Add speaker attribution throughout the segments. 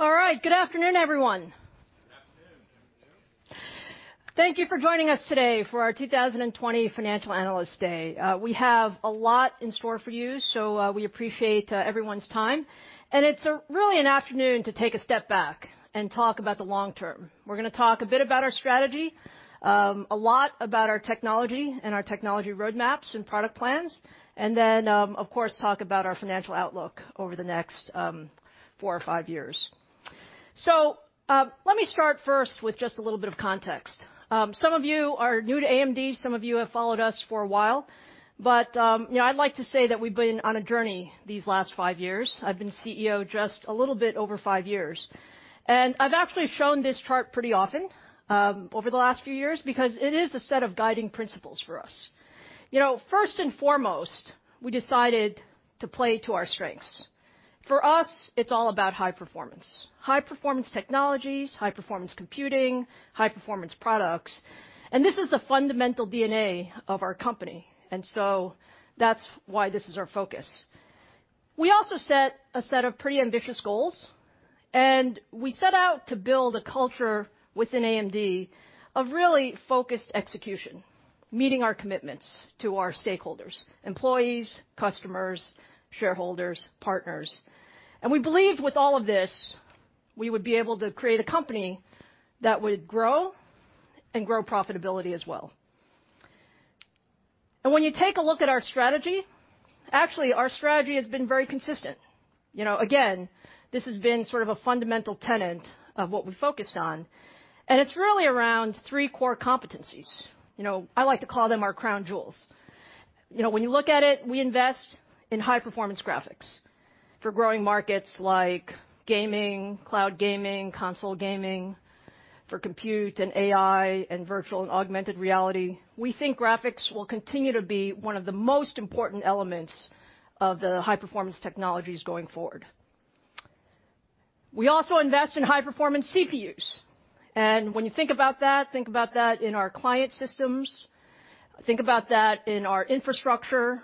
Speaker 1: All right. Good afternoon, everyone. Good afternoon. Thank you for joining us today for our 2020 Financial Analyst Day. We have a lot in store for you, so we appreciate everyone's time. It's really an afternoon to take a step back and talk about the long term. We're going to talk a bit about our strategy, a lot about our technology and our technology roadmaps and product plans, then, of course, talk about our financial outlook over the next four or five years. Let me start first with just a little bit of context. Some of you are new to AMD, some of you have followed us for a while, but I'd like to say that we've been on a journey these last five years. I've been CEO just a little bit over five years. I've actually shown this chart pretty often over the last few years because it is a set of guiding principles for us. First and foremost, we decided to play to our strengths. For us, it's all about high performance. High performance technologies, high performance computing, high performance products. This is the fundamental DNA of our company. That's why this is our focus. We also set a set of pretty ambitious goals, and we set out to build a culture within AMD of really focused execution, meeting our commitments to our stakeholders, employees, customers, shareholders, partners. We believed with all of this, we would be able to create a company that would grow and grow profitability as well. When you take a look at our strategy, actually, our strategy has been very consistent. This has been sort of a fundamental tenet of what we focused on, and it's really around three core competencies. I like to call them our crown jewels. When you look at it, we invest in high-performance graphics for growing markets like gaming, cloud gaming, console gaming, for compute and AI and virtual and augmented reality. We think graphics will continue to be one of the most important elements of the high-performance technologies going forward. We also invest in high-performance CPUs. When you think about that, think about that in our client systems, think about that in our infrastructure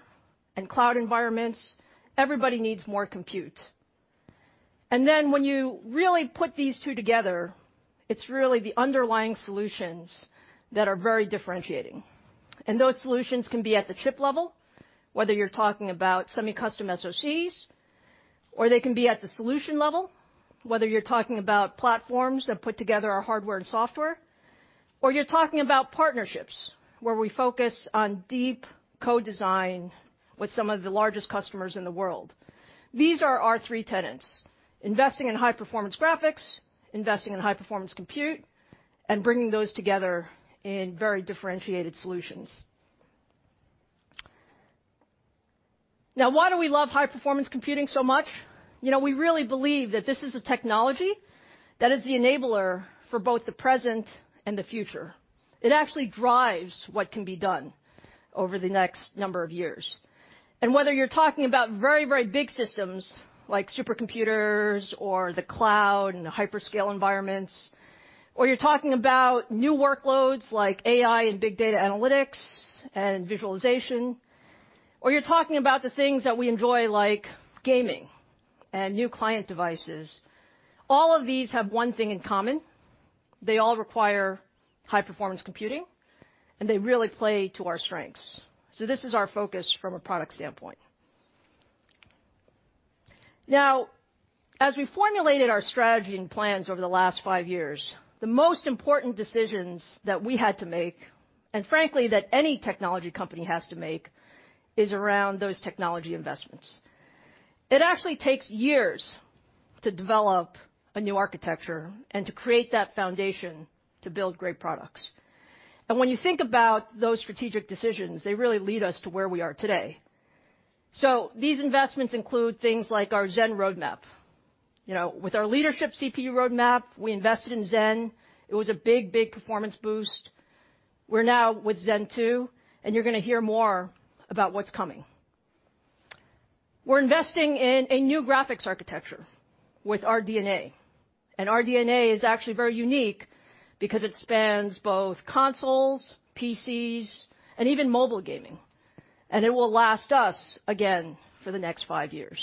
Speaker 1: and cloud environments. Everybody needs more compute. When you really put these two together, it's really the underlying solutions that are very differentiating. Those solutions can be at the chip level, whether you're talking about semi-custom SoCs or they can be at the solution level, whether you're talking about platforms that put together our hardware and software, or you're talking about partnerships where we focus on deep co-design with some of the largest customers in the world. These are our three tenets, investing in high-performance graphics, investing in high-performance compute, and bringing those together in very differentiated solutions. Why do we love high-performance computing so much? We really believe that this is the technology that is the enabler for both the present and the future. It actually drives what can be done over the next number of years. Whether you're talking about very, very big systems like supercomputers or the cloud and the hyperscale environments, or you're talking about new workloads like AI and big data analytics and visualization, or you're talking about the things that we enjoy, like gaming and new client devices. All of these have one thing in common. They all require high-performance computing, and they really play to our strengths. This is our focus from a product standpoint. Now, as we formulated our strategy and plans over the last five years, the most important decisions that we had to make, and frankly, that any technology company has to make, is around those technology investments. It actually takes years to develop a new architecture and to create that foundation to build great products. When you think about those strategic decisions, they really lead us to where we are today. These investments include things like our Zen roadmap. With our leadership CPU roadmap, we invested in Zen. It was a big performance boost. We're now with Zen 2, and you're going to hear more about what's coming. We're investing in a new graphics architecture with RDNA, and RDNA is actually very unique because it spans both consoles, PCs, and even mobile gaming. It will last us, again, for the next five years.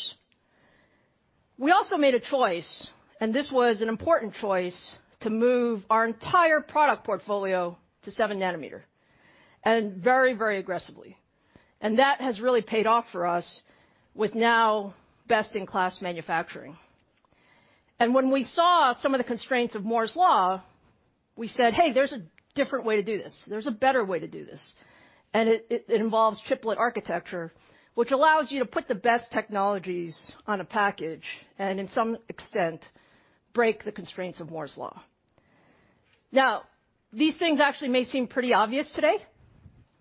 Speaker 1: We also made a choice, and this was an important choice to move our entire product portfolio to 7-nm and very, very aggressively. That has really paid off for us with now best-in-class manufacturing. When we saw some of the constraints of Moore's law, we said, "Hey, there's a different way to do this. There's a better way to do this. It involves chiplet architecture, which allows you to put the best technologies on a package and in some extent, break the constraints of Moore's law. These things actually may seem pretty obvious today,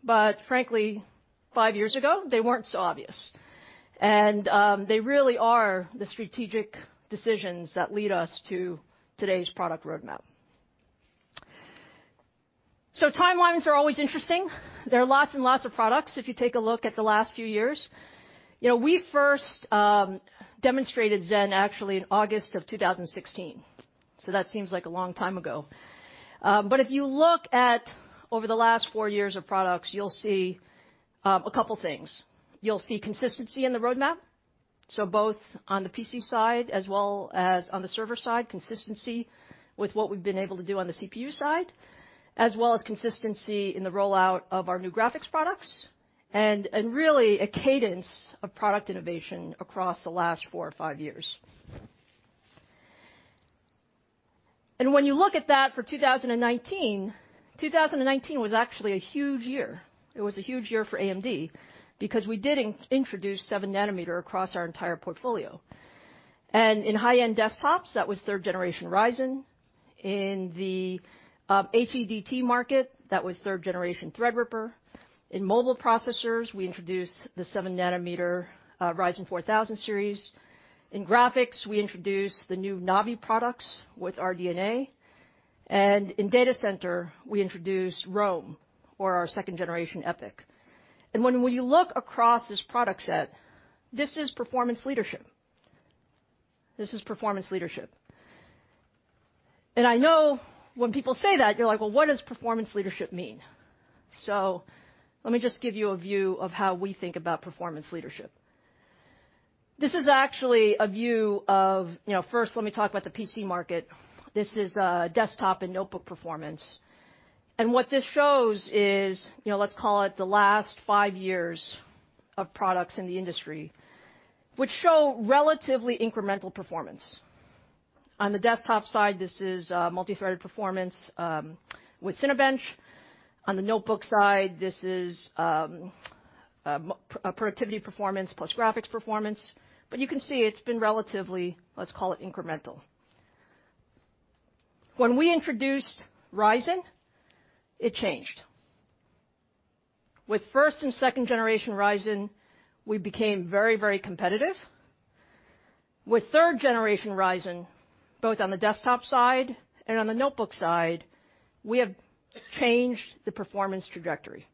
Speaker 1: but frankly, five years ago, they weren't so obvious. They really are the strategic decisions that lead us to today's product roadmap. Timelines are always interesting. There are lots and lots of products if you take a look at the last few years. We first demonstrated Zen actually in August of 2016, so that seems like a long time ago. If you look at over the last four years of products, you'll see a couple things. You'll see consistency in the roadmap, both on the PC side as well as on the server side, consistency with what we've been able to do on the CPU side, as well as consistency in the rollout of our new graphics products, and really a cadence of product innovation across the last four or five years. When you look at that for 2019 was actually a huge year. It was a huge year for AMD because we did introduce 7-nm across our entire portfolio. In high-end desktops, that was third generation Ryzen. In the HEDT market, that was third generation Threadripper. In mobile processors, we introduced the 7-nm, Ryzen 4000 series. In graphics, we introduced the new Navi products with RDNA. In data center, we introduced Rome, or our second generation EPYC. When you look across this product set, this is performance leadership. I know when people say that, you're like, "Well, what does performance leadership mean?" Let me just give you a view of how we think about performance leadership. First, let me talk about the PC market. This is desktop and notebook performance. What this shows is, let's call it the last five years of products in the industry, which show relatively incremental performance. On the desktop side, this is multithreaded performance with Cinebench. On the notebook side, this is productivity performance plus graphics performance. You can see it's been relatively, let's call it incremental. When we introduced Ryzen, it changed. With first and second generation Ryzen, we became very competitive. With third generation Ryzen, both on the desktop side and on the notebook side, we have changed the performance trajectory.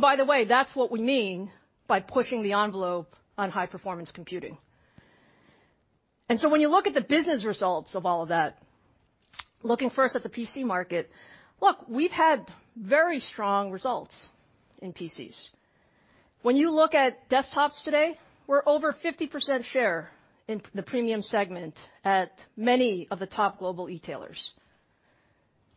Speaker 1: By the way, that's what we mean by pushing the envelope on high-performance computing. When you look at the business results of all of that, looking first at the PC market, look, we've had very strong results in PCs. When you look at desktops today, we're over 50% share in the premium segment at many of the top global e-tailers.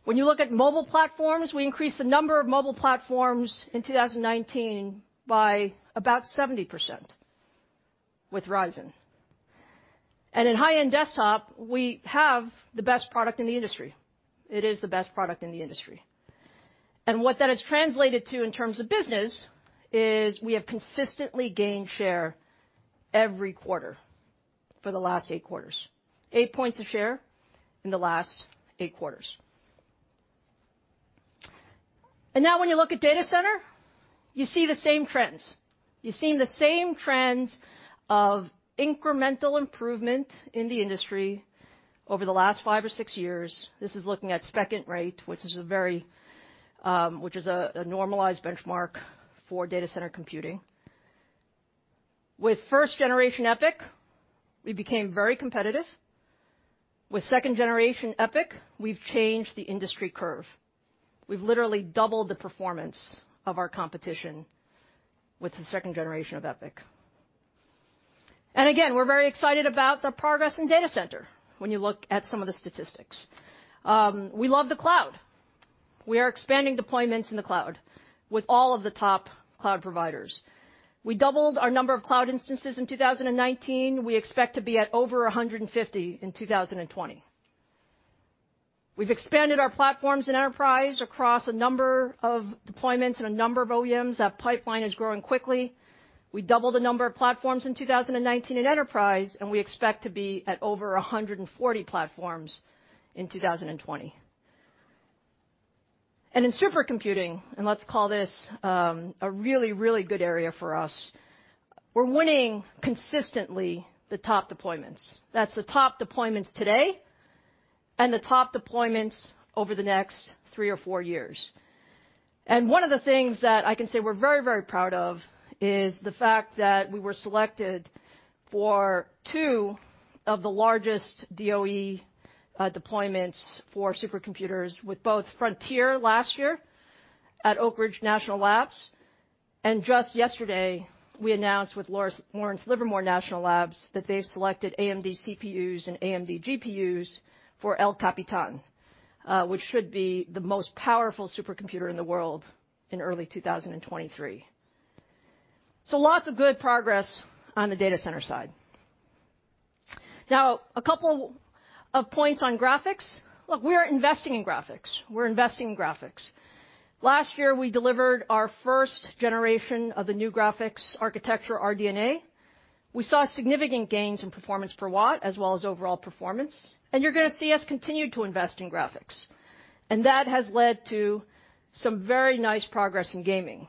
Speaker 1: When you look at mobile platforms, we increased the number of mobile platforms in 2019 by about 70% with Ryzen. In high-end desktop, we have the best product in the industry. It is the best product in the industry. What that has translated to in terms of business is we have consistently gained share every quarter for the last eight quarters. 8 points of share in the last eight quarters. Now when you look at data center, you see the same trends. You're seeing the same trends of incremental improvement in the industry over the last five or six years. This is looking at SPECint rate, which is a normalized benchmark for data center computing. With first generation EPYC, we became very competitive. With second generation EPYC, we've changed the industry curve. We've literally doubled the performance of our competition with the second generation of EPYC. Again, we're very excited about the progress in data center when you look at some of the statistics. We love the cloud. We are expanding deployments in the cloud with all of the top cloud providers. We doubled our number of cloud instances in 2019. We expect to be at over 150 in 2020. We've expanded our platforms in enterprise across a number of deployments and a number of OEMs. That pipeline is growing quickly. We doubled the number of platforms in 2019 in enterprise, and we expect to be at over 140 platforms in 2020. In supercomputing, and let's call this a really good area for us, we're winning consistently the top deployments. That's the top deployments today and the top deployments over the next three or four years. One of the things that I can say we're very proud of is the fact that we were selected for two of the largest DOE deployments for supercomputers with both Frontier last year at Oak Ridge National Laboratory, and just yesterday, we announced with Lawrence Livermore National Laboratory that they've selected AMD CPUs and AMD GPUs for El Capitan, which should be the most powerful supercomputer in the world in early 2023. Lots of good progress on the data center side. Now, a couple of points on graphics. Look, we're investing in graphics. Last year, we delivered our first generation of the new graphics architecture, RDNA. We saw significant gains in performance per watt, as well as overall performance. You're going to see us continue to invest in graphics. That has led to some very nice progress in gaming,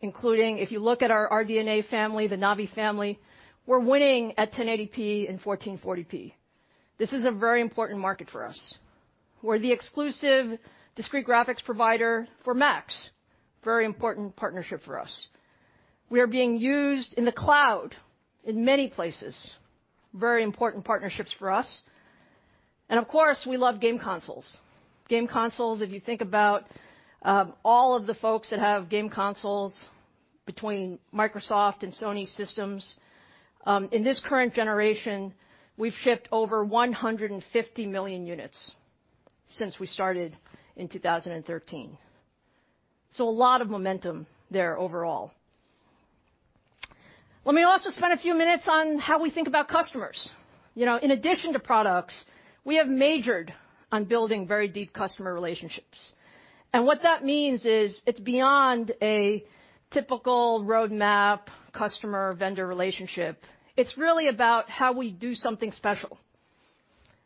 Speaker 1: including if you look at our RDNA family, the Navi family, we're winning at 1080p and 1440p. This is a very important market for us. We're the exclusive discrete graphics provider for Macs. Very important partnership for us. We are being used in the cloud in many places. Very important partnerships for us. Of course, we love game consoles. Game consoles, if you think about all of the folks that have game consoles between Microsoft and Sony systems, in this current generation, we've shipped over 150 million units since we started in 2013. A lot of momentum there overall. Let me also spend a few minutes on how we think about customers. In addition to products, we have majored on building very deep customer relationships. What that means is it's beyond a typical roadmap customer-vendor relationship. It's really about how we do something special,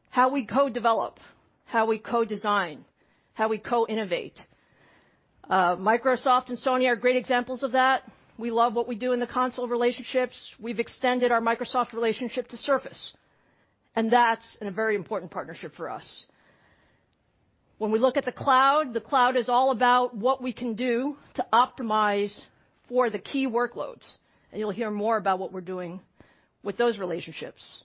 Speaker 1: how we co-develop, how we co-design, how we co-innovate. Microsoft and Sony are great examples of that. We love what we do in the console relationships. We've extended our Microsoft relationship to Surface, and that's a very important partnership for us. When we look at the cloud, the cloud is all about what we can do to optimize for the key workloads, and you'll hear more about what we're doing with those relationships.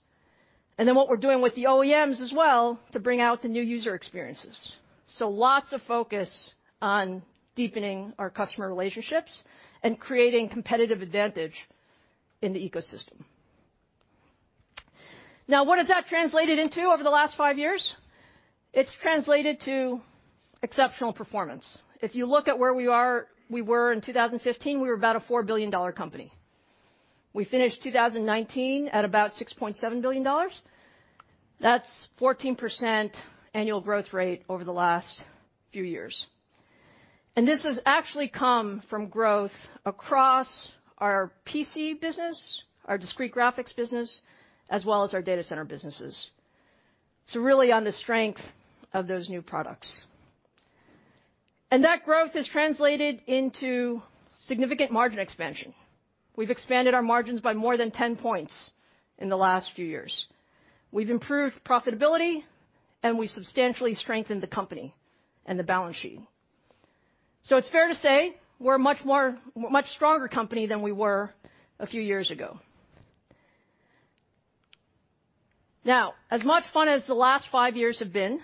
Speaker 1: Then what we're doing with the OEMs as well to bring out the new user experiences. Lots of focus on deepening our customer relationships and creating competitive advantage in the ecosystem. What has that translated into over the last five years? It's translated to exceptional performance. If you look at where we were in 2015, we were about a $4 billion company. We finished 2019 at about $6.7 billion. That's 14% annual growth rate over the last few years. This has actually come from growth across our PC business, our discrete graphics business, as well as our data center businesses. Really on the strength of those new products. That growth has translated into significant margin expansion. We've expanded our margins by more than 10 points in the last few years. We've improved profitability, and we've substantially strengthened the company and the balance sheet. It's fair to say we're a much stronger company than we were a few years ago. As much fun as the last five years have been,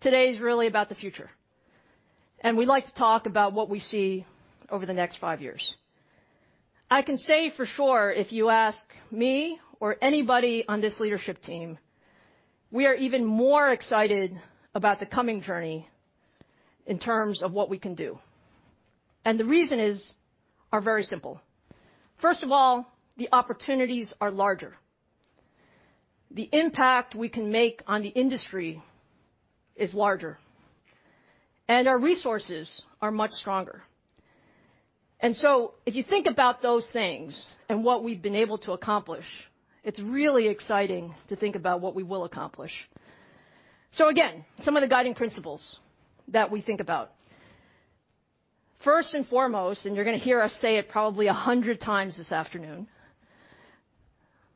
Speaker 1: today is really about the future. We'd like to talk about what we see over the next five years. I can say for sure, if you ask me or anybody on this leadership team, we are even more excited about the coming journey in terms of what we can do. The reasons are very simple. First of all, the opportunities are larger. The impact we can make on the industry is larger. Our resources are much stronger. If you think about those things and what we've been able to accomplish, it's really exciting to think about what we will accomplish. Again, some of the guiding principles that we think about. First and foremost, you're going to hear us say it probably 100 times this afternoon,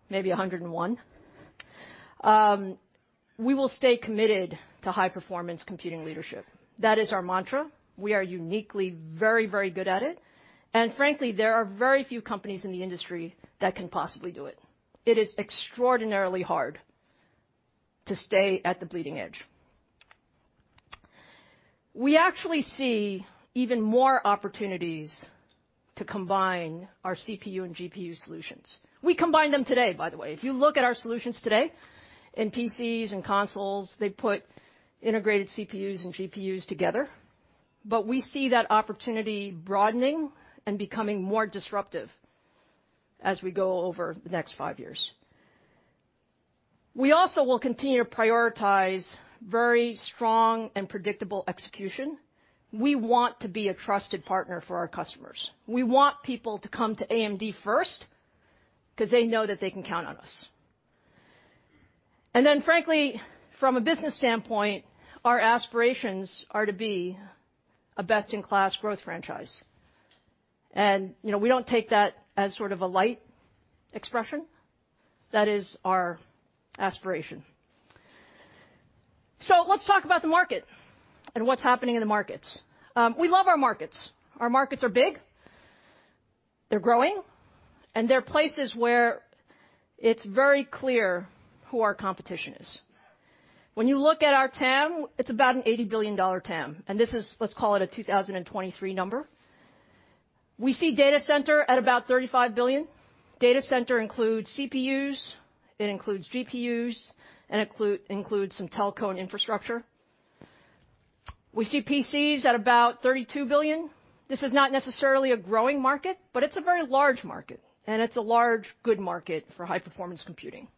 Speaker 1: maybe 101, we will stay committed to high-performance computing leadership. That is our mantra. We are uniquely very good at it. Frankly, there are very few companies in the industry that can possibly do it. It is extraordinarily hard to stay at the bleeding edge. We actually see even more opportunities to combine our CPU and GPU solutions. We combine them today, by the way. If you look at our solutions today in PCs and consoles, they put integrated CPUs and GPUs together. We see that opportunity broadening and becoming more disruptive as we go over the next five years. We also will continue to prioritize very strong and predictable execution. We want to be a trusted partner for our customers. We want people to come to AMD first because they know that they can count on us. Frankly, from a business standpoint, our aspirations are to be a best-in-class growth franchise. We don't take that as sort of a light expression. That is our aspiration. Let's talk about the market and what's happening in the markets. We love our markets. Our markets are big, they're growing, and they're places where it's very clear who our competition is. When you look at our TAM, it's about an $80 billion TAM, and this is, let's call it a 2023 number. We see data center at about $35 billion. Data center includes CPUs, it includes GPUs, and it includes some telecom infrastructure. We see PCs at about $32 billion. This is not necessarily a growing market, but it's a very large market, and it's a large, good market for high-performance computing.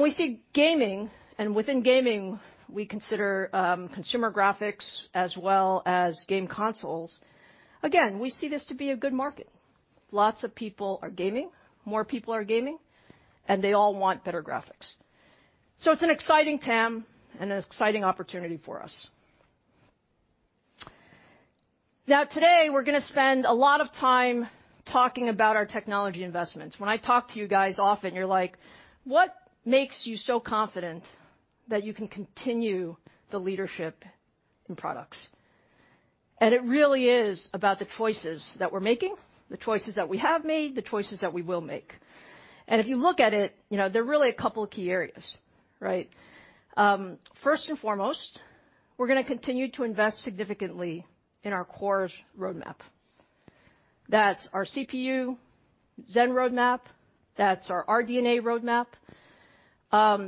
Speaker 1: We see gaming, and within gaming, we consider consumer graphics as well as game consoles. Again, we see this to be a good market. Lots of people are gaming, more people are gaming, and they all want better graphics. It's an exciting TAM and an exciting opportunity for us. Today, we're going to spend a lot of time talking about our technology investments. When I talk to you guys often, you're like, "What makes you so confident that you can continue the leadership in products?" It really is about the choices that we're making, the choices that we have made, the choices that we will make. If you look at it, there are really a couple of key areas. First and foremost, we're going to continue to invest significantly in our cores roadmap. That's our CPU, Zen roadmap, that's our RDNA roadmap.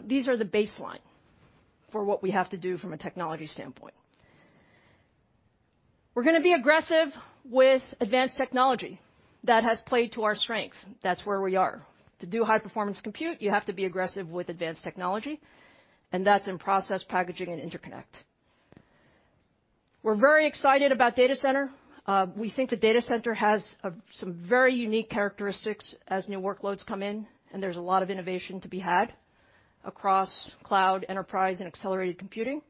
Speaker 1: These are the baseline for what we have to do from a technology standpoint. We're going to be aggressive with advanced technology. That has played to our strength. That's where we are. To do high-performance compute, you have to be aggressive with advanced technology, that's in process, packaging, and interconnect. We're very excited about data center. We think the data center has some very unique characteristics as new workloads come in, there's a lot of innovation to be had across cloud, enterprise, and accelerated computing.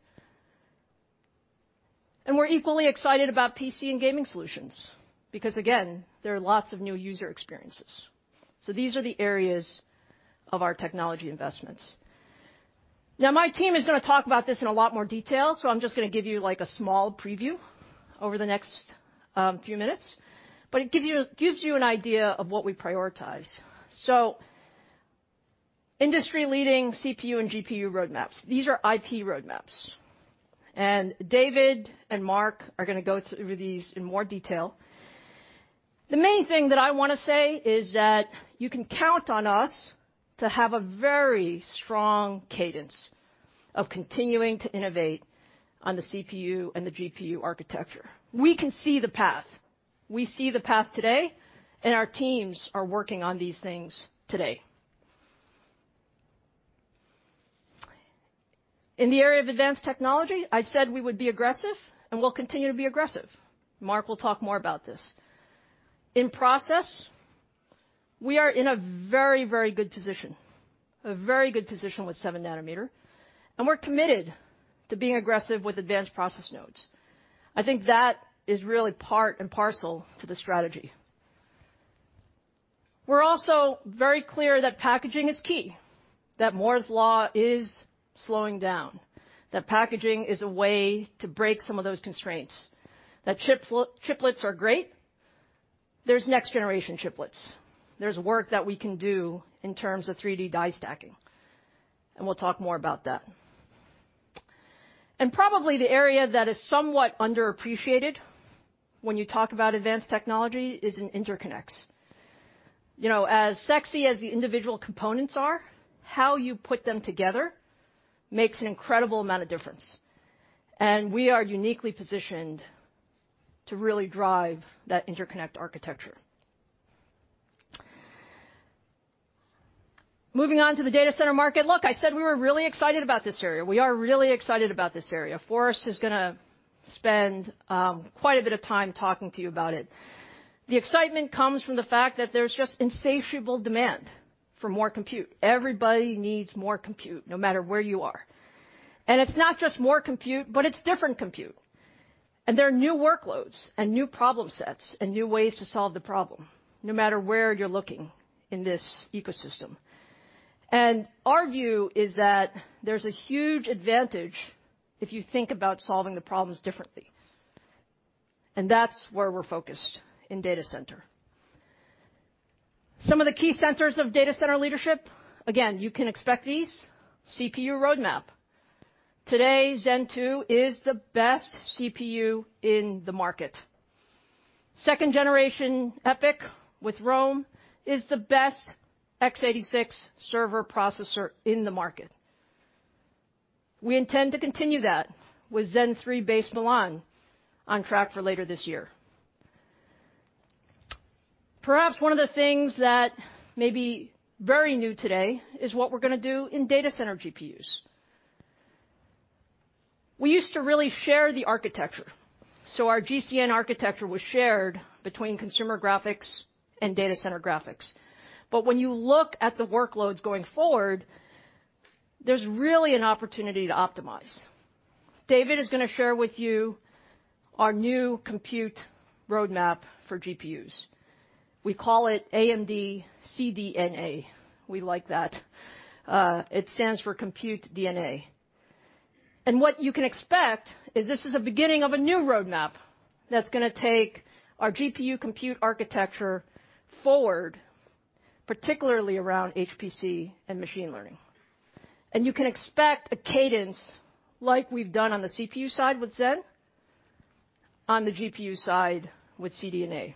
Speaker 1: We're equally excited about PC and gaming solutions because, again, there are lots of new user experiences. These are the areas of our technology investments. My team is going to talk about this in a lot more detail. I'm just going to give you a small preview over the next few minutes. It gives you an idea of what we prioritize. Industry-leading CPU and GPU roadmaps. These are IP roadmaps. David and Mark are going to go through these in more detail. The main thing that I want to say is that you can count on us to have a very strong cadence of continuing to innovate on the CPU and the GPU architecture. We can see the path. We see the path today. Our teams are working on these things today. In the area of advanced technology, I said we would be aggressive. We'll continue to be aggressive. Mark will talk more about this. In process, we are in a very good position with 7-nm, and we're committed to being aggressive with advanced process nodes. I think that is really part and parcel to the strategy. We're also very clear that packaging is key, that Moore's law is slowing down, that packaging is a way to break some of those constraints, that chiplets are great. There's next-generation chiplets. There's work that we can do in terms of 3D die stacking, we'll talk more about that. Probably the area that is somewhat underappreciated when you talk about advanced technology is in interconnects. As sexy as the individual components are, how you put them together makes an incredible amount of difference, and we are uniquely positioned to really drive that interconnect architecture. Moving on to the data center market. Look, I said we were really excited about this area. We are really excited about this area. Forrest is going to spend quite a bit of time talking to you about it. The excitement comes from the fact that there's just insatiable demand for more compute. Everybody needs more compute, no matter where you are. It's not just more compute, but it's different compute. There are new workloads and new problem sets and new ways to solve the problem, no matter where you're looking in this ecosystem. Our view is that there's a huge advantage if you think about solving the problems differently, and that's where we're focused in data center. Some of the key centers of data center leadership, again, you can expect these. CPU roadmap. Today, Zen 2 is the best CPU in the market. Second generation EPYC with Rome is the best x86 server processor in the market. We intend to continue that with Zen 3 based Milan on track for later this year. Perhaps one of the things that may be very new today is what we're going to do in data center GPUs. We used to really share the architecture. Our GCN architecture was shared between consumer graphics and data center graphics. When you look at the workloads going forward, there's really an opportunity to optimize. David is going to share with you our new compute roadmap for GPUs. We call it AMD CDNA. We like that. It stands for Compute DNA. What you can expect is this is a beginning of a new roadmap that's going to take our GPU compute architecture forward, particularly around HPC and machine learning. You can expect a cadence like we've done on the CPU side with Zen, on the GPU side with CDNA.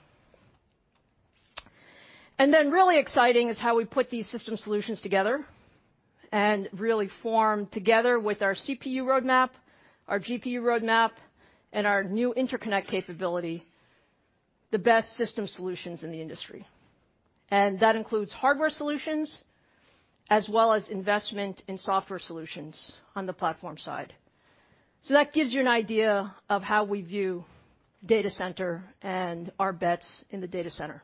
Speaker 1: Then really exciting is how we put these system solutions together and really form together with our CPU roadmap, our GPU roadmap, and our new interconnect capability, the best system solutions in the industry. That includes hardware solutions as well as investment in software solutions on the platform side. That gives you an idea of how we view data center and our bets in the data center.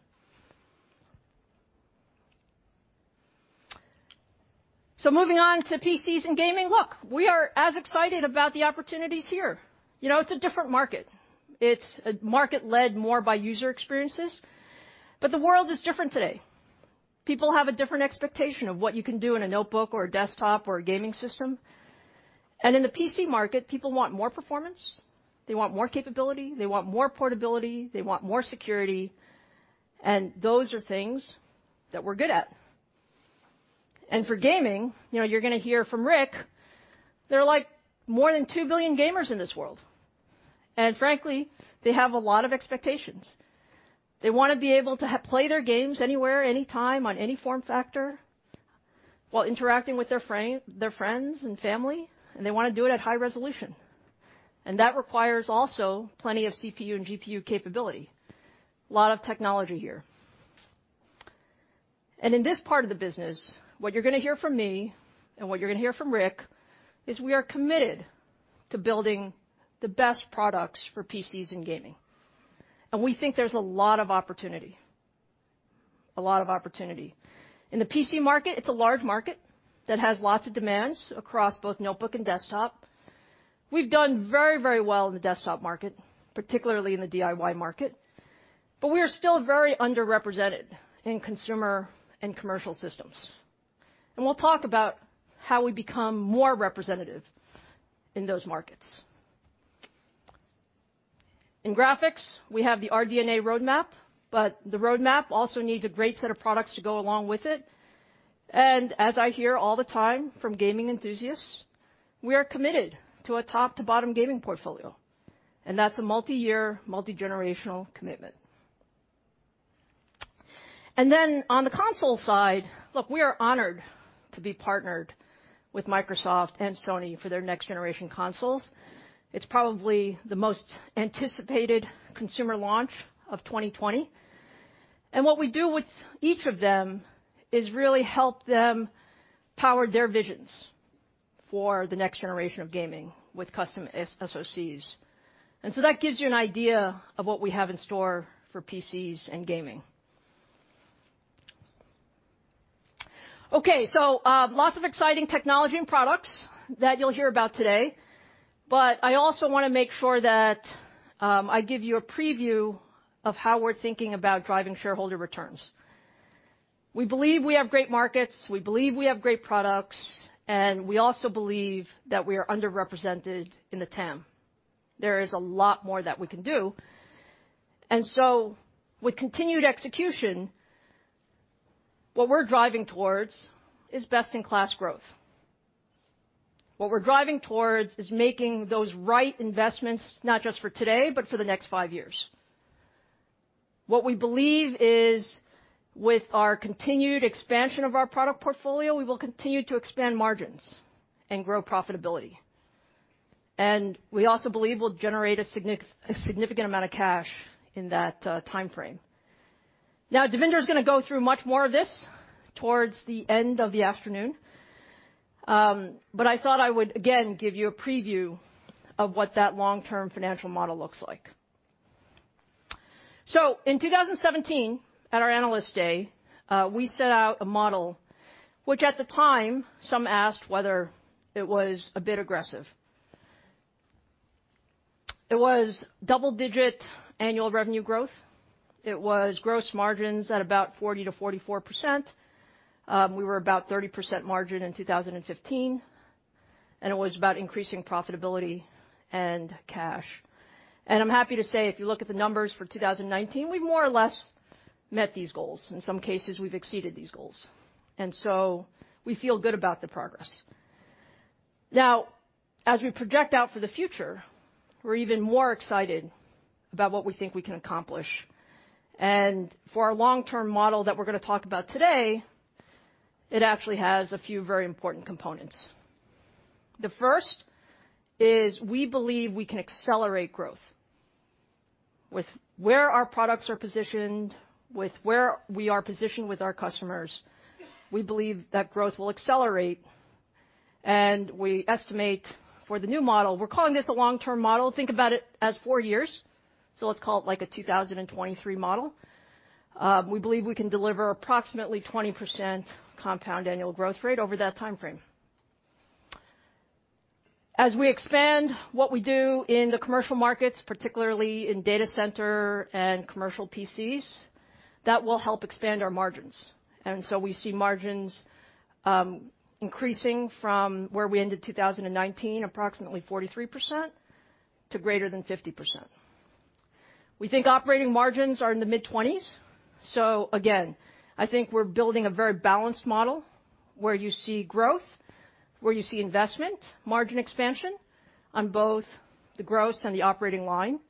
Speaker 1: Moving on to PCs and gaming. We are as excited about the opportunities here. It's a different market. It's a market led more by user experiences, but the world is different today. People have a different expectation of what you can do in a notebook or a desktop or a gaming system. In the PC market, people want more performance, they want more capability, they want more portability, they want more security, and those are things that we're good at. For gaming, you're going to hear from Rick, there are more than 2 billion gamers in this world, and frankly, they have a lot of expectations. They want to be able to play their games anywhere, anytime, on any form factor, while interacting with their friends and family, and they want to do it at high resolution. That requires also plenty of CPU and GPU capability. A lot of technology here. In this part of the business, what you're going to hear from me, and what you're going to hear from Rick, is we are committed to building the best products for PCs and gaming. We think there's a lot of opportunity. In the PC market, it's a large market that has lots of demands across both notebook and desktop. We've done very well in the desktop market, particularly in the DIY market, we are still very underrepresented in consumer and commercial systems. We'll talk about how we become more representative in those markets. In graphics, we have the RDNA roadmap, the roadmap also needs a great set of products to go along with it. As I hear all the time from gaming enthusiasts, we are committed to a top to bottom gaming portfolio, and that's a multi-year, multi-generational commitment. On the console side, look, we are honored to be partnered with Microsoft and Sony for their next generation consoles. It's probably the most anticipated consumer launch of 2020. What we do with each of them is really help them power their visions for the next generation of gaming with custom SoCs. That gives you an idea of what we have in store for PCs and gaming. Okay. Lots of exciting technology and products that you'll hear about today, but I also want to make sure that I give you a preview of how we're thinking about driving shareholder returns. We believe we have great markets, we believe we have great products, and we also believe that we are underrepresented in the TAM. There is a lot more that we can do. With continued execution, what we're driving towards is best-in-class growth. What we're driving towards is making those right investments, not just for today, but for the next five years. What we believe is with our continued expansion of our product portfolio, we will continue to expand margins and grow profitability. We also believe we'll generate a significant amount of cash in that timeframe. Devinder is going to go through much more of this towards the end of the afternoon, but I thought I would, again, give you a preview of what that long-term financial model looks like. In 2017, at our Analyst Day, we set out a model, which at the time, some asked whether it was a bit aggressive. It was double-digit annual revenue growth. It was gross margins at about 40%-44%. We were about 30% margin in 2015, and it was about increasing profitability and cash. I'm happy to say, if you look at the numbers for 2019, we've more or less met these goals. In some cases, we've exceeded these goals. We feel good about the progress. Now, as we project out for the future, we're even more excited about what we think we can accomplish. For our long-term model that we're going to talk about today, it actually has a few very important components. The first is we believe we can accelerate growth. With where our products are positioned, with where we are positioned with our customers, we believe that growth will accelerate, and we estimate for the new model-- We're calling this a long-term model. Think about it as four years, so let's call it a 2023 model. We believe we can deliver approximately 20% compound annual growth rate over that timeframe. As we expand what we do in the commercial markets, particularly in data center and commercial PCs, that will help expand our margins. We see margins increasing from where we ended 2019, approximately 43%, to greater than 50%. We think operating margins are in the mid-20s. Again, I think we're building a very balanced model where you see growth, where you see investment, margin expansion on both the gross and the operating line.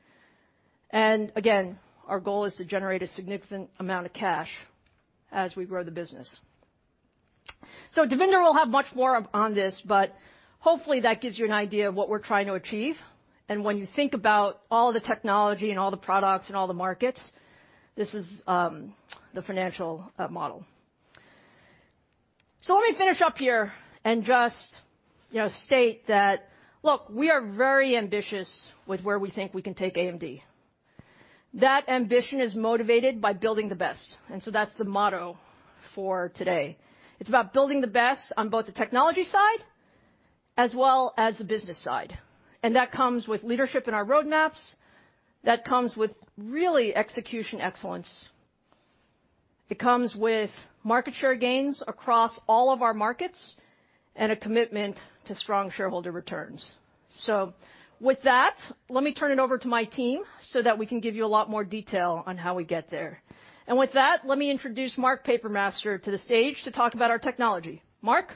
Speaker 1: Again, our goal is to generate a significant amount of cash as we grow the business. Devinder will have much more on this, but hopefully, that gives you an idea of what we're trying to achieve. When you think about all the technology and all the products and all the markets, this is the financial model. Let me finish up here and just state that, look, we are very ambitious with where we think we can take AMD. That ambition is motivated by building the best, that's the motto for today. It's about building the best on both the technology side as well as the business side. That comes with leadership in our roadmaps. That comes with really execution excellence. It comes with market share gains across all of our markets and a commitment to strong shareholder returns. With that, let me turn it over to my team so that we can give you a lot more detail on how we get there. With that, let me introduce Mark Papermaster to the stage to talk about our technology. Mark?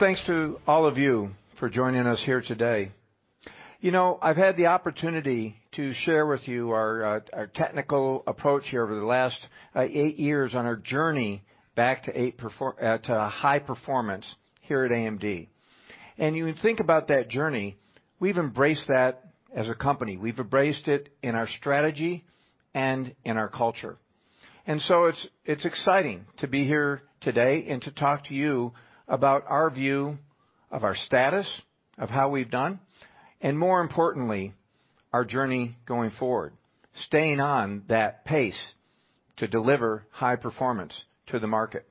Speaker 2: Thanks to all of you for joining us here today. I've had the opportunity to share with you our technical approach here over the last eight years on our journey back to high performance here at AMD. You think about that journey, we've embraced that as a company. We've embraced it in our strategy and in our culture. It's exciting to be here today and to talk to you about our view of our status, of how we've done, and more importantly, our journey going forward, staying on that pace to deliver high performance to the market.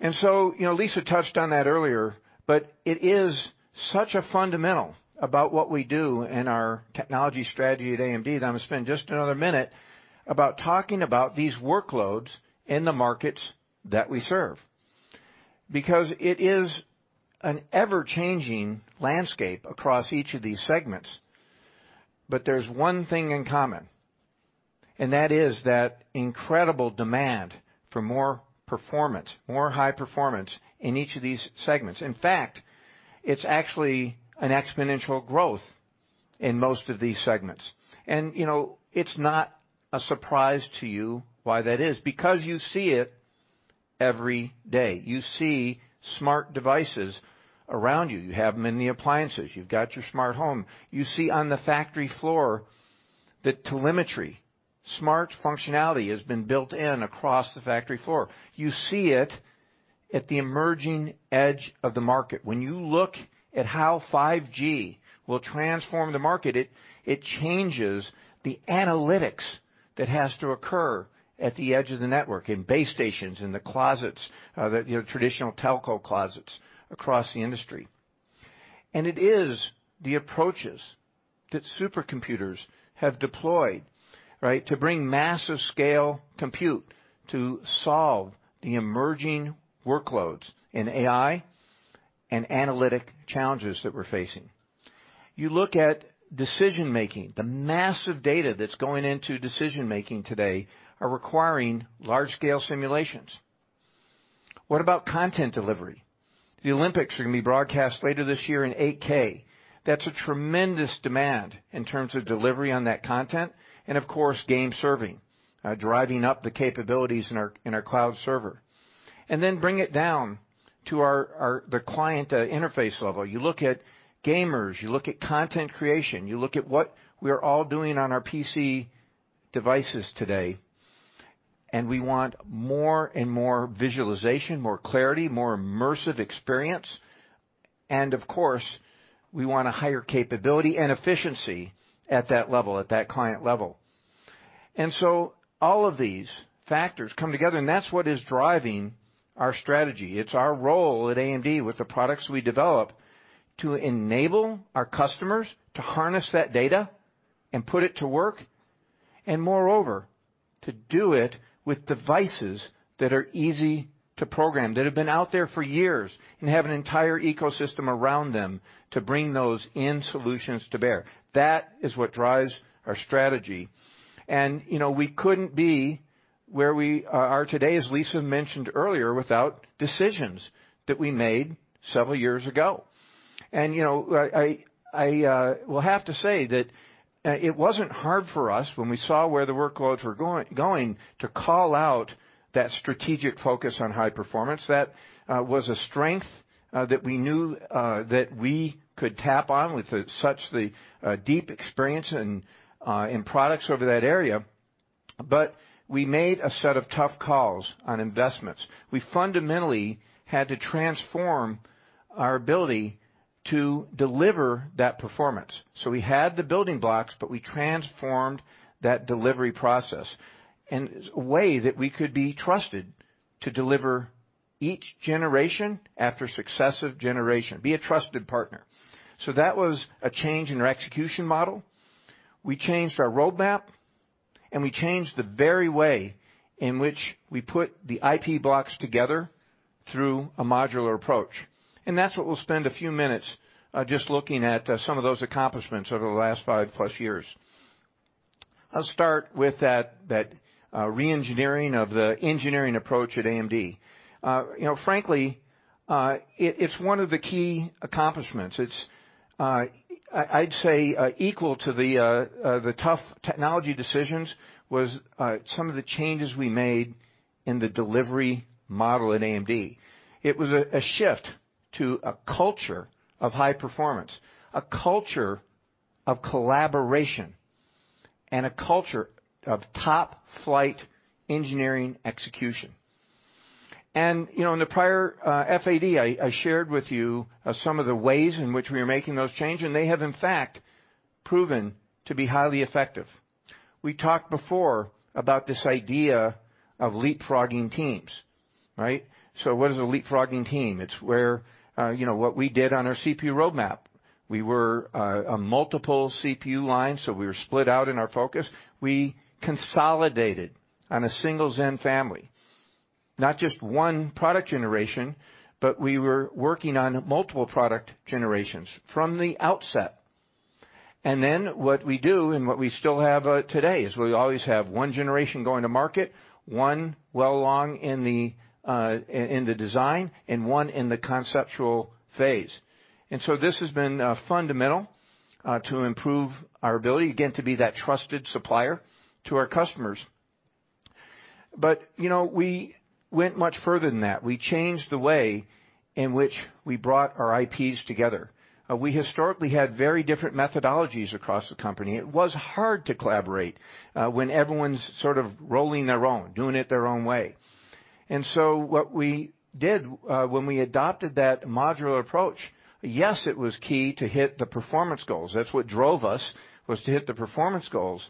Speaker 2: Lisa touched on that earlier, but it is such a fundamental about what we do and our technology strategy at AMD, that I'm going to spend just another minute about talking about these workloads in the markets that we serve. It is an ever-changing landscape across each of these segments. There's one thing in common, and that is that incredible demand for more performance, more high performance in each of these segments. In fact, it's actually an exponential growth in most of these segments. It's not a surprise to you why that is. You see it every day. You see smart devices around you. You have them in the appliances. You've got your smart home. You see on the factory floor, the telemetry. Smart functionality has been built in across the factory floor. You see it at the emerging edge of the market. When you look at how 5G will transform the market, it changes the analytics that has to occur at the edge of the network, in base stations, in the closets, the traditional telco closets across the industry. It is the approaches that supercomputers have deployed to bring massive scale compute to solve the emerging workloads in AI and analytic challenges that we're facing. You look at decision-making. The massive data that's going into decision-making today are requiring large-scale simulations. What about content delivery? The Olympics are going to be broadcast later this year in 8K. That's a tremendous demand in terms of delivery on that content and, of course, game serving, driving up the capabilities in our cloud server. Then bring it down to the client interface level. You look at gamers, you look at content creation, you look at what we are all doing on our PC devices today, and we want more and more visualization, more clarity, more immersive experience. Of course, we want a higher capability and efficiency at that level, at that client level. All of these factors come together, and that's what is driving our strategy. It's our role at AMD, with the products we develop, to enable our customers to harness that data and put it to work, and moreover, to do it with devices that are easy to program, that have been out there for years and have an entire ecosystem around them to bring those in solutions to bear. That is what drives our strategy. We couldn't be where we are today, as Lisa mentioned earlier, without decisions that we made several years ago. I will have to say that it wasn't hard for us when we saw where the workloads were going to call out that strategic focus on high performance. That was a strength that we knew that we could tap on with such the deep experience in products over that area. We made a set of tough calls on investments. We fundamentally had to transform our ability to deliver that performance. We had the building blocks, but we transformed that delivery process in a way that we could be trusted to deliver each generation after successive generation, be a trusted partner. That was a change in our execution model. We changed our roadmap, and we changed the very way in which we put the IP blocks together through a modular approach. That's what we'll spend a few minutes just looking at some of those accomplishments over the last five-plus years. I'll start with that re-engineering of the engineering approach at AMD. Frankly, it's one of the key accomplishments. I'd say equal to the tough technology decisions was some of the changes we made in the delivery model at AMD. It was a shift to a culture of high performance, a culture of collaboration and a culture of top-flight engineering execution. In the prior FAD, I shared with you some of the ways in which we are making those changes, and they have in fact proven to be highly effective. We talked before about this idea of leapfrogging teams. What is a leapfrogging team? It's what we did on our CPU roadmap. We were a multiple CPU line, so we were split out in our focus. We consolidated on a single Zen family. Not just one product generation, but we were working on multiple product generations from the outset. What we do and what we still have today is we always have one generation going to market, one well along in the design, and one in the conceptual phase. This has been fundamental to improve our ability, again, to be that trusted supplier to our customers. We went much further than that. We changed the way in which we brought our IPs together. We historically had very different methodologies across the company. It was hard to collaborate when everyone's sort of rolling their own, doing it their own way. What we did when we adopted that modular approach, yes, it was key to hit the performance goals. That's what drove us, was to hit the performance goals.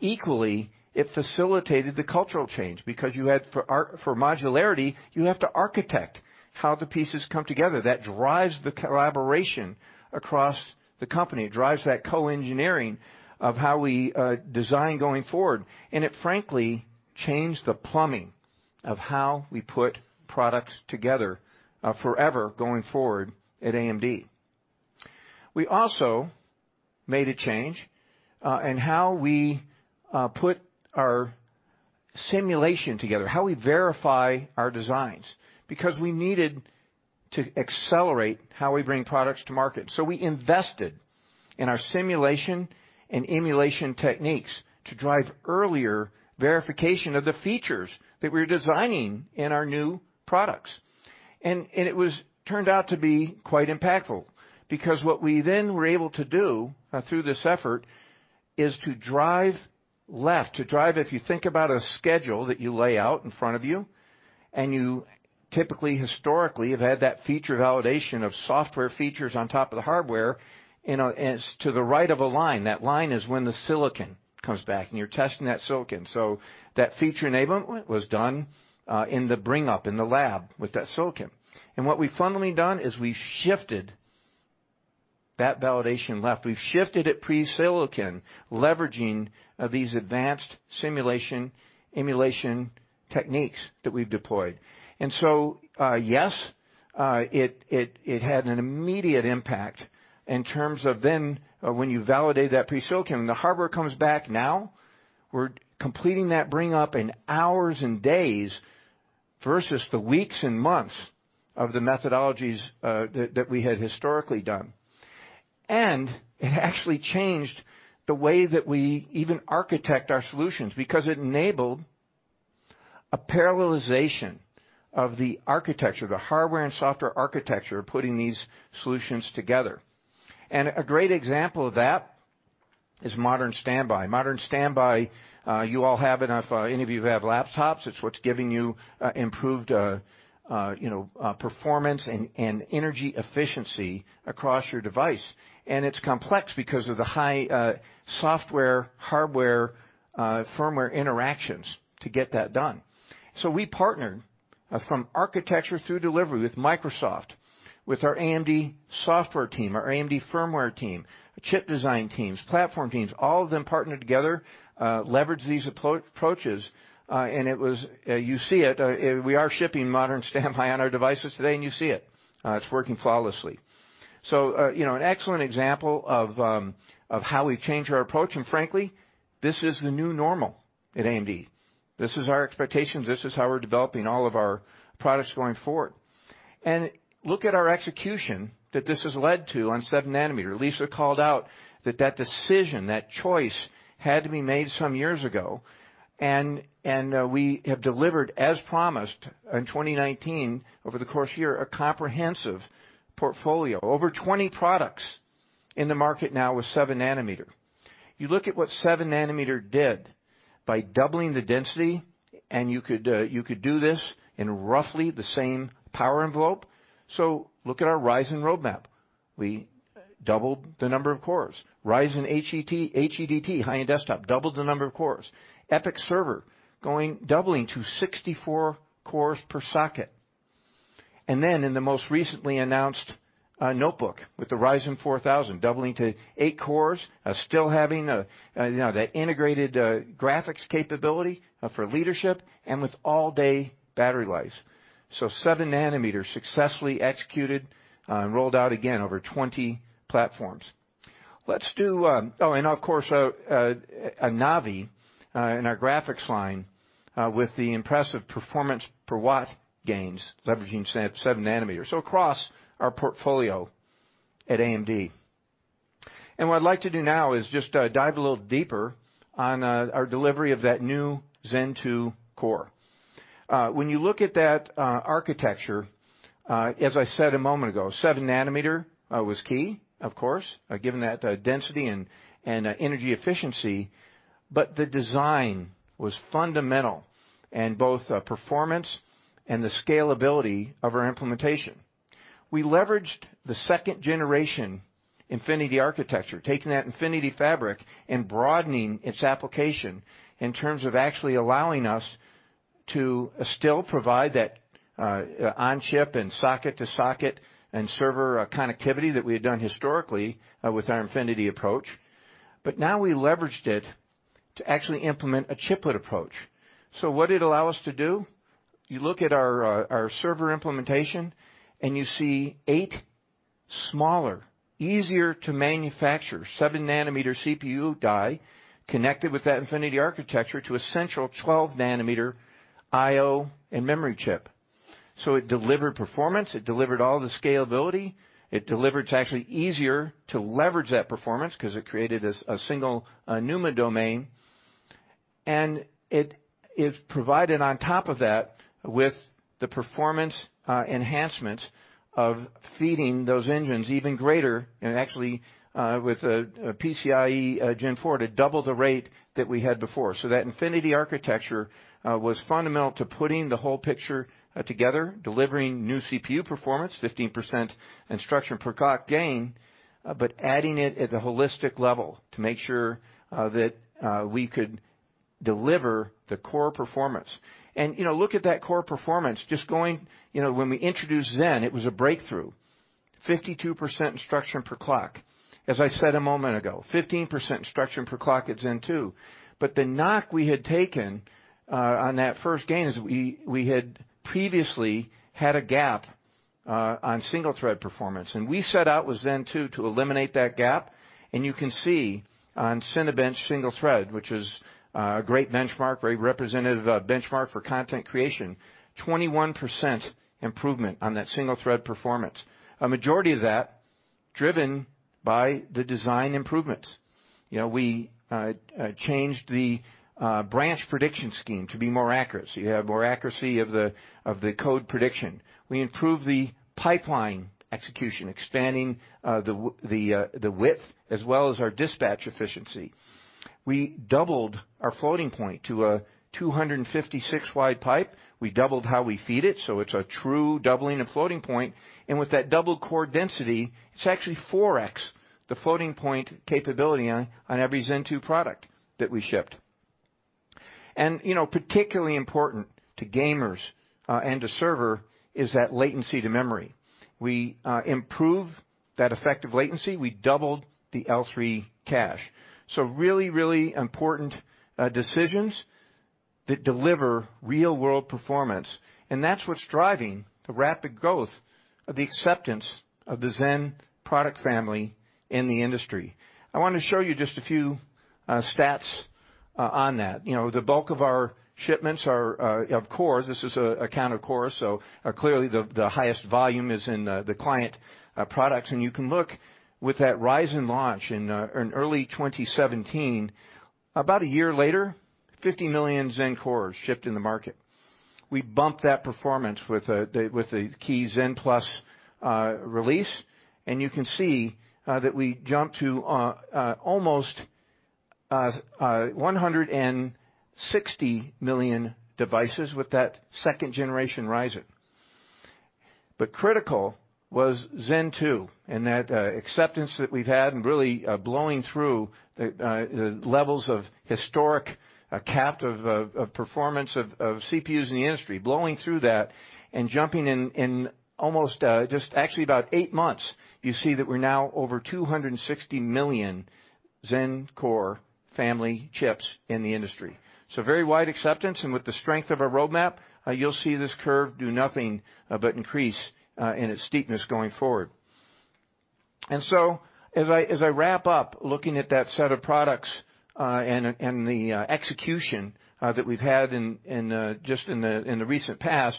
Speaker 2: Equally, it facilitated the cultural change because for modularity, you have to architect how the pieces come together. That drives the collaboration across the company. It drives that co-engineering of how we design going forward. It frankly changed the plumbing of how we put products together forever going forward at AMD. We also made a change in how we put our simulation together, how we verify our designs, because we needed to accelerate how we bring products to market. We invested in our simulation and emulation techniques to drive earlier verification of the features that we were designing in our new products. It turned out to be quite impactful because what we then were able to do through this effort is to drive left, if you think about a schedule that you lay out in front of you, and you typically historically have had that feature validation of software features on top of the hardware, and it's to the right of a line. That line is when the silicon comes back and you're testing that silicon. That feature enablement was done in the bring-up in the lab with that silicon. What we've finally done is we've shifted that validation left. We've shifted it pre-silicon, leveraging these advanced simulation, emulation techniques that we've deployed. Yes, it had an immediate impact in terms of then when you validate that pre-silicon and the hardware comes back now, we're completing that bring up in hours and days versus the weeks and months of the methodologies that we had historically done. It actually changed the way that we even architect our solutions because it enabled a parallelization of the architecture, the hardware and software architecture, putting these solutions together. A great example of that is Modern Standby. Modern Standby, you all have it any of you have laptops, it's what's giving you improved performance and energy efficiency across your device. It's complex because of the high software, hardware, firmware interactions to get that done. We partnered from architecture through delivery with Microsoft, with our AMD software team, our AMD firmware team, chip design teams, platform teams, all of them partnered together, leveraged these approaches. You see it. We are shipping Modern Standby on our devices today, and you see it. It's working flawlessly. An excellent example of how we've changed our approach, and frankly, this is the new normal at AMD. This is our expectation. This is how we're developing all of our products going forward. Look at our execution that this has led to on 7-nm. Lisa called out that that decision, that choice, had to be made some years ago. We have delivered, as promised, in 2019, over the course of the year, a comprehensive portfolio. Over 20 products in the market now with 7-nm. You look at what 7-nm did by doubling the density, you could do this in roughly the same power envelope. Look at our Ryzen roadmap. We doubled the number of cores. Ryzen HEDT, high-end desktop, doubled the number of cores. EPYC server doubling to 64 cores per socket. In the most recently announced notebook with the Ryzen 4000, doubling to eight cores, still having that integrated graphics capability for leadership and with all-day battery life. 7-nm successfully executed and rolled out, again, over 20 platforms. Of course, Navi in our graphics line with the impressive performance per watt gains, leveraging 7-nm. Across our portfolio at AMD. What I'd like to do now is just dive a little deeper on our delivery of that new Zen 2 core. When you look at that architecture, as I said a moment ago, 7-nm was key, of course, given that density and energy efficiency. The design was fundamental in both performance and the scalability of our implementation. We leveraged the second-generation Infinity Architecture, taking that Infinity Fabric and broadening its application in terms of actually allowing us to still provide that on-chip and socket-to-socket and server connectivity that we had done historically with our Infinity approach. Now we leveraged it to actually implement a chiplet approach. What did it allow us to do? You look at our server implementation, and you see eight smaller, easier-to-manufacture 7-nm CPU die connected with that Infinity Architecture to a central 12-nm I/O and memory chip. It delivered performance, it delivered all the scalability. It's actually easier to leverage that performance because it created a single NUMA domain, and it is provided on top of that with the performance enhancements of feeding those engines even greater, and actually, with a PCIe Gen4, to double the rate that we had before. That Infinity Architecture was fundamental to putting the whole picture together, delivering new CPU performance, 15% instruction per clock gain, but adding it at the holistic level to make sure that we could deliver the core performance. Look at that core performance, when we introduced Zen, it was a breakthrough. 52% instruction per clock. As I said a moment ago, 15% instruction per clock at Zen 2. The knock we had taken on that first gain is we had previously had a gap on single-thread performance, and we set out with Zen 2 to eliminate that gap. You can see on Cinebench single thread, which is a great benchmark, very representative benchmark for content creation, 21% improvement on that single-thread performance, a majority of that driven by the design improvements. We changed the branch prediction scheme to be more accurate, so you have more accuracy of the code prediction. We improved the pipeline execution, expanding the width as well as our dispatch efficiency. We doubled our floating point to a 256-wide pipe. We doubled how we feed it, so it's a true doubling of floating point. With that double core density, it's actually 4X the floating point capability on every Zen 2 product that we shipped. Particularly important to gamers and to server is that latency to memory. We improve that effect of latency. We doubled the L3 cache. Really, really important decisions that deliver real-world performance, and that's what's driving the rapid growth of the acceptance of the Zen product family in the industry. I want to show you just a few stats on that. The bulk of our shipments are of cores. This is a count of cores, clearly the highest volume is in the client products. You can look with that Ryzen launch in early 2017. About a year later, 50 million Zen cores shipped in the market. We bumped that performance with the key Zen+ release, and you can see that we jumped to almost 160 million devices with that second-generation Ryzen. Critical was Zen 2, and that acceptance that we've had and really blowing through the levels of historic cap of performance of CPUs in the industry, blowing through that and jumping in almost just actually about eight months, you see that we're now over 260 million Zen core family chips in the industry. Very wide acceptance, and with the strength of our roadmap, you'll see this curve do nothing but increase in its steepness going forward. As I wrap up looking at that set of products, and the execution that we've had just in the recent past,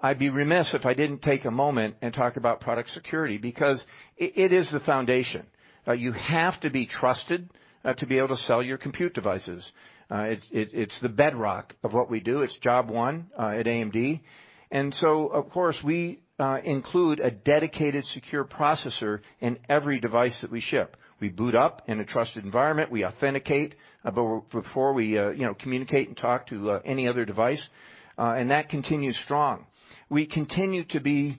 Speaker 2: I'd be remiss if I didn't take a moment and talk about product security, because it is the foundation. You have to be trusted to be able to sell your compute devices. It's the bedrock of what we do. It's job one at AMD. Of course, we include a dedicated secure processor in every device that we ship. We boot up in a trusted environment. We authenticate before we communicate and talk to any other device. That continues strong. We continue to be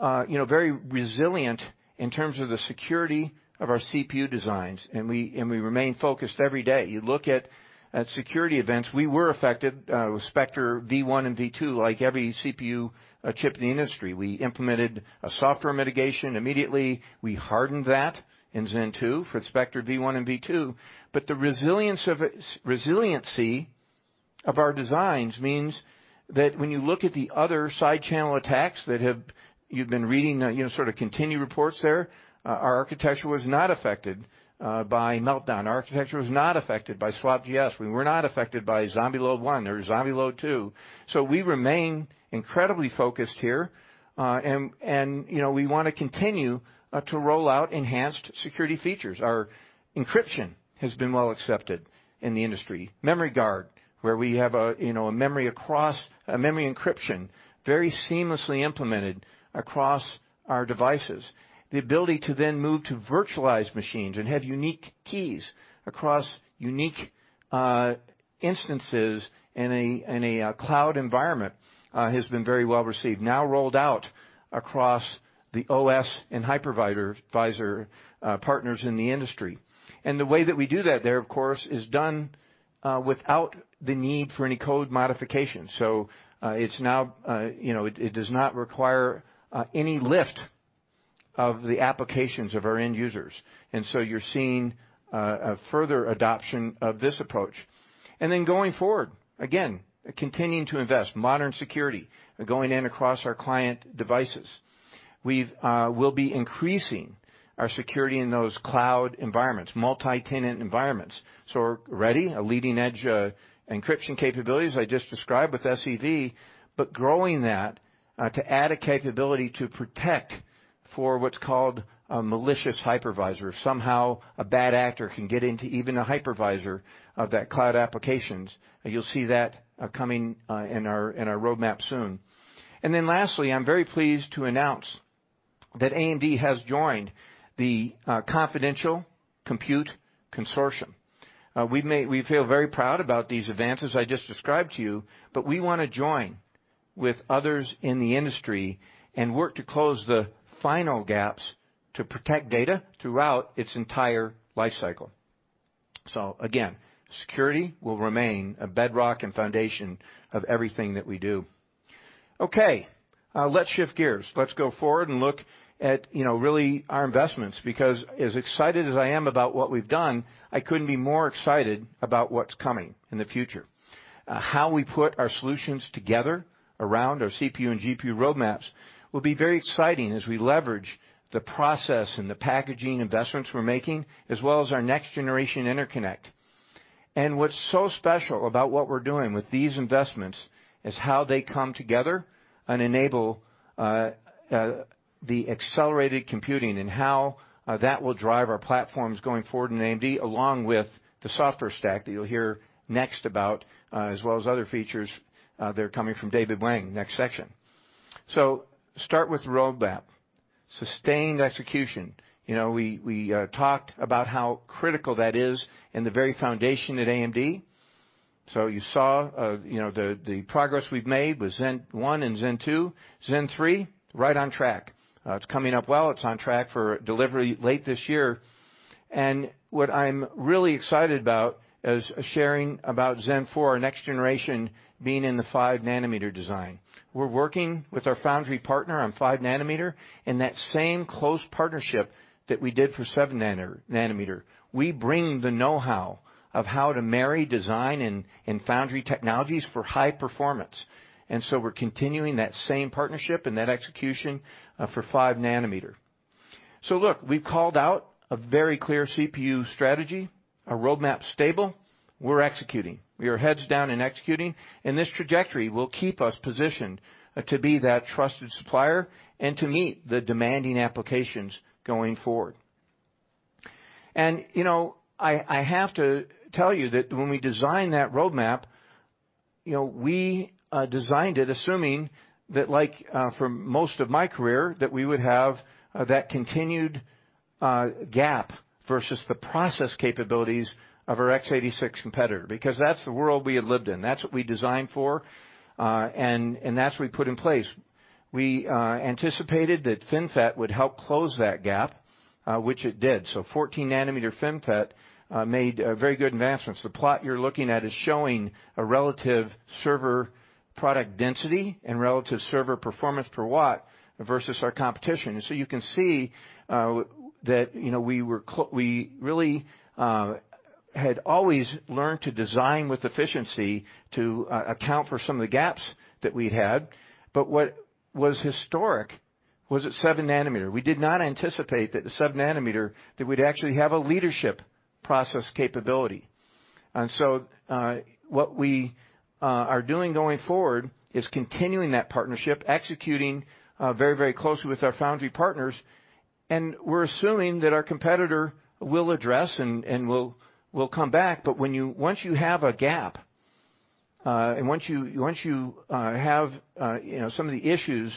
Speaker 2: very resilient in terms of the security of our CPU designs, and we remain focused every day. You look at security events, we were affected with Spectre v1 and Spectre v2 like every CPU chip in the industry. We implemented a software mitigation immediately. We hardened that in Zen 2 for Spectre v1 and Spectre v2. The resiliency of our designs means that when you look at the other side channel attacks that you've been reading sort of continued reports there, our architecture was not affected by Meltdown. Our architecture was not affected by SWAPGS. We were not affected by ZombieLoad V1 or ZombieLoad 2. We remain incredibly focused here. We want to continue to roll out enhanced security features. Our encryption has been well accepted. In the industry, Memory Guard, where we have a memory encryption very seamlessly implemented across our devices. The ability to then move to virtualized machines and have unique keys across unique instances in a cloud environment has been very well received. Now rolled out across the OS and hypervisor partners in the industry. The way that we do that there, of course, is done without the need for any code modification. It does not require any lift of the applications of our end users. You're seeing a further adoption of this approach. Going forward, again, continuing to invest, modern security going in across our client devices. We'll be increasing our security in those cloud environments, multi-tenant environments. Ready, a leading-edge encryption capabilities I just described with SEV, but growing that to add a capability to protect for what's called a malicious hypervisor. Somehow, a bad actor can get into even a hypervisor of that cloud applications. You'll see that coming in our roadmap soon. Lastly, I'm very pleased to announce that AMD has joined the Confidential Computing Consortium. We feel very proud about these advances I just described to you, but we want to join with others in the industry and work to close the final gaps to protect data throughout its entire life cycle. Again, security will remain a bedrock and foundation of everything that we do. Okay. Let's shift gears. Let's go forward and look at really our investments, because as excited as I am about what we've done, I couldn't be more excited about what's coming in the future. How we put our solutions together around our CPU and GPU roadmaps will be very exciting as we leverage the process and the packaging investments we're making, as well as our next-generation interconnect. What's so special about what we're doing with these investments is how they come together and enable the accelerated computing and how that will drive our platforms going forward in AMD, along with the software stack that you'll hear next about, as well as other features that are coming from David Wang, next section. Start with the roadmap, sustained execution. We talked about how critical that is and the very foundation at AMD. You saw the progress we've made with Zen 1 and Zen 2. Zen 3, right on track. It's coming up well. It's on track for delivery late this year. What I'm really excited about is sharing about Zen 4, our next generation being in the 5-nm design. We're working with our foundry partner on 5-nm, and that same close partnership that we did for 7-nm. We bring the know-how of how to marry design and foundry technologies for high performance. We're continuing that same partnership and that execution for 5-nm. Look, we've called out a very clear CPU strategy, a roadmap stable. We're executing. We are heads down and executing, and this trajectory will keep us positioned to be that trusted supplier and to meet the demanding applications going forward. I have to tell you that when we designed that roadmap, we designed it assuming that for most of my career, that we would have that continued gap versus the process capabilities of our x86 competitor, because that's the world we had lived in. That's what we designed for, and that's what we put in place. We anticipated that FinFET would help close that gap, which it did. 14-nm FinFET made very good advancements. The plot you're looking at is showing a relative server product density and relative server performance per watt versus our competition. You can see that we really had always learned to design with efficiency to account for some of the gaps that we'd had. What was historic was at 7-nm. We did not anticipate that the 7-nm, that we'd actually have a leadership process capability. What we are doing going forward is continuing that partnership, executing very closely with our foundry partners, and we're assuming that our competitor will address and will come back. Once you have a gap, and once you have some of the issues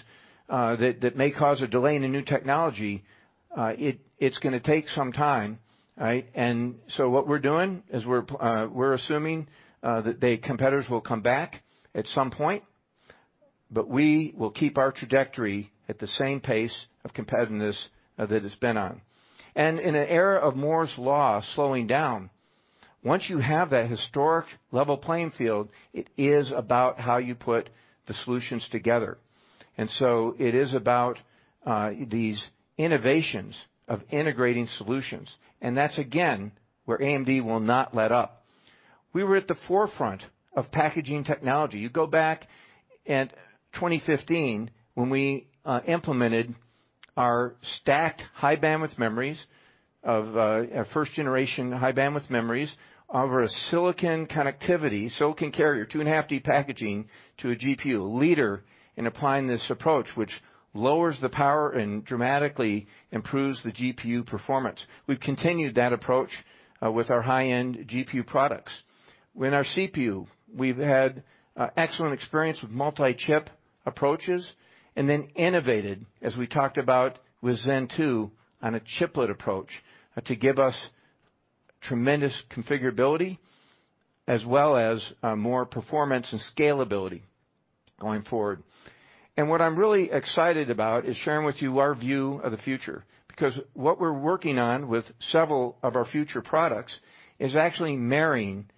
Speaker 2: that may cause a delay in a new technology, it's going to take some time. Right? What we're doing is we're assuming that the competitors will come back at some point, but we will keep our trajectory at the same pace of competitiveness that it's been on. In an era of Moore's law slowing down, once you have that historic level playing field, it is about how you put the solutions together. It is about these innovations of integrating solutions. That's, again, where AMD will not let up. We were at the forefront of packaging technology. You go back at 2015, when we implemented our stacked high bandwidth memories of first-generation high bandwidth memories over a silicon connectivity, silicon carrier, two and a half D packaging to a GPU. Leader in applying this approach, which lowers the power and dramatically improves the GPU performance. We've continued that approach with our high-end GPU products. In our CPU, we've had excellent experience with multi-chip approaches, and then innovated, as we talked about with Zen 2, on a chiplet approach to give us tremendous configurability, as well as more performance and scalability going forward. What I'm really excited about is sharing with you our view of the future, because what we're working on with several of our future products is actually marrying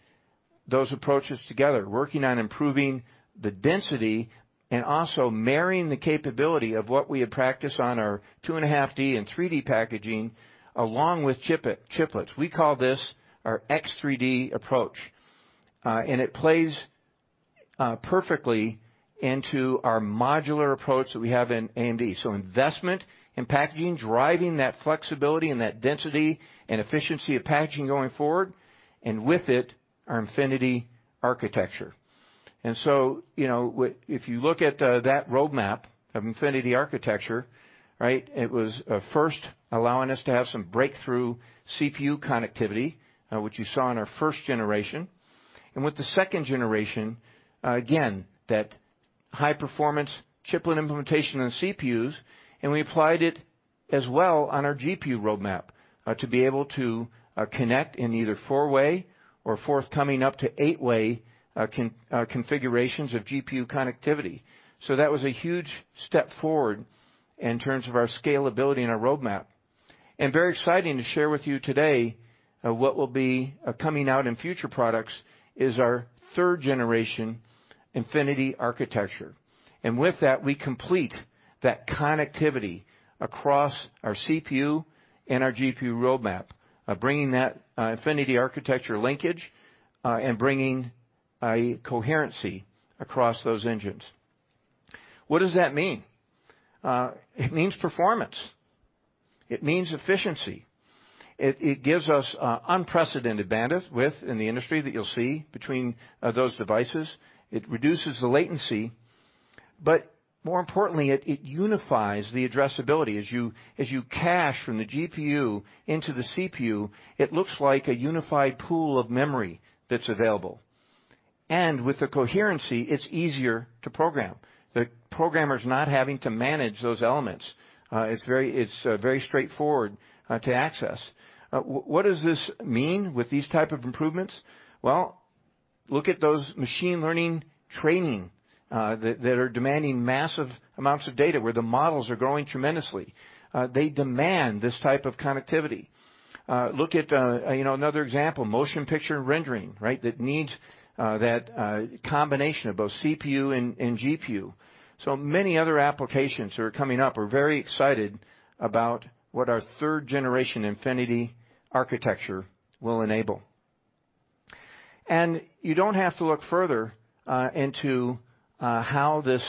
Speaker 2: those approaches together. Working on improving the density and also marrying the capability of what we had practiced on our two and a half D and 3D packaging, along with chiplets. We call this our X3D approach. It plays perfectly into our modular approach that we have in AMD. Investment in packaging, driving that flexibility and that density and efficiency of packaging going forward, and with it, our Infinity Architecture. If you look at that roadmap of Infinity Architecture, right? It was first allowing us to have some breakthrough CPU connectivity, which you saw in our first generation. With the second generation, again, that high performance chiplet implementation on CPUs, and we applied it as well on our GPU roadmap, to be able to connect in either four-way or forthcoming up to eight-way configurations of GPU connectivity. That was a huge step forward in terms of our scalability and our roadmap. Very exciting to share with you today, what will be coming out in future products, is our third generation Infinity Architecture. With that, we complete that connectivity across our CPU and our GPU roadmap, bringing that Infinity Architecture linkage, and bringing a coherency across those engines. What does that mean? It means performance. It means efficiency. It gives us unprecedented bandwidth within the industry that you'll see between those devices. It reduces the latency. More importantly, it unifies the addressability. As you cache from the GPU into the CPU, it looks like a unified pool of memory that's available. With the coherency, it's easier to program. The programmer's not having to manage those elements. It's very straightforward to access. What does this mean with these type of improvements? Well, look at those machine learning training that are demanding massive amounts of data, where the models are growing tremendously. They demand this type of connectivity. Look at, another example, motion picture rendering, right? That needs that combination of both CPU and GPU. Many other applications are coming up. We're very excited about what our third generation Infinity Architecture will enable. You don't have to look further into how this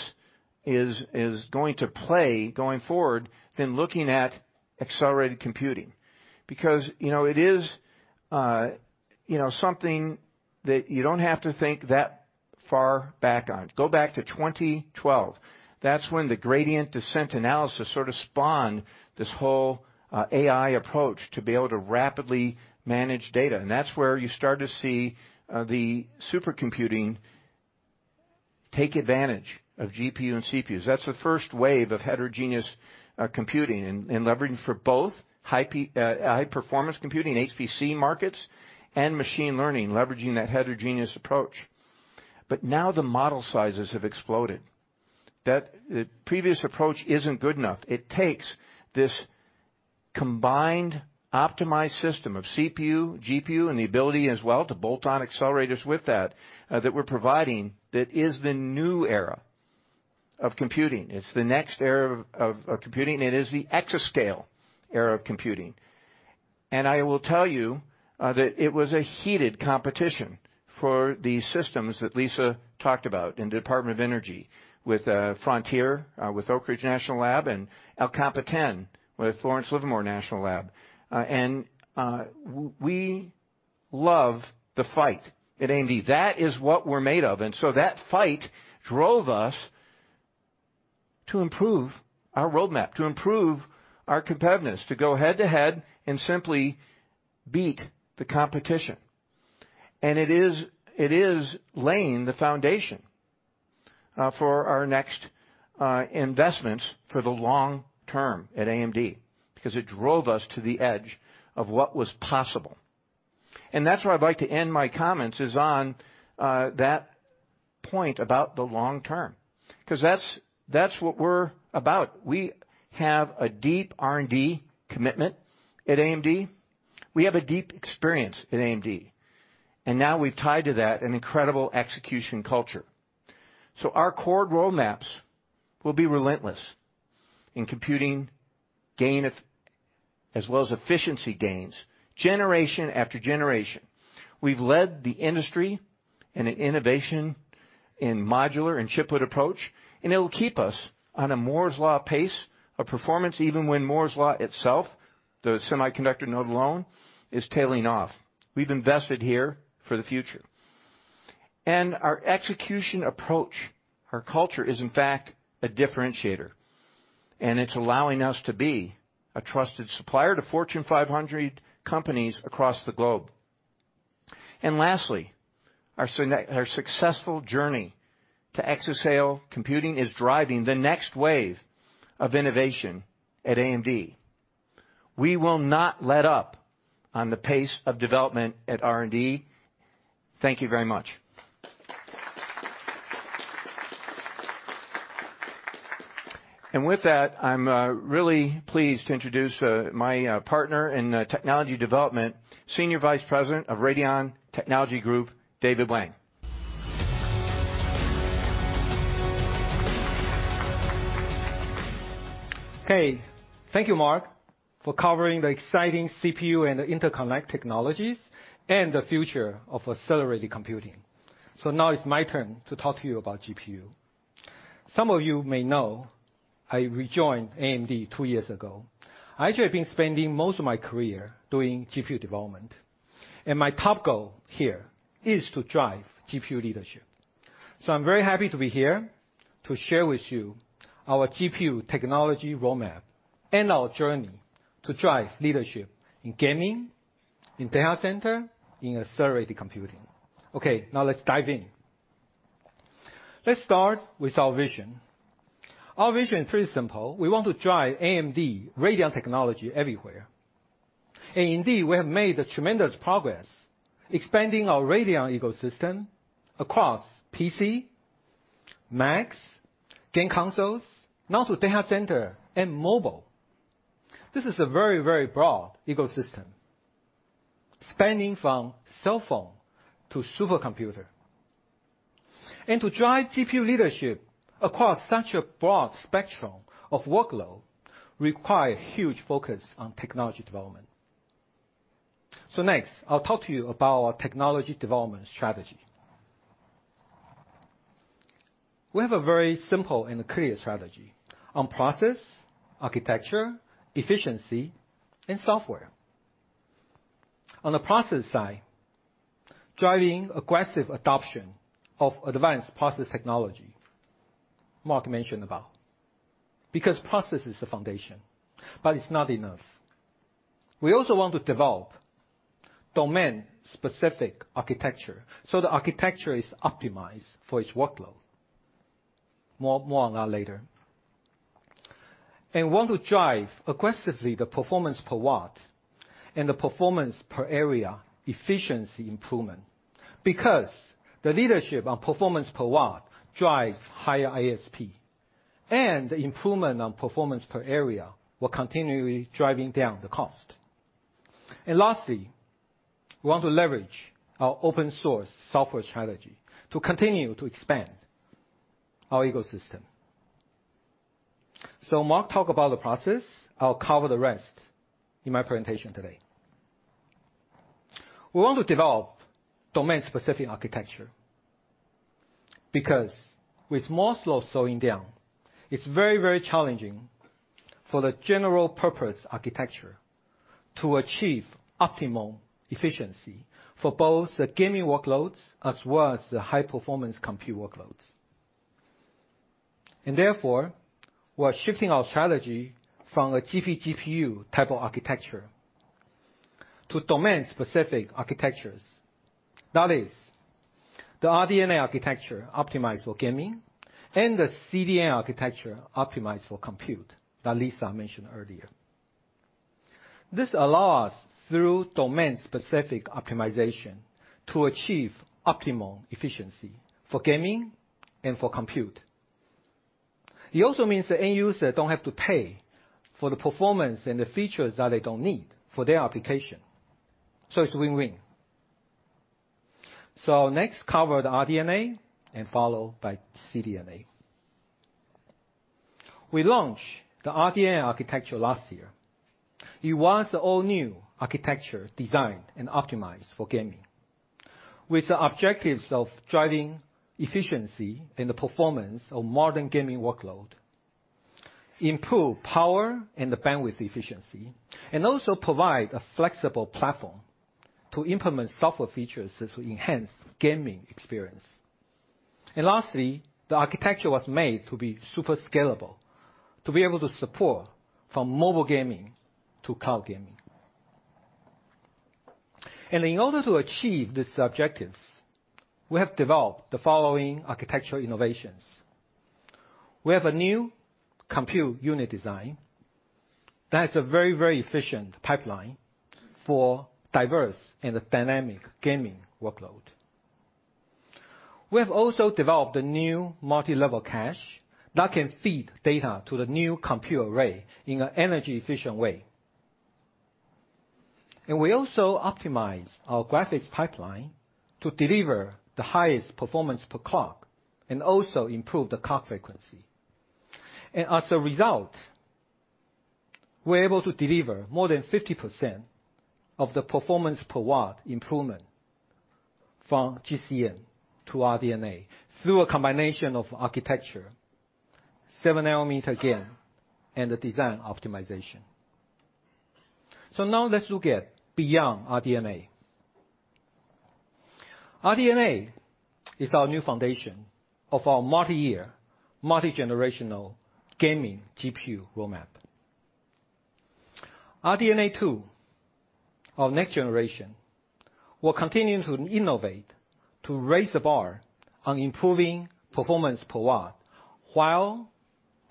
Speaker 2: is going to play going forward than looking at accelerated computing. It is something that you don't have to think that far back on. Go back to 2012. That's when the gradient descent analysis sort of spawned this whole AI approach to be able to rapidly manage data. That's where you start to see the supercomputing take advantage of GPU and CPUs. That's the first wave of heterogeneous computing and leveraging for both high performance computing, HPC markets, and machine learning, leveraging that heterogeneous approach. Now the model sizes have exploded. That previous approach isn't good enough. It takes this combined optimized system of CPU, GPU, and the ability as well to bolt on accelerators with that we're providing, that is the new era of computing. It's the next era of computing, and it is the exascale era of computing. I will tell you that it was a heated competition for the systems that Lisa talked about in the Department of Energy with Frontier, with Oak Ridge National Lab, and El Capitan with Lawrence Livermore National Lab. We love the fight at AMD. That is what we're made of. That fight drove us to improve our roadmap, to improve our competitiveness, to go head-to-head and simply beat the competition. It is laying the foundation for our next investments for the long term at AMD, because it drove us to the edge of what was possible. That's where I'd like to end my comments, is on that point about the long term, because that's what we're about. We have a deep R&D commitment at AMD. We have a deep experience at AMD. Now we've tied to that an incredible execution culture. Our core roadmaps will be relentless in computing gain as well as efficiency gains generation after generation. We've led the industry in an innovation in modular and chiplet approach, and it'll keep us on a Moore's law pace of performance even when Moore's law itself, the semiconductor node alone, is tailing off. We've invested here for the future. Our execution approach, our culture is in fact a differentiator, and it's allowing us to be a trusted supplier to Fortune 500 companies across the globe. Lastly, our successful journey to exascale computing is driving the next wave of innovation at AMD. We will not let up on the pace of development at R&D. Thank you very much. With that, I'm really pleased to introduce, my partner in technology development, Senior Vice President of Radeon Technologies Group, David Wang.
Speaker 3: Thank you, Mark, for covering the exciting CPU and the interconnect technologies and the future of accelerated computing. Now it's my turn to talk to you about GPU. Some of you may know I rejoined AMD two years ago. I actually have been spending most of my career doing GPU development. My top goal here is to drive GPU leadership. I'm very happy to be here to share with you our GPU technology roadmap and our journey to drive leadership in gaming, in data center, in accelerated computing. Now let's dive in. Let's start with our vision. Our vision is pretty simple. We want to drive AMD Radeon technology everywhere. Indeed, we have made a tremendous progress expanding our Radeon ecosystem across PC, Macs, game consoles, now to data center and mobile. This is a very broad ecosystem, spanning from cell phone to supercomputer. To drive GPU leadership across such a broad spectrum of workload require huge focus on technology development. Next, I'll talk to you about our technology development strategy. We have a very simple and clear strategy on process, architecture, efficiency and software. On the process side, driving aggressive adoption of advanced process technology Mark mentioned about, because process is the foundation. It's not enough. We also want to develop domain-specific architecture, so the architecture is optimized for each workload. More on that later. We want to drive aggressively the performance per watt and the performance per area efficiency improvement. The leadership on performance per watt drives higher ASP. The improvement on performance per area will continually driving down the cost. Lastly, we want to leverage our open source software strategy to continue to expand our ecosystem. Mark talked about the process, I'll cover the rest in my presentation today. We want to develop domain-specific architecture, because with Moore's law slowing down, it's very challenging for the general purpose architecture to achieve optimal efficiency for both the gaming workloads as well as the high-performance compute workloads. Therefore, we are shifting our strategy from a GPGPU type of architecture to domain-specific architectures. That is the RDNA architecture optimized for gaming and the CDNA architecture optimized for compute that Lisa mentioned earlier. This allow us, through domain-specific optimization, to achieve optimal efficiency for gaming and for compute. It also means the end user don't have to pay for the performance and the features that they don't need for their application. It's win-win. I'll next cover the RDNA and follow by CDNA. We launched the RDNA architecture last year. It was an all-new architecture designed and optimized for gaming, with the objectives of driving efficiency and the performance of modern gaming workload, improve power and the bandwidth efficiency, and also provide a flexible platform to implement software features that will enhance gaming experience. Lastly, the architecture was made to be super scalable, to be able to support from mobile gaming to cloud gaming. In order to achieve these objectives, we have developed the following architectural innovations. We have a new compute unit design that has a very efficient pipeline for diverse and dynamic gaming workload. We have also developed a new multilevel cache that can feed data to the new compute array in an energy efficient way. We also optimize our graphics pipeline to deliver the highest performance per clock, and also improve the clock frequency. As a result, we're able to deliver more than 50% of the performance per watt improvement from GCN to RDNA, through a combination of architecture, 7-nm gain, and the design optimization. Now let's look at beyond RDNA. RDNA is our new foundation of our multi-year, multi-generational gaming GPU roadmap. RDNA 2, our next generation, will continue to innovate to raise the bar on improving performance per watt, while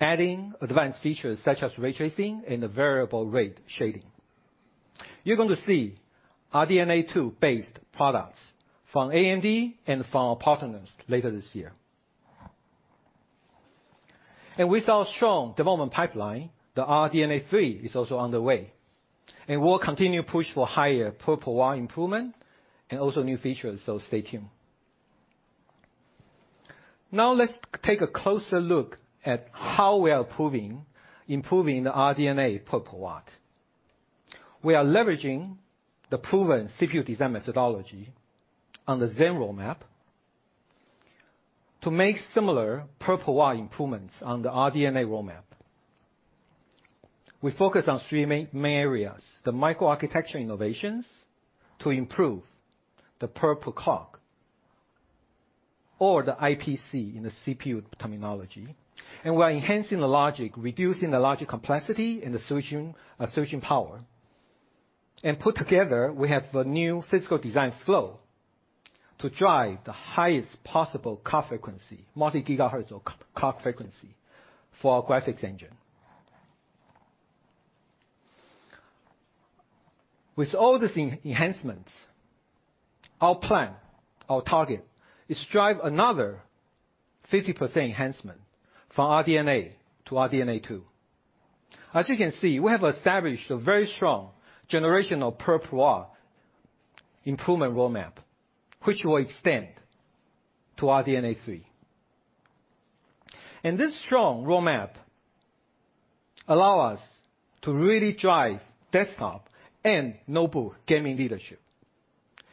Speaker 3: adding advanced features such as ray tracing and the variable rate shading. You're going to see RDNA 2-based products from AMD and from our partners later this year. With our strong development pipeline, RDNA 3 is also on the way, and we'll continue push for higher performance per watt improvement, and also new features. Stay tuned. Now, let's take a closer look at how we are improving the RDNA performance per watt. We are leveraging the proven CPU design methodology on the Zen roadmap, to make similar power per watt improvements on the RDNA roadmap. We focus on three main areas, the microarchitecture innovations to improve the power per clock, or the IPC in the CPU terminology. We are enhancing the logic, reducing the logic complexity and the switching power. Put together, we have a new physical design flow to drive the highest possible clock frequency, multi-GHz of clock frequency for our graphics engine. With all these enhancements, our plan, our target is drive another 50% enhancement from RDNA to RDNA 2. As you can see, we have established a very strong generation of power per watt improvement roadmap, which will extend to RDNA 3. This strong roadmap allow us to really drive desktop and notebook gaming leadership.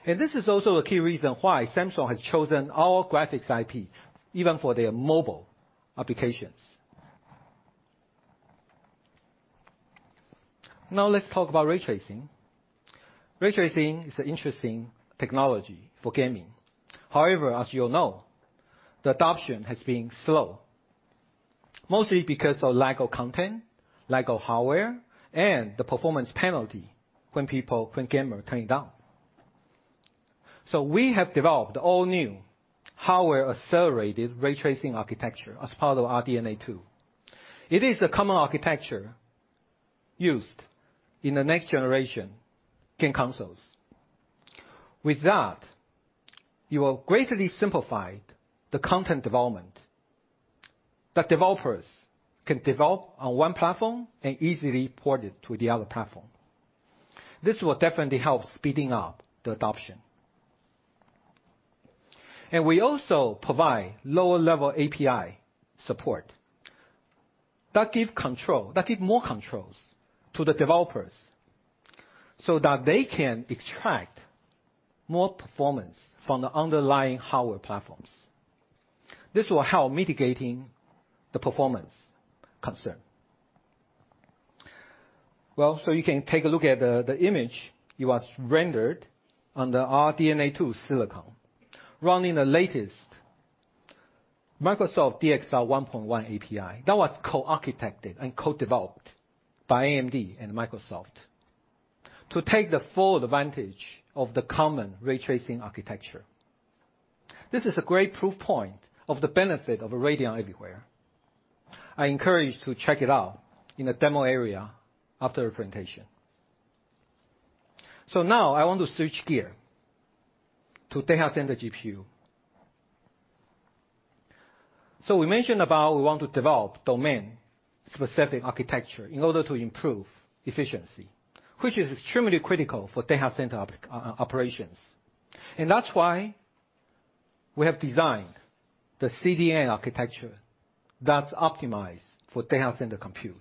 Speaker 3: This is also a key reason why Samsung has chosen our graphics IP, even for their mobile applications. Now let's talk about ray tracing. Ray tracing is an interesting technology for gaming. However, as you all know, the adoption has been slow, mostly because of lack of content, lack of hardware, and the performance penalty when gamers turn it on. We have developed all new hardware-accelerated ray tracing architecture as part of RDNA 2. It is a common architecture used in the next generation game consoles. With that, you will greatly simplify the content development, that developers can develop on one platform and easily port it to the other platform. This will definitely help speeding up the adoption. We also provide lower level API support that give more controls to the developers, so that they can extract more performance from the underlying hardware platforms. You can take a look at the image. It was rendered on the RDNA 2 silicon, running the latest Microsoft DXR 1.1 API, that was co-architected and co-developed by AMD and Microsoft to take the full advantage of the common ray tracing architecture. This is a great proof point of the benefit of Radeon everywhere. I encourage to check it out in the demo area after the presentation. Now I want to switch gear to data center GPU. We mentioned about we want to develop domain-specific architecture in order to improve efficiency, which is extremely critical for data center operations. That's why we have designed the CDNA architecture that's optimized for data center compute.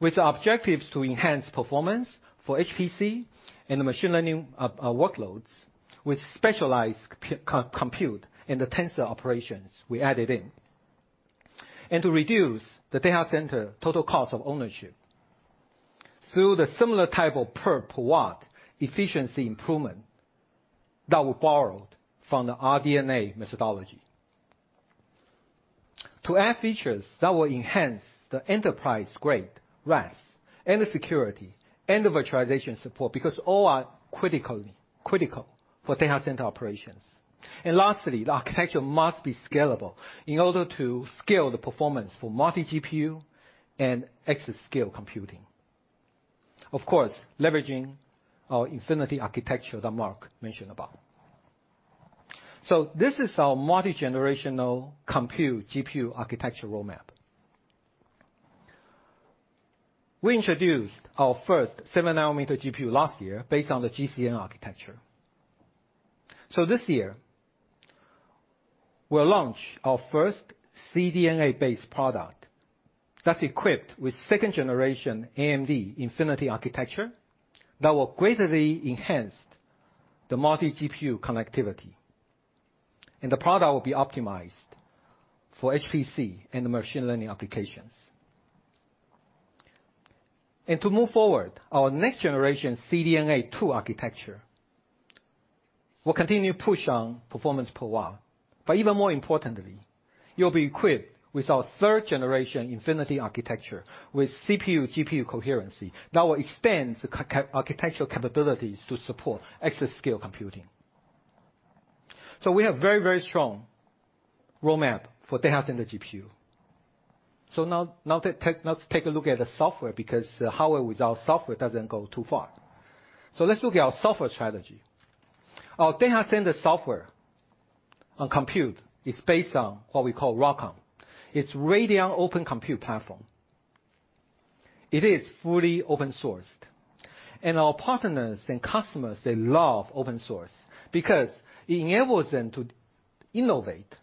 Speaker 3: With objectives to enhance performance for HPC and the machine learning workloads with specialized compute and the tensor operations we added in. To reduce the data center total cost of ownership through the similar type of power per watt efficiency improvement that we borrowed from the RDNA methodology. To add features that will enhance the enterprise-grade RAS, and the security, and the virtualization support, because all are critical for data center operations. Lastly, the architecture must be scalable in order to scale the performance for multi GPU and exascale computing. Of course, leveraging our Infinity Architecture that Mark mentioned about. This is our multi-generational compute GPU architecture roadmap. We introduced our first 7-nm GPU last year based on the GCN architecture. This year, we'll launch our first CDNA-based product that's equipped with second-generation AMD Infinity Architecture that will greatly enhance the multi-GPU connectivity. The product will be optimized for HPC and machine learning applications. To move forward, our next generation CDNA 2 architecture will continue to push on performance per watt. Even more importantly, you'll be equipped with our third-generation Infinity Architecture with CPU, GPU coherency that will extend the architectural capabilities to support exascale computing. We have very, very strong roadmap for data center GPU. Now let's take a look at the software, because hardware without software doesn't go too far. Let's look at our software strategy. Our data center software on compute is based on what we call ROCm. It's Radeon Open Compute platform. It is fully open sourced. Our partners and customers, they love open source because it enables them to innovate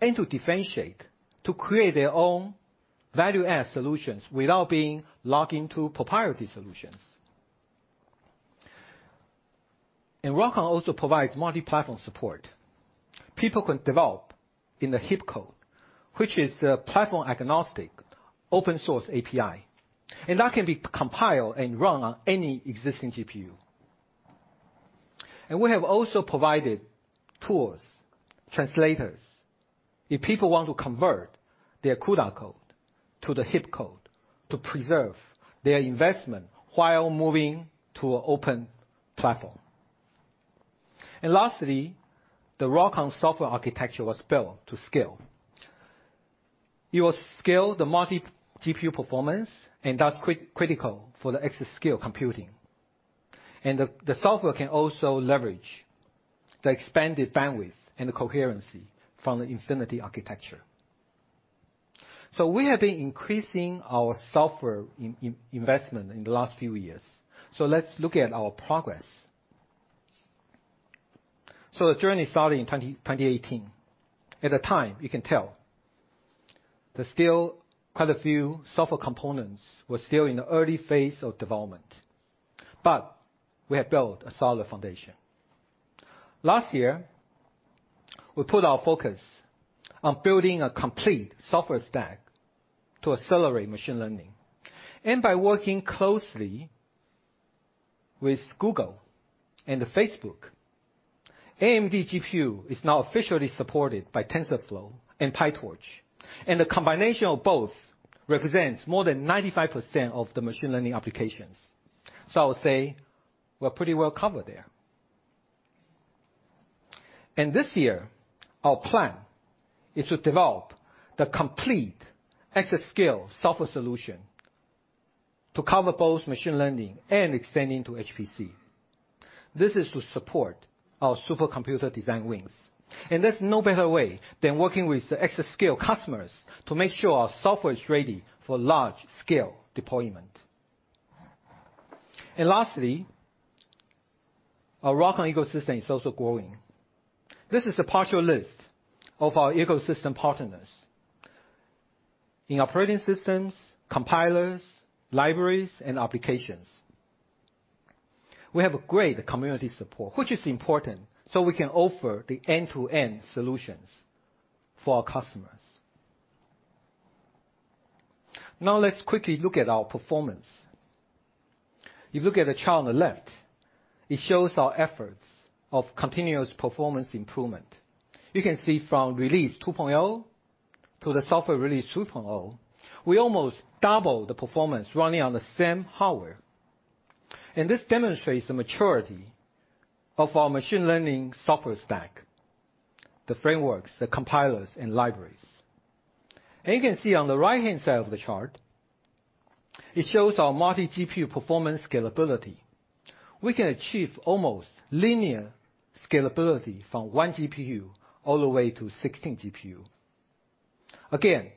Speaker 3: and to differentiate, to create their own value-add solutions without being locked into proprietary solutions. ROCm also provides multi-platform support. People can develop in the HIP code, which is a platform-agnostic open-source API. That can be compiled and run on any existing GPU. We have also provided tools, translators, if people want to convert their CUDA code to the HIP code to preserve their investment while moving to an open platform. Lastly, the ROCm software architecture was built to scale. It will scale the multi-GPU performance, and that's critical for the exascale computing. The software can also leverage the expanded bandwidth and the coherency from the Infinity Architecture. We have been increasing our software investment in the last few years. Let's look at our progress. The journey started in 2018. At the time, you can tell there's still quite a few software components were still in the early phase of development, but we have built a solid foundation. Last year, we put our focus on building a complete software stack to accelerate machine learning. By working closely with Google and Facebook, AMD GPU is now officially supported by TensorFlow and PyTorch. The combination of both represents more than 95% of the machine learning applications. I would say we're pretty well covered there. This year, our plan is to develop the complete exascale software solution to cover both machine learning and extending to HPC. This is to support our supercomputer design wins. There's no better way than working with the exascale customers to make sure our software is ready for large-scale deployment. Lastly, our ROCm ecosystem is also growing. This is a partial list of our ecosystem partners in operating systems, compilers, libraries, and applications. We have great community support, which is important so we can offer the end-to-end solutions for our customers. Now, let's quickly look at our performance. You look at the chart on the left, it shows our efforts of continuous performance improvement. You can see from release 2.0 to the software release 3.0, we almost double the performance running on the same hardware. This demonstrates the maturity of our machine learning software stack, the frameworks, the compilers, and libraries. You can see on the right-hand side of the chart, it shows our multi-GPU performance scalability. We can achieve almost linear scalability from one GPU all the way to 16 GPU. Again,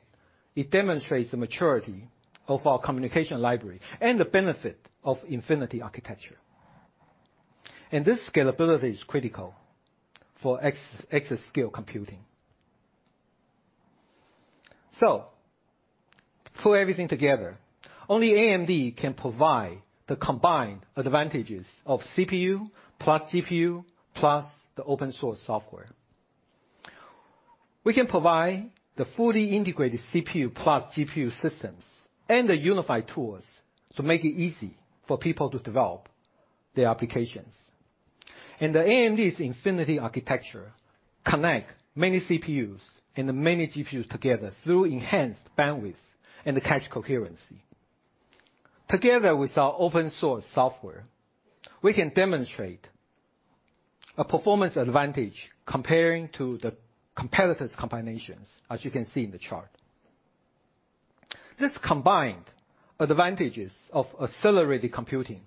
Speaker 3: it demonstrates the maturity of our communication library and the benefit of Infinity Architecture. This scalability is critical for exascale computing. Pull everything together. Only AMD can provide the combined advantages of CPU plus GPU, plus the open-source software. We can provide the fully integrated CPU plus GPU systems and the unified tools to make it easy for people to develop their applications. AMD's Infinity Architecture connect many CPUs and many GPUs together through enhanced bandwidth and cache coherency. Together with our open-source software, we can demonstrate a performance advantage comparing to the competitors' combinations, as you can see in the chart. These combined advantages of accelerated computing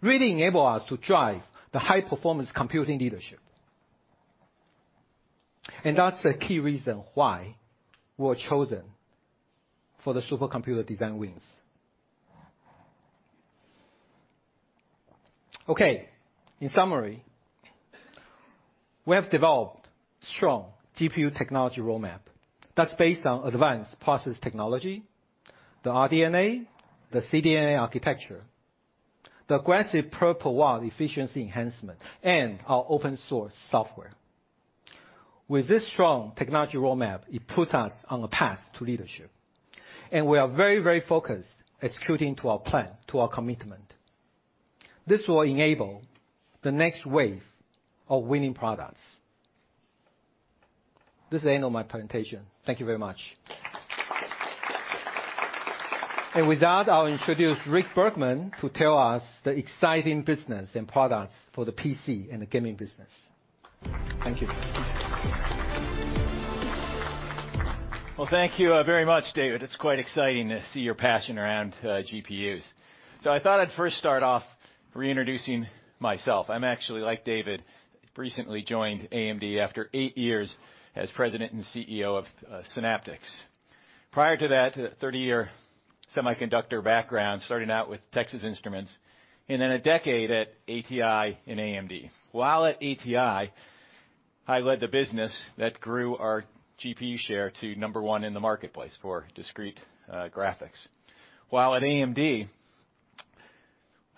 Speaker 3: really enable us to drive the high-performance computing leadership. That's a key reason why we were chosen for the supercomputer design wins. Okay. In summary, we have developed strong GPU technology roadmap that's based on advanced process technology, the RDNA, the CDNA architecture, the aggressive per-power efficiency enhancement, and our open-source software. With this strong technology roadmap, it puts us on a path to leadership. We are very focused executing to our plan, to our commitment. This will enable the next wave of winning products. This is the end of my presentation. Thank you very much. With that, I'll introduce Rick Bergman to tell us the exciting business and products for the PC and the gaming business. Thank you.
Speaker 4: Well, thank you very much, David. It's quite exciting to see your passion around GPUs. I thought I'd first start off reintroducing myself. I'm actually, like David, recently joined AMD after eight years as President and CEO of Synaptics. Prior to that, a 30-year semiconductor background, starting out with Texas Instruments, and then a decade at ATI and AMD. While at ATI, I led the business that grew our GPU share to number one in the marketplace for discrete graphics. While at AMD,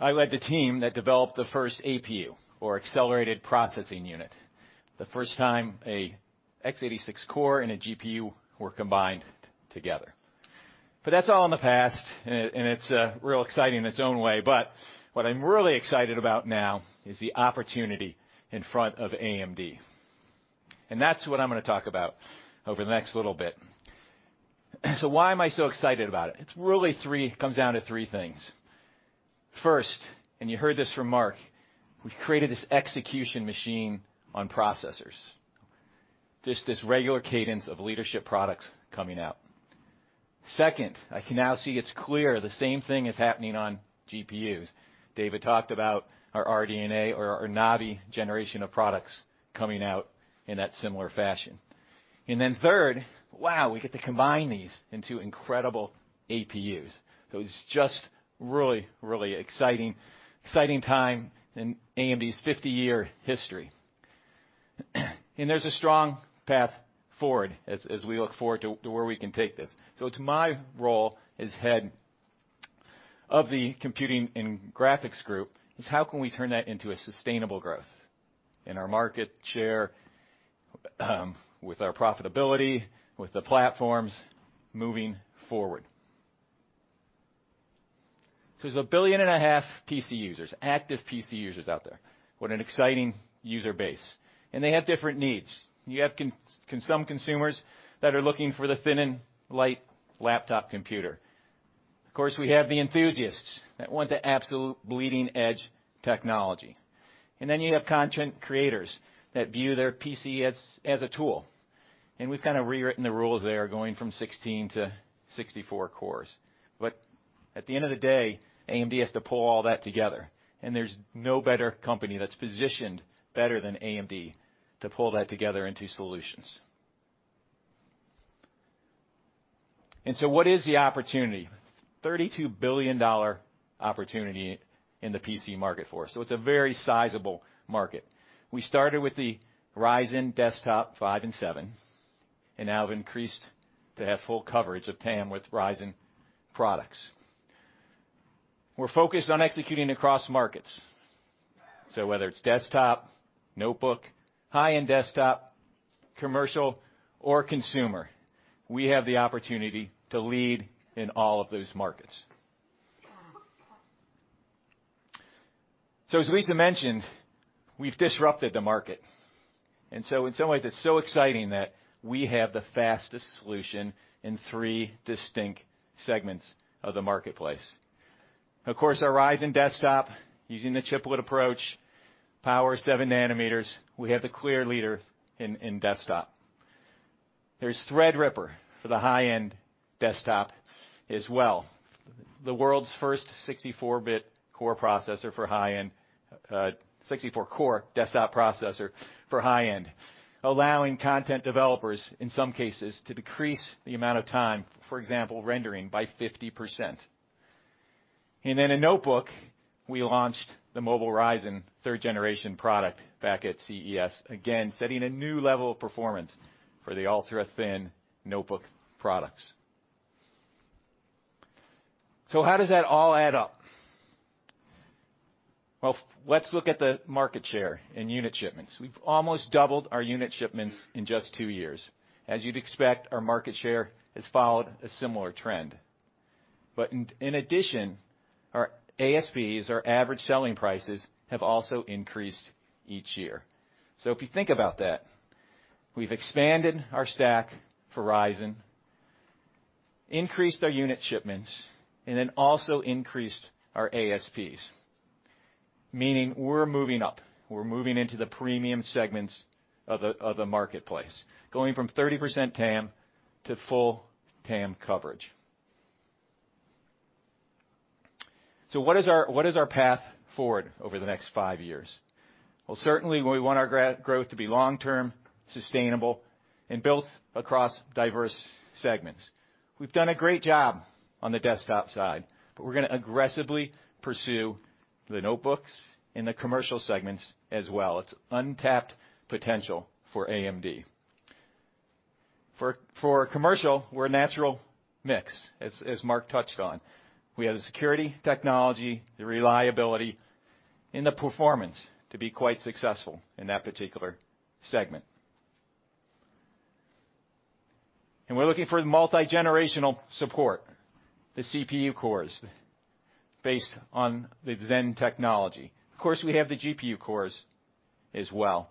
Speaker 4: I led the team that developed the first APU, or accelerated processing unit. The first time a x86 core and a GPU were combined together. That's all in the past, and it's real exciting in its own way, but what I'm really excited about now is the opportunity in front of AMD. That's what I'm going to talk about over the next little bit. Why am I so excited about it? It really comes down to three things. First, you heard this from Mark, we've created this execution machine on processors. Just this regular cadence of leadership products coming out. Second, I can now see it's clear the same thing is happening on GPUs. David talked about our RDNA or our Navi generation of products coming out in that similar fashion. Third, wow, we get to combine these into incredible APUs. It's just really exciting time in AMD's 50-year history. There's a strong path forward as we look forward to where we can take this. To my role as head of the Computing and Graphics Group is how can we turn that into a sustainable growth in our market share, with our profitability, with the platforms moving forward? There's 1.5 billion PC users, active PC users out there. What an exciting user base. They have different needs. You have some consumers that are looking for the thin and light laptop computer. Of course, we have the enthusiasts that want the absolute bleeding-edge technology. You have content creators that view their PC as a tool. We've kind of rewritten the rules there, going from 16 to 64 cores. At the end of the day, AMD has to pull all that together, and there's no better company that's positioned better than AMD to pull that together into solutions. What is the opportunity? $32 billion opportunity in the PC market for us. It's a very sizable market. We started with the Ryzen Desktop 5 and 7, and now have increased to have full coverage of TAM with Ryzen products. We're focused on executing across markets. Whether it's desktop, notebook, high-end desktop, commercial, or consumer, we have the opportunity to lead in all of those markets. As Lisa mentioned, we've disrupted the market, in some ways, it's so exciting that we have the fastest solution in three distinct segments of the marketplace. Of course, our Ryzen Desktop, using the chiplet approach, power 7-nm, we have the clear leader in desktop. There's Threadripper for the high-end desktop as well. The world's first 64-core desktop processor for high-end, allowing content developers, in some cases, to decrease the amount of time, for example, rendering, by 50%. In Notebook, we launched the Mobile Ryzen third generation product back at CES, again, setting a new level of performance for the ultra-thin notebook products. How does that all add up? Well, let's look at the market share in unit shipments. We've almost doubled our unit shipments in just two years. As you'd expect, our market share has followed a similar trend. In addition, our ASPs, our average selling prices, have also increased each year. If you think about that, we've expanded our stack for Ryzen, increased our unit shipments, and then also increased our ASPs, meaning we're moving up. We're moving into the premium segments of the marketplace, going from 30% TAM to full TAM coverage. What is our path forward over the next five years? Well, certainly we want our growth to be long-term, sustainable, and built across diverse segments. We've done a great job on the desktop side, we're going to aggressively pursue the notebooks in the commercial segments as well. It's untapped potential for AMD. For commercial, we're a natural mix, as Mark touched on. We have the security, technology, the reliability, and the performance to be quite successful in that particular segment. We're looking for multi-generational support, the CPU cores based on the Zen technology. Of course, we have the GPU cores as well.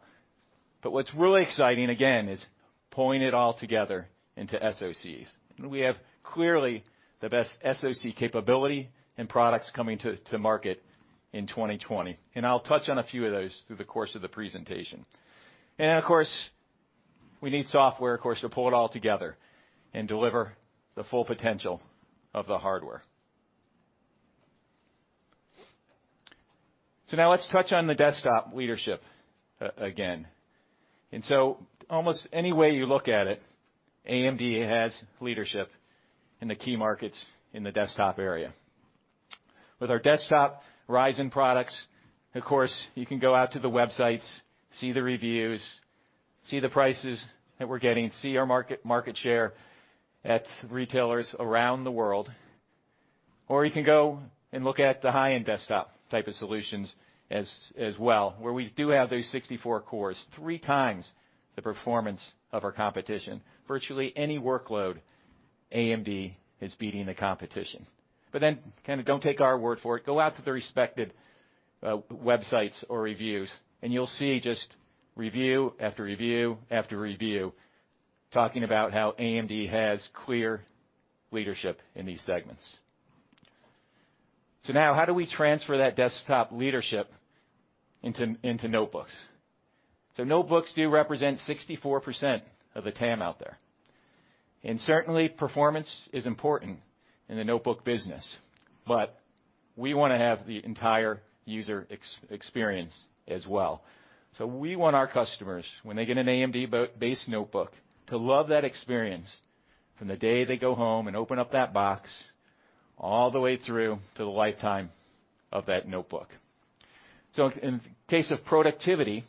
Speaker 4: What's really exciting, again, is pulling it all together into SoCs. We have clearly the best SoC capability and products coming to market in 2020, and I'll touch on a few of those through the course of the presentation. Of course, we need software, of course, to pull it all together and deliver the full potential of the hardware. Let's touch on the desktop leadership, again. Almost any way you look at it, AMD has leadership in the key markets in the desktop area. With our desktop Ryzen products, of course, you can go out to the websites, see the reviews, see the prices that we're getting, see our market share at retailers around the world, or you can go and look at the high-end desktop type of solutions as well, where we do have those 64 cores, three times the performance of our competition. Virtually any workload, AMD is beating the competition. Kind of don't take our word for it. Go out to the respected websites or reviews and you'll see just review after review after review talking about how AMD has clear leadership in these segments. Now how do we transfer that desktop leadership into notebooks? Notebooks do represent 64% of the TAM out there, and certainly, performance is important in the notebook business, but we want to have the entire user experience as well. We want our customers, when they get an AMD-based notebook, to love that experience from the day they go home and open up that box all the way through to the lifetime of that notebook. In case of productivity,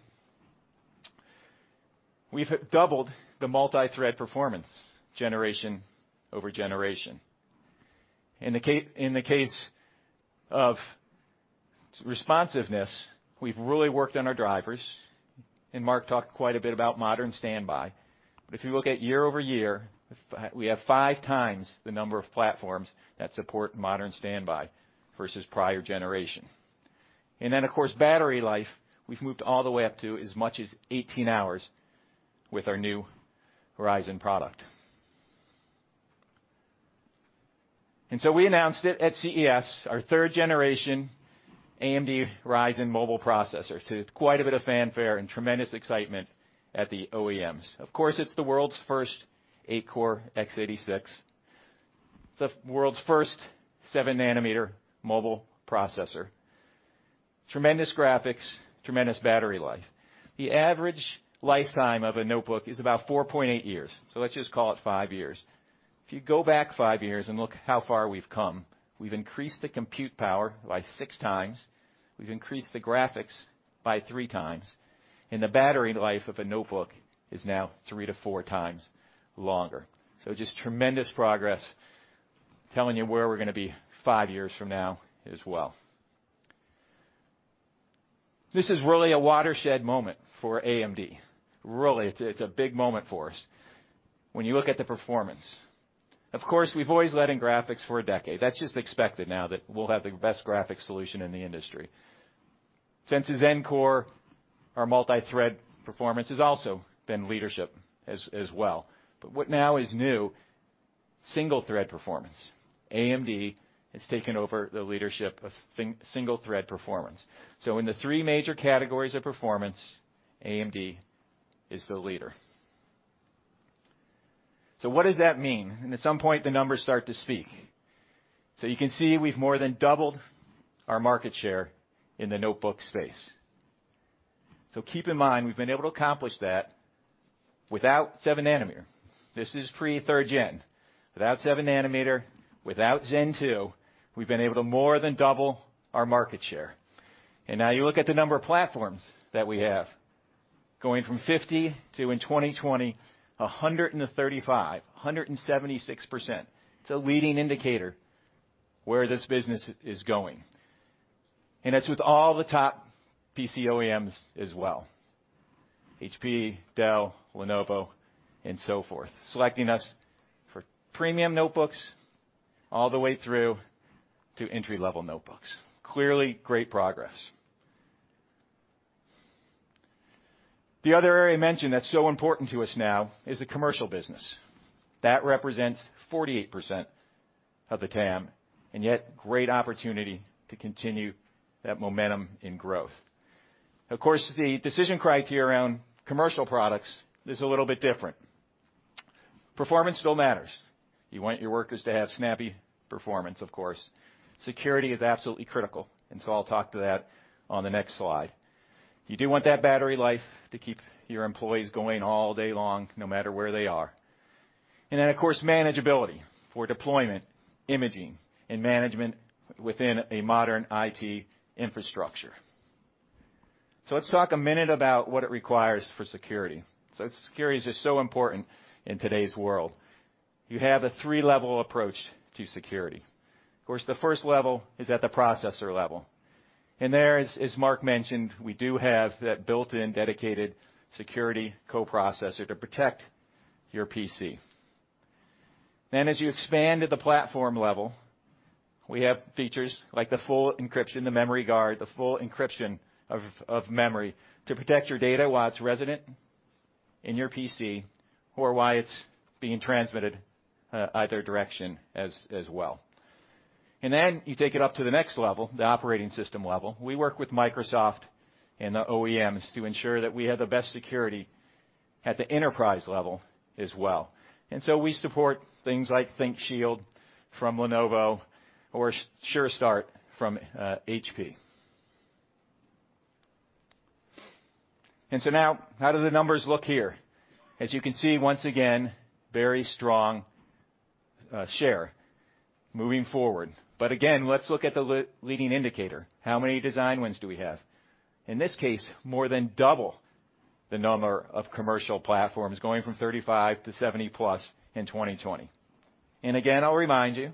Speaker 4: we've doubled the multi-thread performance generation over generation. In the case of responsiveness, we've really worked on our drivers, and Mark talked quite a bit about Modern Standby. If you look at year-over-year, we have five times the number of platforms that support Modern Standby versus prior generations. Of course, battery life, we've moved all the way up to as much as 18 hours with our new Ryzen product. We announced it at CES, our third generation AMD Ryzen mobile processor, to quite a bit of fanfare and tremendous excitement at the OEMs. Of course, it's the world's first 8-core x86. The world's first 7-nm mobile processor. Tremendous graphics, tremendous battery life. The average lifetime of a notebook is about 4.8 years, so let's just call it five years. If you go back five years and look how far we've come, we've increased the compute power by six times, we've increased the graphics by three times, and the battery life of a notebook is now three to four times longer. Just tremendous progress. Telling you where we're going to be five years from now as well. This is really a watershed moment for AMD. Really, it's a big moment for us when you look at the performance. Of course, we've always led in graphics for a decade. That's just expected now, that we'll have the best graphics solution in the industry. Since Zen Core, our multi-thread performance has also been leadership as well. What now is new, single-thread performance. AMD has taken over the leadership of single-thread performance. In the three major categories of performance, AMD is the leader. What does that mean? At some point, the numbers start to speak. You can see we've more than doubled our market share in the notebook space. Keep in mind, we've been able to accomplish that without 7-nm. This is pre-third gen. Without 7-nm, without Zen 2, we've been able to more than double our market share. Now you look at the number of platforms that we have, going from 50 to, in 2020, 135, 176%. It's a leading indicator where this business is going. That's with all the top PC OEMs as well, HP, Dell, Lenovo, and so forth, selecting us for premium notebooks all the way through to entry-level notebooks. Clearly great progress. The other area I mentioned that's so important to us now is the commercial business. That represents 48% of the TAM, great opportunity to continue that momentum in growth. Of course, the decision criteria around commercial products is a little bit different. Performance still matters. You want your workers to have snappy performance, of course. Security is absolutely critical, I'll talk to that on the next slide. You do want that battery life to keep your employees going all day long, no matter where they are. Of course, manageability for deployment, imaging, and management within a modern IT infrastructure. Let's talk a minute about what it requires for security. Security is just so important in today's world. You have a three-level approach to security. Of course, the first level is at the processor level. There, as Mark mentioned, we do have that built-in dedicated security co-processor to protect your PC. As you expand to the platform level, we have features like the full encryption, the Memory Guard, the full encryption of memory to protect your data while it's resident in your PC or while it's being transmitted, either direction as well. Then you take it up to the next level, the operating system level. We work with Microsoft and the OEMs to ensure that we have the best security at the enterprise level as well. So we support things like ThinkShield from Lenovo or Sure Start from HP. So now, how do the numbers look here? As you can see, once again, very strong share moving forward. Again, let's look at the leading indicator. How many design wins do we have? In this case, more than double the number of commercial platforms, going from 35 to 70+ in 2020. Again, I'll remind you,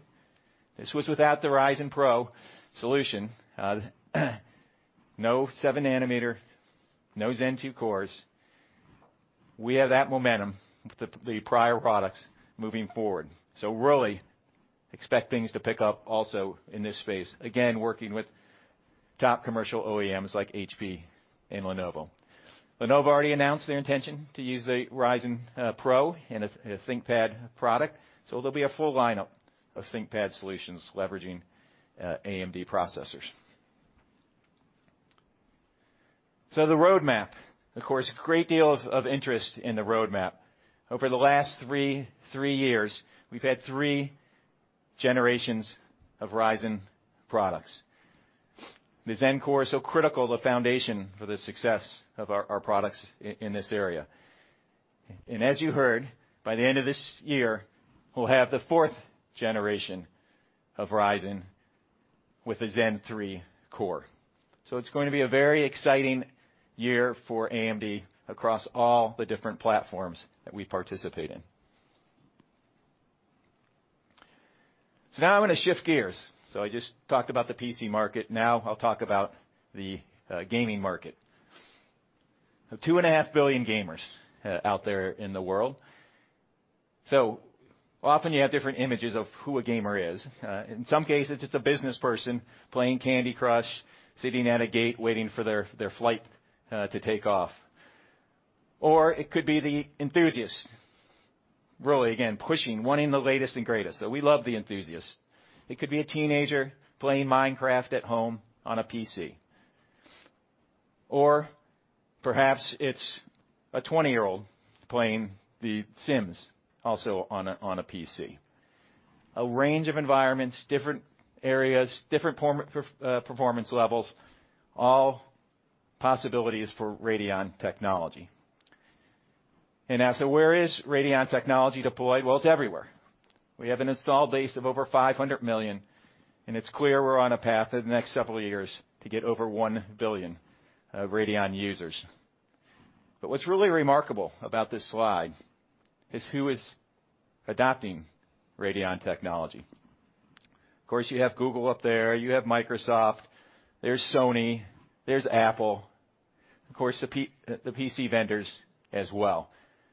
Speaker 4: this was without the Ryzen PRO solution. No 7-nm, no Zen 2 cores. We have that momentum with the prior products moving forward. Really expect things to pick up also in this space, again, working with top commercial OEMs like HP and Lenovo. Lenovo already announced their intention to use the Ryzen PRO in a ThinkPad product. There'll be a full lineup of ThinkPad solutions leveraging AMD processors. The roadmap. Of course, a great deal of interest in the roadmap. Over the last three years, we've had three generations of Ryzen products. The Zen core is so critical, the foundation for the success of our products in this area. As you heard, by the end of this year, we'll have the 4th generation of Ryzen with a Zen 3 core. It's going to be a very exciting year for AMD across all the different platforms that we participate in. Now I'm going to shift gears. I just talked about the PC market. Now I'll talk about the gaming market. 2.5 billion gamers out there in the world. Often you have different images of who a gamer is. In some cases, it's a business person playing Candy Crush, sitting at a gate waiting for their flight to take off. It could be the enthusiast, really, again, pushing, wanting the latest and greatest. We love the enthusiast. It could be a teenager playing Minecraft at home on a PC. Or perhaps it's a 20-year-old playing The Sims also on a PC. A range of environments, different areas, different performance levels, all possibilities for Radeon technology. Where is Radeon technology deployed? Well, it's everywhere. We have an installed base of over 500 million, and it's clear we're on a path in the next several years to get over 1 billion of Radeon users. What's really remarkable about this slide is who is adopting Radeon technology. Of course, you have Google up there, you have Microsoft, there's Sony, there's Apple, of course, the PC vendors as well.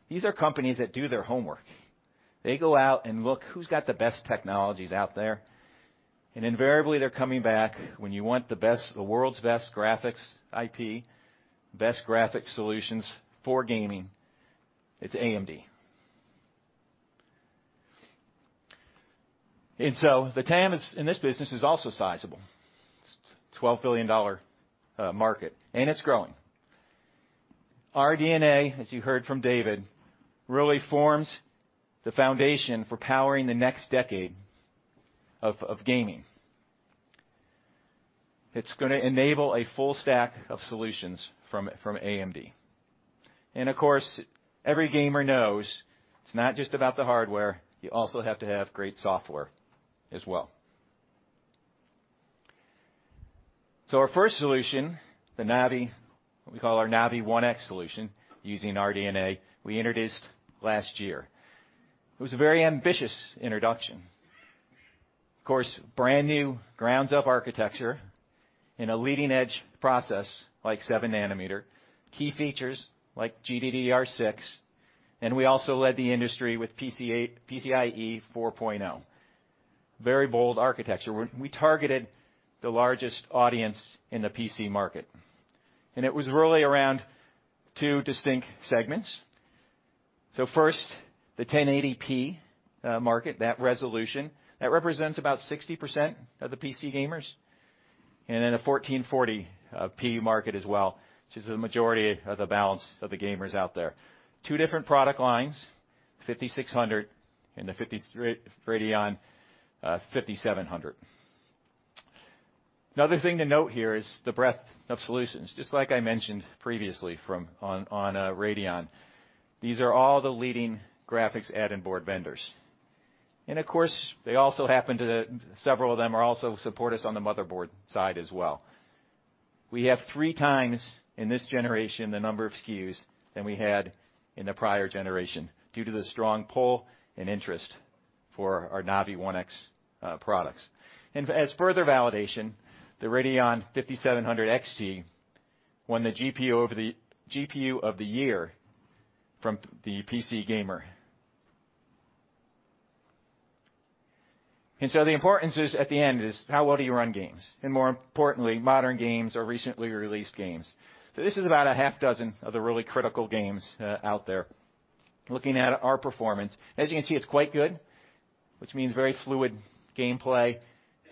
Speaker 4: These are companies that do their homework. They go out and look at who's got the best technologies out there. Invariably, they're coming back when you want the world's best graphics IP, best graphic solutions for gaming, it's AMD. The TAM in this business is also sizable. It's a $12 billion market, and it's growing. RDNA, as you heard from David, really forms the foundation for powering the next decade of gaming. It's going to enable a full stack of solutions from AMD. Of course, every gamer knows it's not just about the hardware, you also have to have great software as well. Our first solution, what we call our Navi 1x solution using RDNA, we introduced last year. It was a very ambitious introduction. Of course, brand-new grounds-up architecture in a leading-edge process like 7-nm. Key features like GDDR6, and we also led the industry with PCIe 4.0. Very bold architecture. We targeted the largest audience in the PC market. It was really around two distinct segments. First, the 1080p market, that resolution. That represents about 60% of the PC gamers. In a 1440p market as well, which is the majority of the balance of the gamers out there. Two different product lines, 5600 and the Radeon 5700. Another thing to note here is the breadth of solutions. Just like I mentioned previously on Radeon, these are all the leading graphics add-in board vendors. Of course, several of them also support us on the motherboard side as well. We have three times, in this generation, the number of SKUs than we had in the prior generation due to the strong pull and interest for our Navi 1x products. As further validation, the Radeon 5700 XT won the GPU of the year from the PC Gamer. The importance at the end is how well do you run games, and more importantly, modern games or recently released games. This is about a half dozen of the really critical games out there. Looking at our performance, as you can see, it's quite good, which means very fluid gameplay.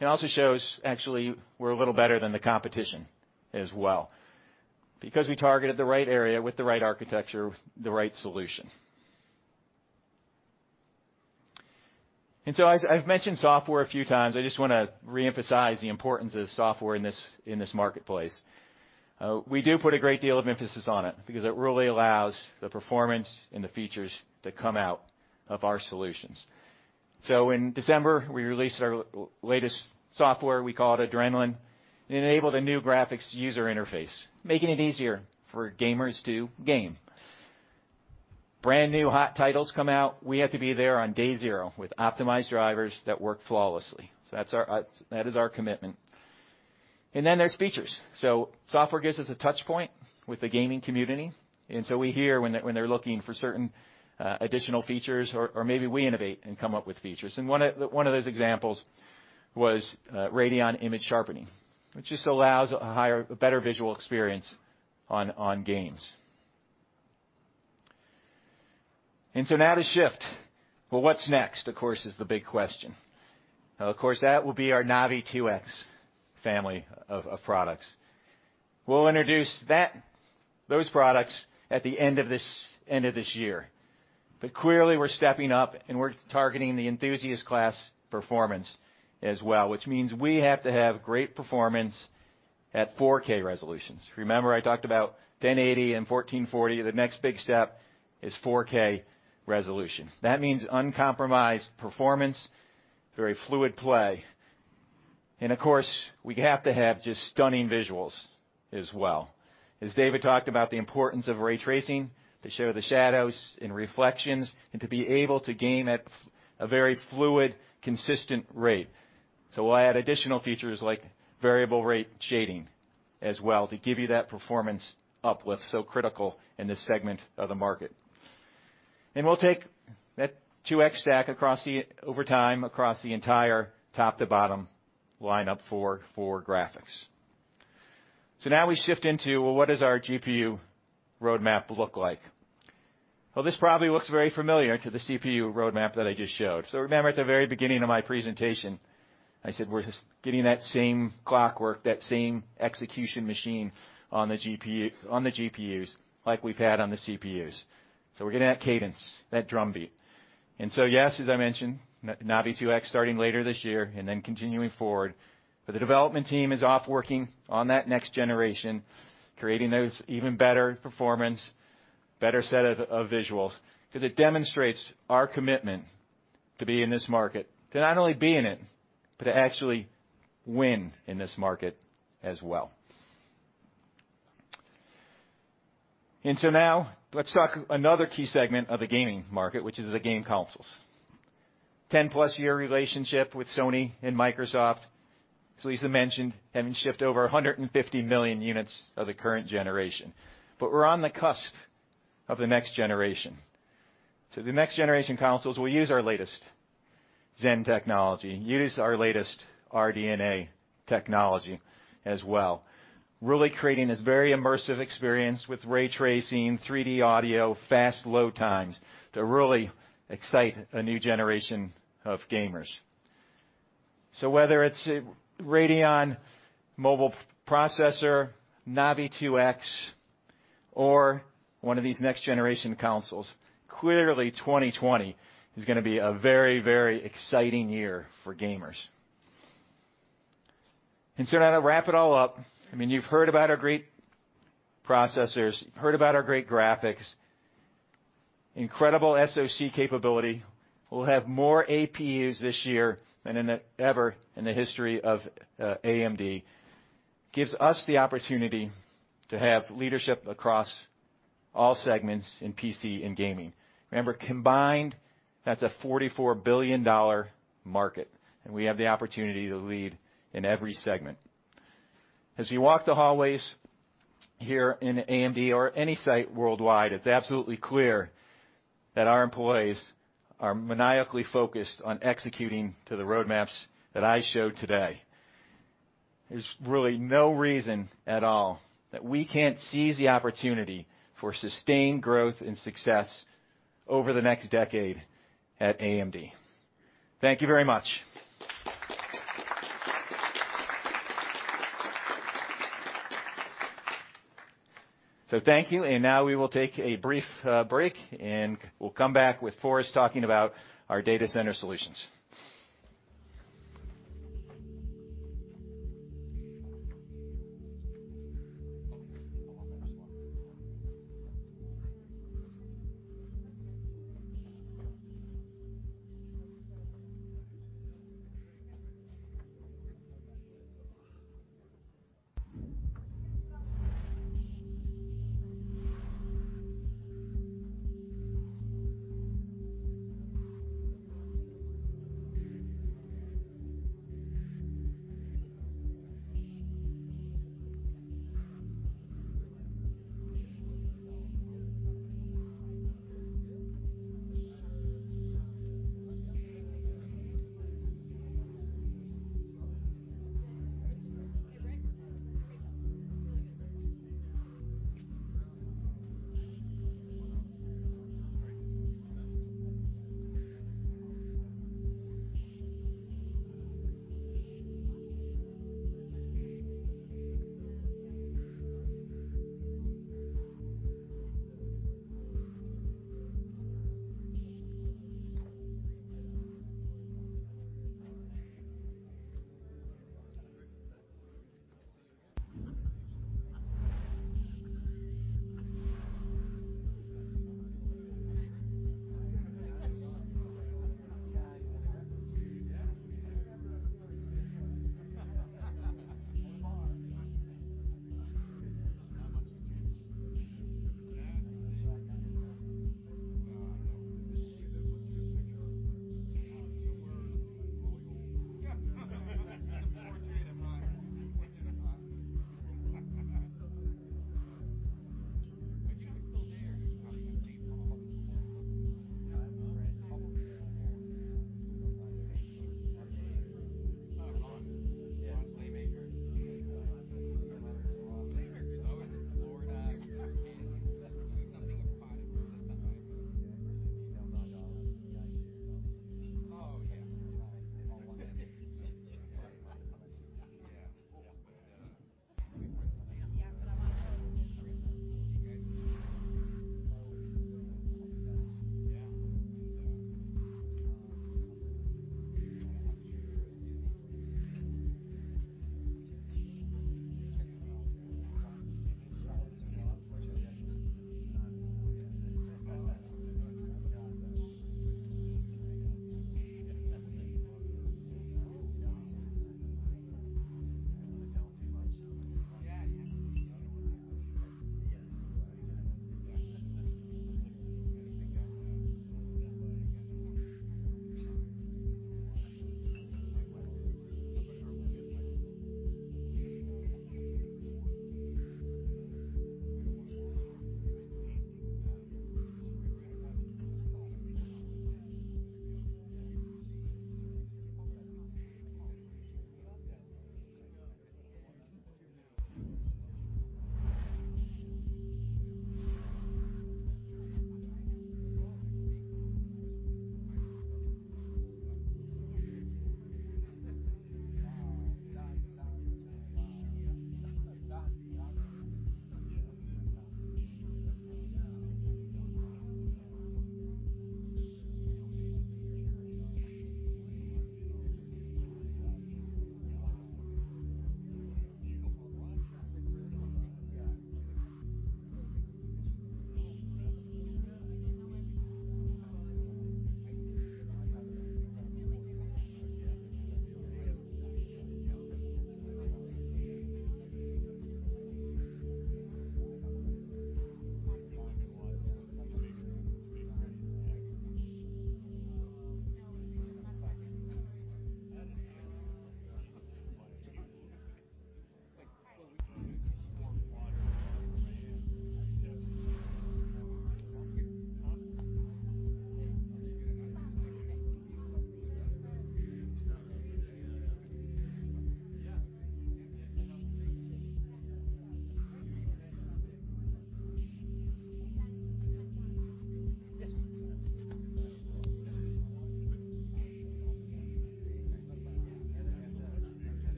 Speaker 4: It also shows, actually, we're a little better than the competition as well, because we targeted the right area with the right architecture, the right solution. I've mentioned software a few times. I just want to reemphasize the importance of software in this marketplace. We do put a great deal of emphasis on it, because it really allows the performance and the features to come out of our solutions. In December, we released our latest software, we call it Adrenalin. It enabled a new graphics user interface, making it easier for gamers to game. Brand-new hot titles come out, we have to be there on day zero with optimized drivers that work flawlessly. That is our commitment. There's features. Software gives us a touch point with the gaming community, and so we hear when they're looking for certain additional features, or maybe we innovate and come up with features. One of those examples was Radeon Image Sharpening, which just allows a better visual experience on games. Now to shift. Of course, what's next, of course, is the big question. Of course, that will be our Navi 2x family of products. We'll introduce those products at the end of this year. Clearly, we're stepping up and we're targeting the enthusiast class performance as well, which means we have to have great performance at 4K resolutions. If you remember, I talked about 1080p and 1440p. The next big step is 4K resolutions. That means uncompromised performance, very fluid play. Of course, we have to have just stunning visuals as well. As David talked about, the importance of ray tracing to show the shadows and reflections, and to be able to game at a very fluid, consistent rate. We'll add additional features like variable rate shading as well to give you that performance uplift, so critical in this segment of the market. We'll take that 2X stack over time, across the entire top to bottom lineup for graphics. Now we shift into, well, what does our GPU roadmap look like? Well, this probably looks very familiar to the CPU roadmap that I just showed. Remember at the very beginning of my presentation, I said we're getting that same clockwork, that same execution machine on the GPUs like we've had on the CPUs. We're getting that cadence, that drumbeat. Yes, as I mentioned, Navi 2x starting later this year and then continuing forward. The development team is off working on that next generation, creating those even better performance, better set of visuals, because it demonstrates our commitment to be in this market. To not only be in it, but to actually win in this market as well. Now let's talk another key segment of the gaming market, which is the game consoles. 10+ year relationship with Sony and Microsoft. As Lisa mentioned, having shipped over 150 million units of the current generation. We're on the cusp of the next generation. The next generation consoles will use our latest Zen technology and use our latest RDNA technology as well, really creating this very immersive experience with ray tracing, 3D audio, fast load times to really excite a new generation of gamers. Whether it's a Radeon mobile processor, Navi 2x, or one of these next-generation consoles, clearly 2020 is going to be a very, very exciting year for gamers. Now to wrap it all up. You've heard about our great processors, you've heard about our great graphics, incredible SoC capability. We'll have more APUs this year than ever in the history of AMD. Gives us the opportunity to have leadership across all segments in PC and gaming. Remember, combined, that's a $44 billion market, and we have the opportunity to lead in every segment. As you walk the hallways here in AMD or any site worldwide, it's absolutely clear that our employees are maniacally focused on executing to the roadmaps that I showed today. There's really no reason at all that we can't seize the opportunity for sustained growth and success over the next decade at AMD. Thank you very much. Thank you, and now we will take a brief break, and we'll come back with Forrest talking about our data center solutions. Thank you, and now we will take a brief break, and we'll come back with Forrest talking about our data center solutions.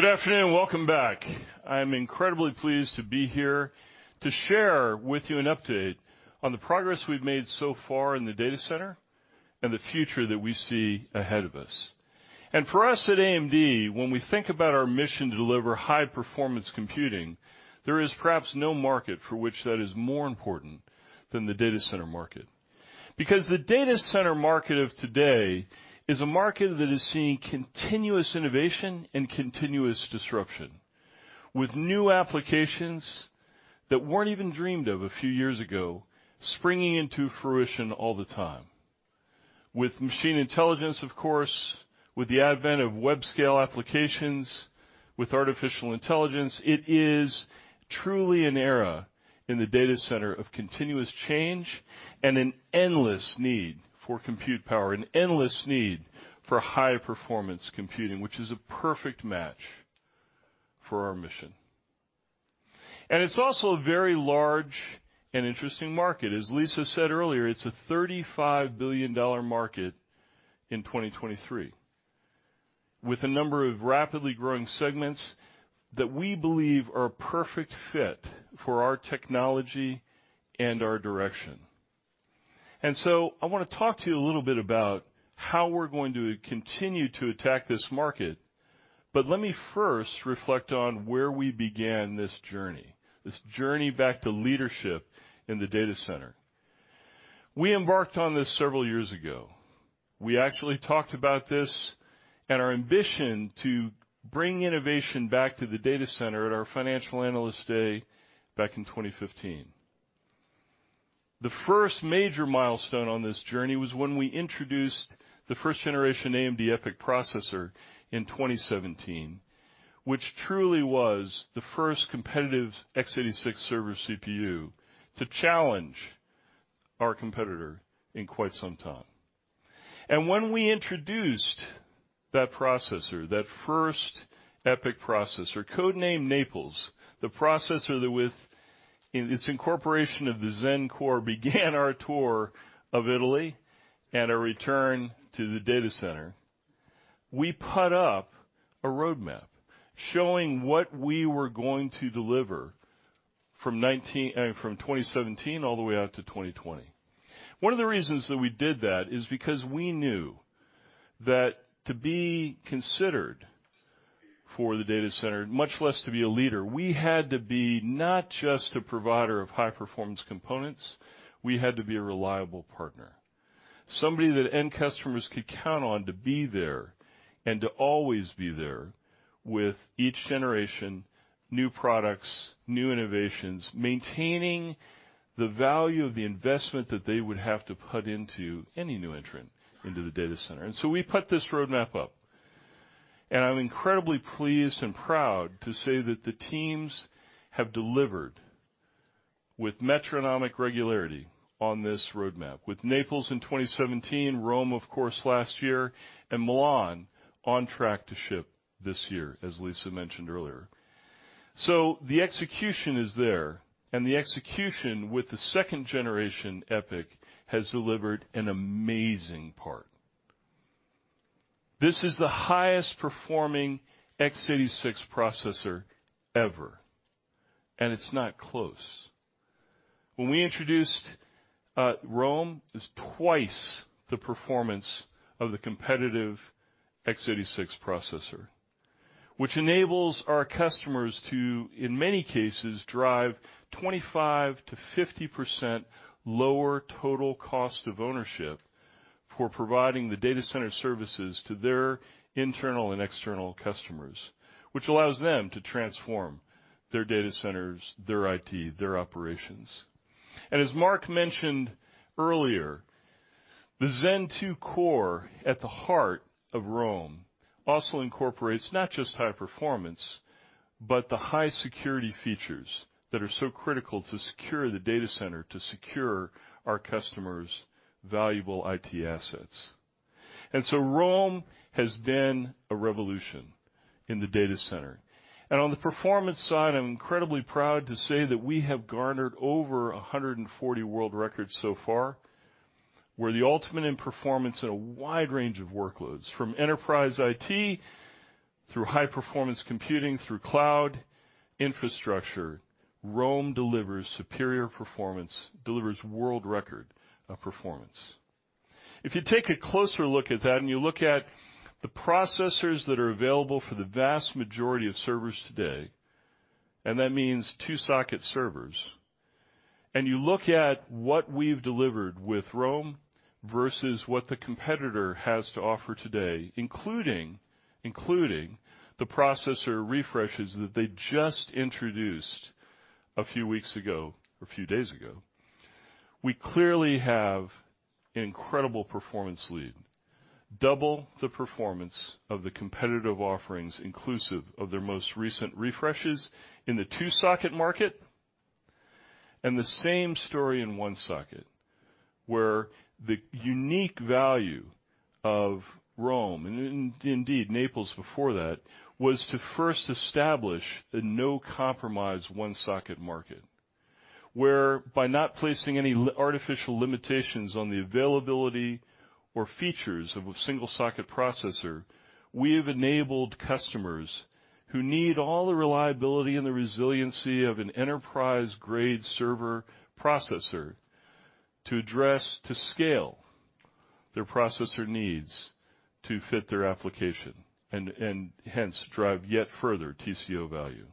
Speaker 5: Good afternoon. Welcome back. I'm incredibly pleased to be here to share with you an update on the progress we've made so far in the data center, and the future that we see ahead of us. For us at AMD, when we think about our mission to deliver high-performance computing, there is perhaps no market for which that is more important than the data center market. Because the data center market of today is a market that is seeing continuous innovation and continuous disruption, with new applications that weren't even dreamed of a few years ago springing into fruition all the time. With machine intelligence, of course, with the advent of web-scale applications, with artificial intelligence, it is truly an era in the data center of continuous change and an endless need for compute power, an endless need for high-performance computing, which is a perfect match for our mission. It's also a very large and interesting market. As Lisa said earlier, it's a $35 billion market in 2023, with a number of rapidly growing segments that we believe are a perfect fit for our technology and our direction. I want to talk to you a little bit about how we're going to continue to attack this market, but let me first reflect on where we began this journey, this journey back to leadership in the data center. We embarked on this several years ago. We actually talked about this and our ambition to bring innovation back to the data center at our Financial Analyst Day back in 2015. The first major milestone on this journey was when we introduced the first-generation AMD EPYC processor in 2017, which truly was the first competitive x86 server CPU to challenge our competitor in quite some time. When we introduced that processor, that first EPYC processor, code-named Naples, the processor that with its incorporation of the Zen core, began our tour of Italy and a return to the data center, we put up a roadmap showing what we were going to deliver from 2017 all the way out to 2020. One of the reasons that we did that is because we knew that to be considered for the data center, much less to be a leader, we had to be not just a provider of high-performance components, we had to be a reliable partner, somebody that end customers could count on to be there and to always be there with each generation, new products, new innovations, maintaining the value of the investment that they would have to put into any new entrant into the data center. We put this roadmap up, and I'm incredibly pleased and proud to say that the teams have delivered with metronomic regularity on this roadmap with Naples in 2017, Rome, of course, last year, and Milan on track to ship this year, as Lisa mentioned earlier. The execution is there, and the execution with the second-generation EPYC has delivered an amazing part. This is the highest-performing x86 processor ever, and it's not close. When we introduced Rome, it was twice the performance of the competitive x86 processor, which enables our customers to, in many cases, drive 25%-50% lower total cost of ownership for providing the data center services to their internal and external customers, which allows them to transform their data centers, their IT, their operations. As Mark mentioned earlier, the Zen 2 core at the heart of Rome also incorporates not just high performance, but the high security features that are so critical to secure the data center, to secure our customers' valuable IT assets. So Rome has been a revolution in the data center. On the performance side, I'm incredibly proud to say that we have garnered over 140 world records so far. We're the ultimate in performance in a wide range of workloads, from enterprise IT through high-performance computing, through cloud infrastructure, Rome delivers superior performance, delivers world-record performance. If you take a closer look at that, and you look at the processors that are available for the vast majority of servers today, and that means two-socket servers, and you look at what we've delivered with Rome versus what the competitor has to offer today, including the processor refreshes that they just introduced a few weeks ago or a few days ago, we clearly have incredible performance lead. Double the performance of the competitive offerings, inclusive of their most recent refreshes in the two-socket market, and the same story in one socket, where the unique value of Rome, and indeed Naples before that, was to first establish a no-compromise one-socket market. Where by not placing any artificial limitations on the availability or features of a single-socket processor, we have enabled customers who need all the reliability and the resiliency of an enterprise-grade server processor to address to scale their processor needs to fit their application and hence drive yet further TCO value.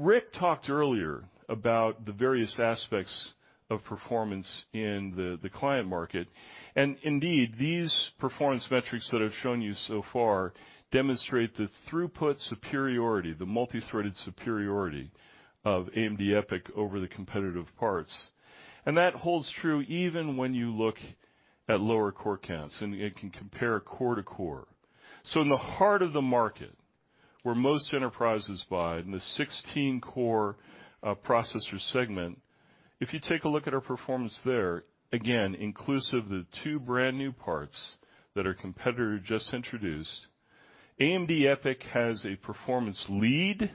Speaker 5: Rick talked earlier about the various aspects of performance in the client market. Indeed, these performance metrics that I've shown you so far demonstrate the throughput superiority, the multithreaded superiority of AMD EPYC over the competitive parts. That holds true even when you look at lower core counts and can compare core-to-core. In the heart of the market, where most enterprises buy, in the 16-core processor segment, if you take a look at our performance there, again, inclusive of the two brand-new parts that our competitor just introduced, AMD EPYC has a performance lead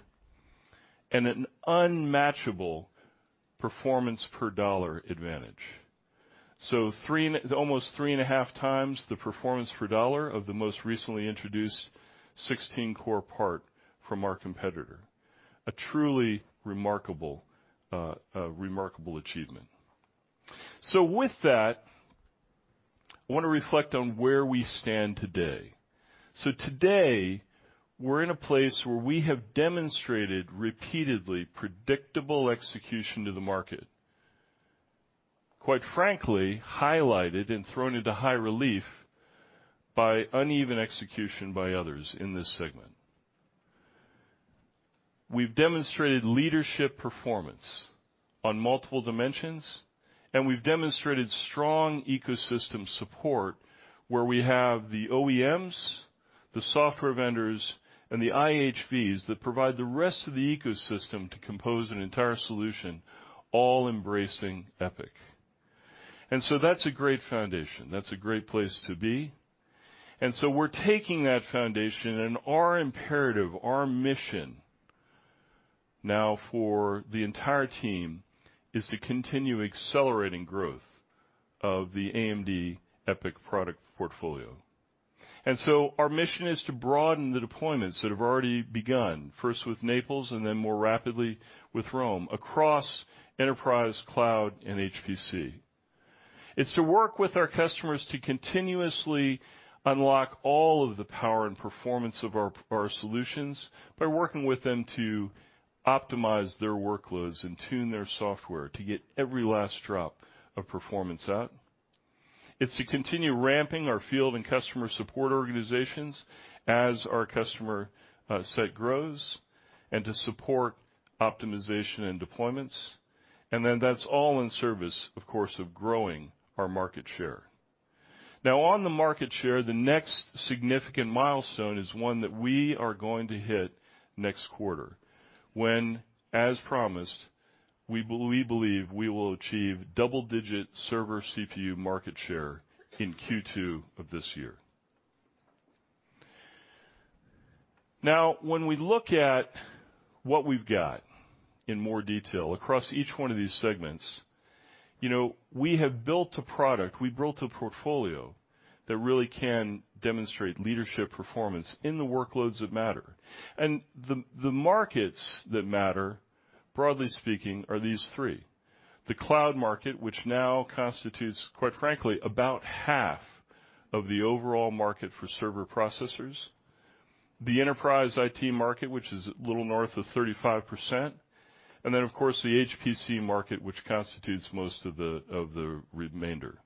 Speaker 5: and an unmatchable performance-per-dollar advantage. Almost three and a half times the performance per dollar of the most recently introduced 16-core part from our competitor. A truly remarkable achievement. With that, I want to reflect on where we stand today. Today, we're in a place where we have demonstrated repeatedly predictable execution to the market, quite frankly, highlighted and thrown into high relief by uneven execution by others in this segment. We've demonstrated leadership performance on multiple dimensions, and we've demonstrated strong ecosystem support where we have the OEMs, the software vendors, and the IHVs that provide the rest of the ecosystem to compose an entire solution, all embracing EPYC. That's a great foundation. That's a great place to be. We're taking that foundation and our imperative, our mission now for the entire team is to continue accelerating growth of the AMD EPYC product portfolio. Our mission is to broaden the deployments that have already begun, first with Naples and then more rapidly with Rome, across enterprise, cloud, and HPC. It's to work with our customers to continuously unlock all of the power and performance of our solutions by working with them to optimize their workloads and tune their software to get every last drop of performance out. It's to continue ramping our field and customer support organizations as our customer set grows and to support optimization and deployments. That's all in service, of course, of growing our market share. On the market share, the next significant milestone is one that we are going to hit next quarter, when, as promised, we believe we will achieve double-digit server CPU market share in Q2 of this year. When we look at what we've got in more detail across each one of these segments, we have built a product, we've built a portfolio that really can demonstrate leadership performance in the workloads that matter. The markets that matter, broadly speaking, are these three. The cloud market, which now constitutes, quite frankly, about half of the overall market for server processors. The enterprise IT market, which is a little north of 35%. Of course, the HPC market, which constitutes most of the remainder.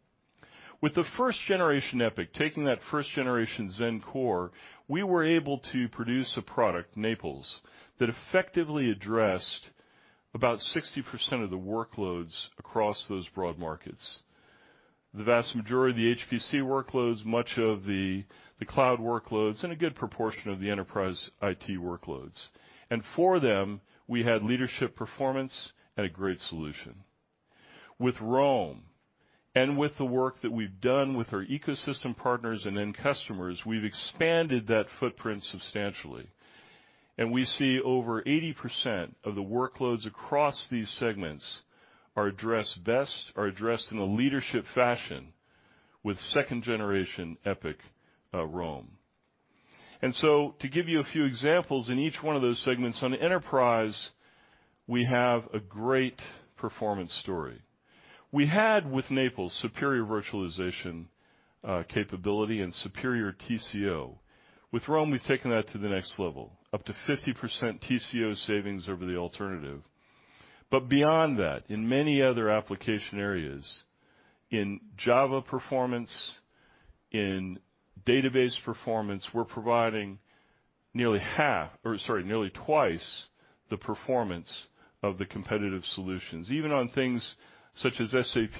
Speaker 5: With the first-generation EPYC, taking that first-generation Zen core, we were able to produce a product, Naples, that effectively addressed about 60% of the workloads across those broad markets. The vast majority of the HPC workloads, much of the cloud workloads, and a good proportion of the enterprise IT workloads. For them, we had leadership performance and a great solution. With Rome, with the work that we've done with our ecosystem partners and end customers, we've expanded that footprint substantially, and we see over 80% of the workloads across these segments are addressed in a leadership fashion with second-generation EPYC Rome. To give you a few examples in each one of those segments, on enterprise, we have a great performance story. We had with Naples, superior virtualization capability and superior TCO. With Rome, we've taken that to the next level, up to 50% TCO savings over the alternative. Beyond that, in many other application areas, in Java performance, in database performance, we're providing nearly twice the performance of the competitive solutions. Even on things such as SAP,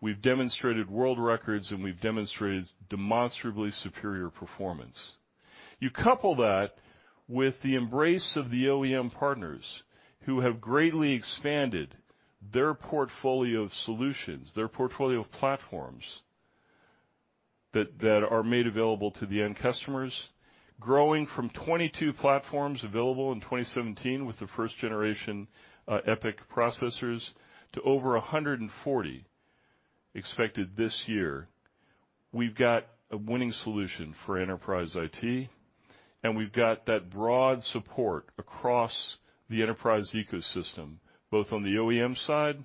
Speaker 5: we've demonstrated world records, and we've demonstrated demonstrably superior performance. You couple that with the embrace of the OEM partners who have greatly expanded their portfolio of solutions, their portfolio of platforms that are made available to the end customers, growing from 22 platforms available in 2017 with the first-generation EPYC processors to over 140 expected this year. We've got a winning solution for enterprise IT, and we've got that broad support across the enterprise ecosystem, both on the OEM side,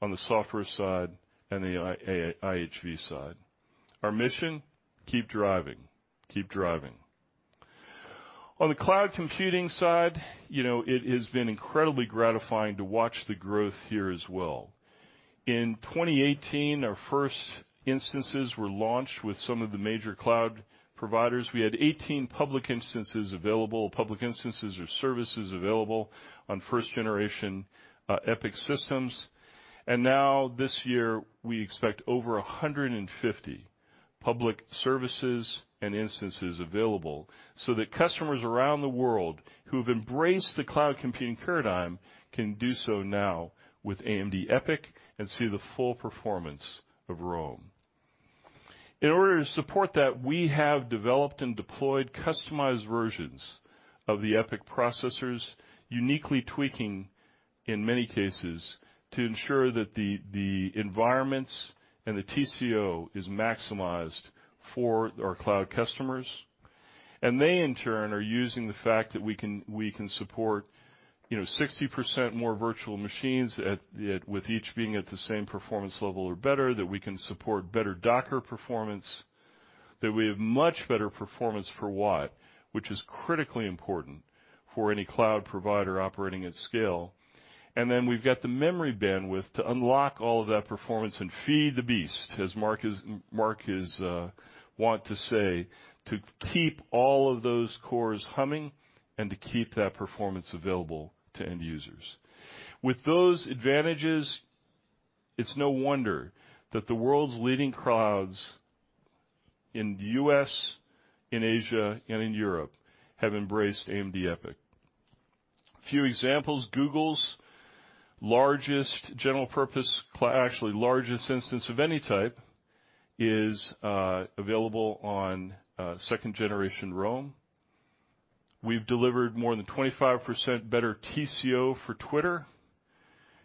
Speaker 5: on the software side, and the IHV side. Our mission, keep driving. On the cloud computing side, it has been incredibly gratifying to watch the growth here as well. In 2018, our first instances were launched with some of the major cloud providers. We had 18 public instances available, public instances or services available on first-generation EPYC systems. Now this year, we expect over 150 public services and instances available so that customers around the world who've embraced the cloud computing paradigm can do so now with AMD EPYC and see the full performance of Rome. In order to support that, we have developed and deployed customized versions of the EPYC processors, uniquely tweaking, in many cases, to ensure that the environments and the TCO is maximized for our cloud customers. They, in turn, are using the fact that we can support 60% more virtual machines with each being at the same performance level or better, that we can support better Docker performance, that we have much better performance per watt, which is critically important for any cloud provider operating at scale. We've got the memory bandwidth to unlock all of that performance and feed the beast, as Mark is wont to say, to keep all of those cores humming and to keep that performance available to end users. With those advantages, it's no wonder that the world's leading clouds in the U.S., in Asia, and in Europe have embraced AMD EPYC. A few examples, Google's largest general purpose, actually largest instance of any type, is available on second generation Rome. We've delivered more than 25% better TCO for Twitter.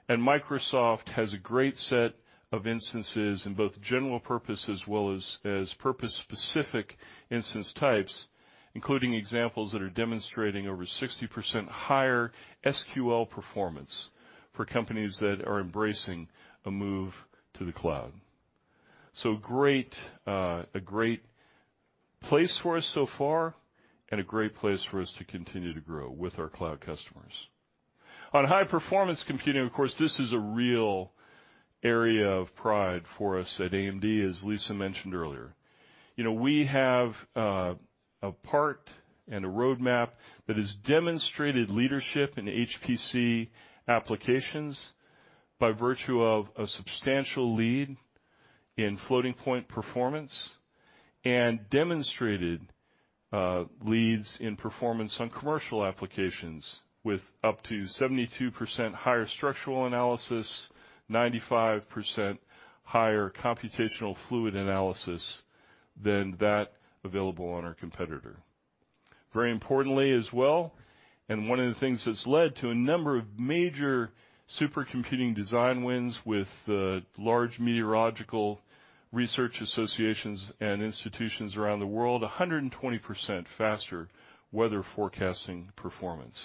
Speaker 5: Microsoft has a great set of instances in both general purpose as well as purpose-specific instance types, including examples that are demonstrating over 60% higher SQL performance for companies that are embracing a move to the cloud. A great place for us so far and a great place for us to continue to grow with our cloud customers. High-performance computing, of course, this is a real area of pride for us at AMD, as Lisa mentioned earlier. We have a part and a roadmap that has demonstrated leadership in HPC applications by virtue of a substantial lead in floating point performance, and demonstrated leads in performance on commercial applications with up to 72% higher structural analysis, 95% higher computational fluid analysis than that available on our competitor. Very importantly as well, one of the things that's led to a number of major supercomputing design wins with large meteorological research associations and institutions around the world, 120% faster weather forecasting performance.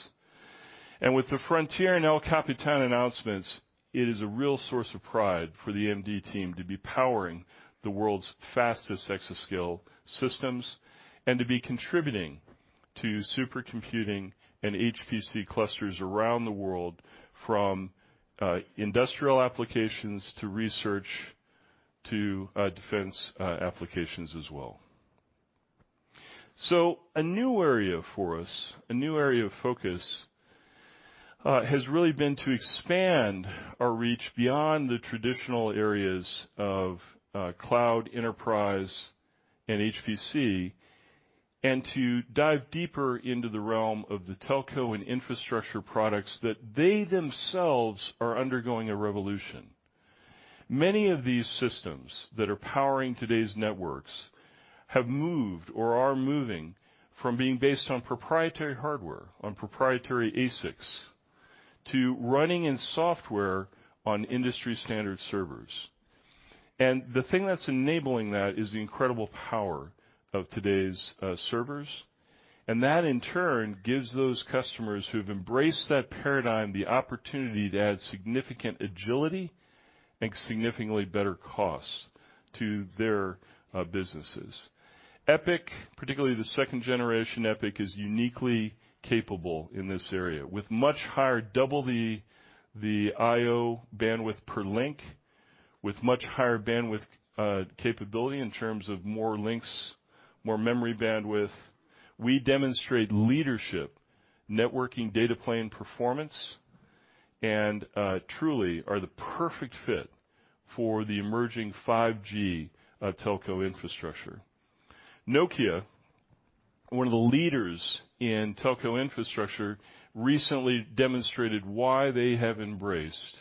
Speaker 5: With the Frontier and El Capitan announcements, it is a real source of pride for the AMD team to be powering the world's fastest exascale systems and to be contributing to supercomputing and HPC clusters around the world, from industrial applications to research, to defense applications as well. A new area for us, a new area of focus, has really been to expand our reach beyond the traditional areas of cloud enterprise and HPC, and to dive deeper into the realm of the telco and infrastructure products that they themselves are undergoing a revolution. Many of these systems that are powering today's networks have moved or are moving from being based on proprietary hardware, on proprietary ASICs, to running in software on industry-standard servers. The thing that's enabling that is the incredible power of today's servers. That, in turn, gives those customers who've embraced that paradigm the opportunity to add significant agility and significantly better costs to their businesses. EPYC, particularly the second generation EPYC, is uniquely capable in this area. With much higher, double the IO bandwidth per link, with much higher bandwidth capability in terms of more links, more memory bandwidth, we demonstrate leadership networking data plane performance, and truly are the perfect fit for the emerging 5G telco infrastructure. Nokia, one of the leaders in telco infrastructure, recently demonstrated why they have embraced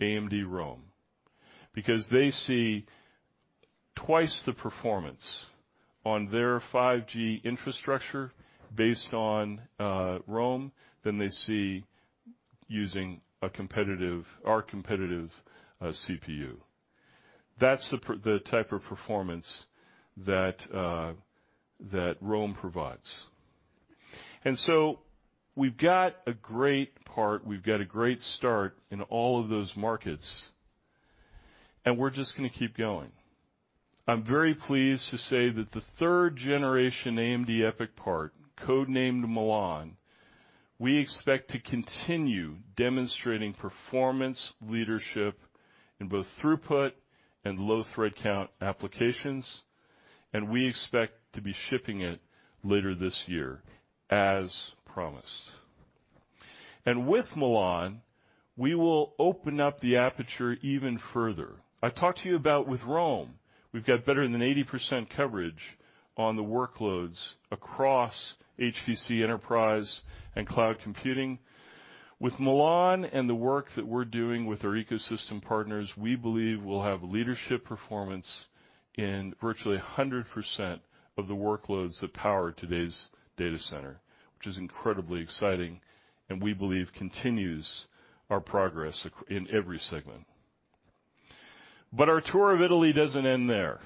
Speaker 5: AMD Rome. Because they see twice the performance on their 5G infrastructure based on Rome than they see using our competitive CPU. That's the type of performance that Rome provides. We've got a great part, we've got a great start in all of those markets, and we're just going to keep going. I'm very pleased to say that the third generation AMD EPYC part, codenamed Milan, we expect to continue demonstrating performance leadership in both throughput and low thread count applications, and we expect to be shipping it later this year, as promised. With Milan, we will open up the aperture even further. I talked to you about with Rome, we've got better than 80% coverage on the workloads across HPC enterprise and cloud computing. With Milan and the work that we're doing with our ecosystem partners, we believe we'll have leadership performance in virtually 100% of the workloads that power today's data center, which is incredibly exciting and we believe continues our progress in every segment. Our tour of Italy doesn't end there.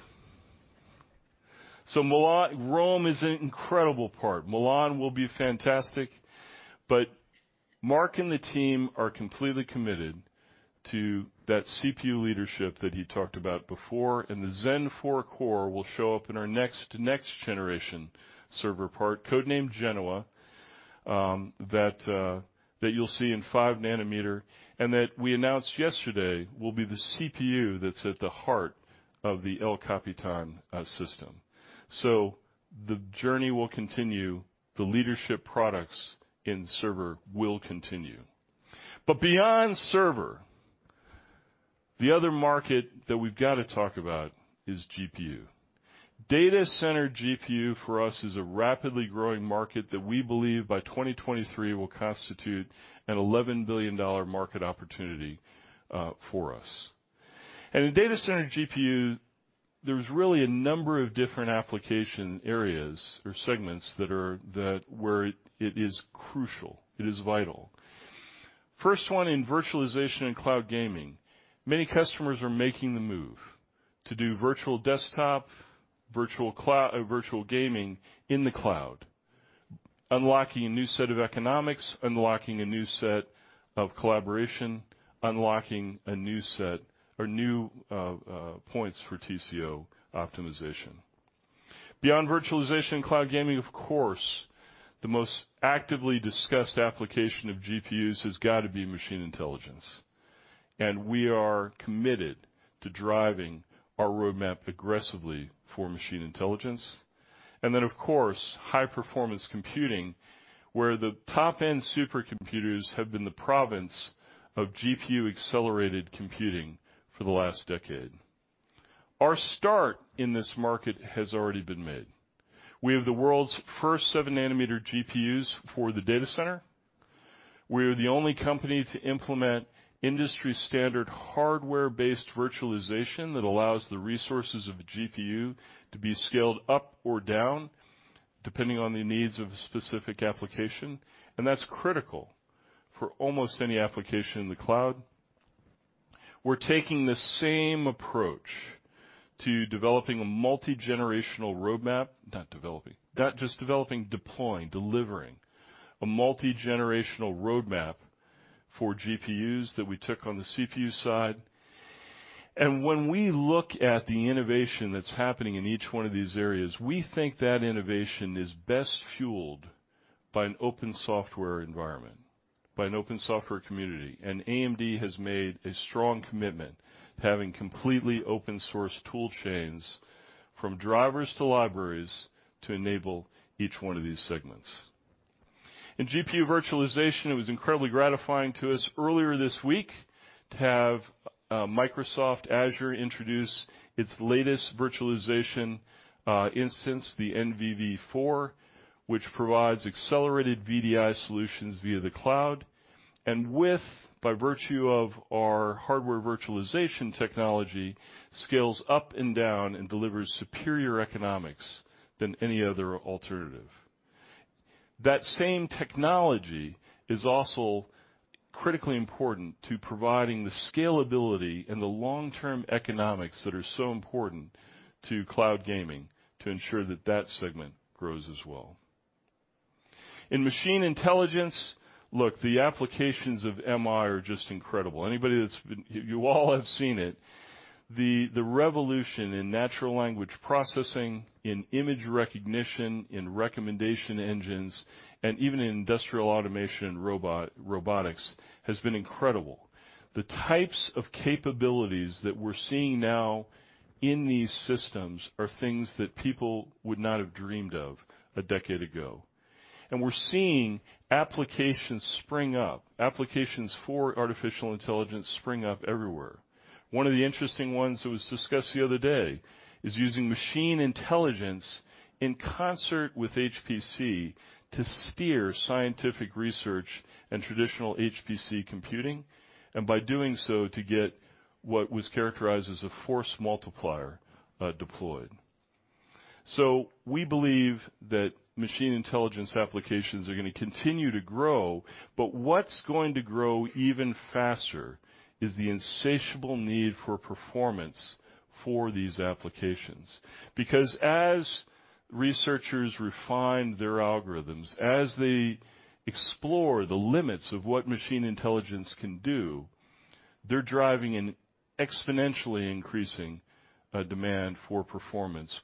Speaker 5: Rome is an incredible part. Milan will be fantastic. Mark and the team are completely committed to that CPU leadership that he talked about before, and the Zen 4 core will show up in our next generation server part, codenamed Genoa, that you'll see in 5 nm and that we announced yesterday will be the CPU that's at the heart of the El Capitan system. The journey will continue. The leadership products in server will continue. Beyond server, the other market that we've got to talk about is GPU. Data center GPU for us is a rapidly growing market that we believe by 2023 will constitute an $11 billion market opportunity for us. In data center GPU, there's really a number of different application areas or segments where it is crucial, it is vital. First one in virtualization and cloud gaming. Many customers are making the move to do virtual desktop, virtual gaming in the cloud, unlocking a new set of economics, unlocking a new set of collaboration, unlocking new points for TCO optimization. Beyond virtualization and cloud gaming, of course, the most actively discussed application of GPUs has got to be machine intelligence. We are committed to driving our roadmap aggressively for machine intelligence. Then, of course, high performance computing, where the top-end supercomputers have been the province of GPU-accelerated computing for the last decade. Our start in this market has already been made. We have the world's first 7-nm GPUs for the data center. We are the only company to implement industry-standard, hardware-based virtualization that allows the resources of a GPU to be scaled up or down depending on the needs of a specific application. That's critical for almost any application in the cloud. We're taking the same approach to developing a multi-generational roadmap, not just developing, deploying, delivering a multi-generational roadmap for GPUs that we took on the CPU side. When we look at the innovation that's happening in each one of these areas, we think that innovation is best fueled by an open software environment, by an open software community. AMD has made a strong commitment to having completely open-source tool chains, from drivers to libraries, to enable each one of these segments. In GPU virtualization, it was incredibly gratifying to us earlier this week to have Microsoft Azure introduce its latest virtualization instance, the NVv4, which provides accelerated VDI solutions via the cloud. With, by virtue of our hardware virtualization technology, scales up and down and delivers superior economics than any other alternative. That same technology is also critically important to providing the scalability and the long-term economics that are so important to cloud gaming to ensure that that segment grows as well. In machine intelligence, look, the applications of MI are just incredible. You all have seen it. The revolution in natural language processing, in image recognition, in recommendation engines, and even in industrial automation robotics has been incredible. The types of capabilities that we're seeing now in these systems are things that people would not have dreamed of a decade ago. We're seeing applications spring up, applications for artificial intelligence spring up everywhere. One of the interesting ones that was discussed the other day is using machine intelligence in concert with HPC to steer scientific research and traditional HPC computing, and by doing so, to get what was characterized as a force multiplier deployed. We believe that machine intelligence applications are going to continue to grow, but what's going to grow even faster is the insatiable need for performance for these applications. Because as researchers refine their algorithms, as they explore the limits of what machine intelligence can do, they're driving an exponentially increasing demand for performance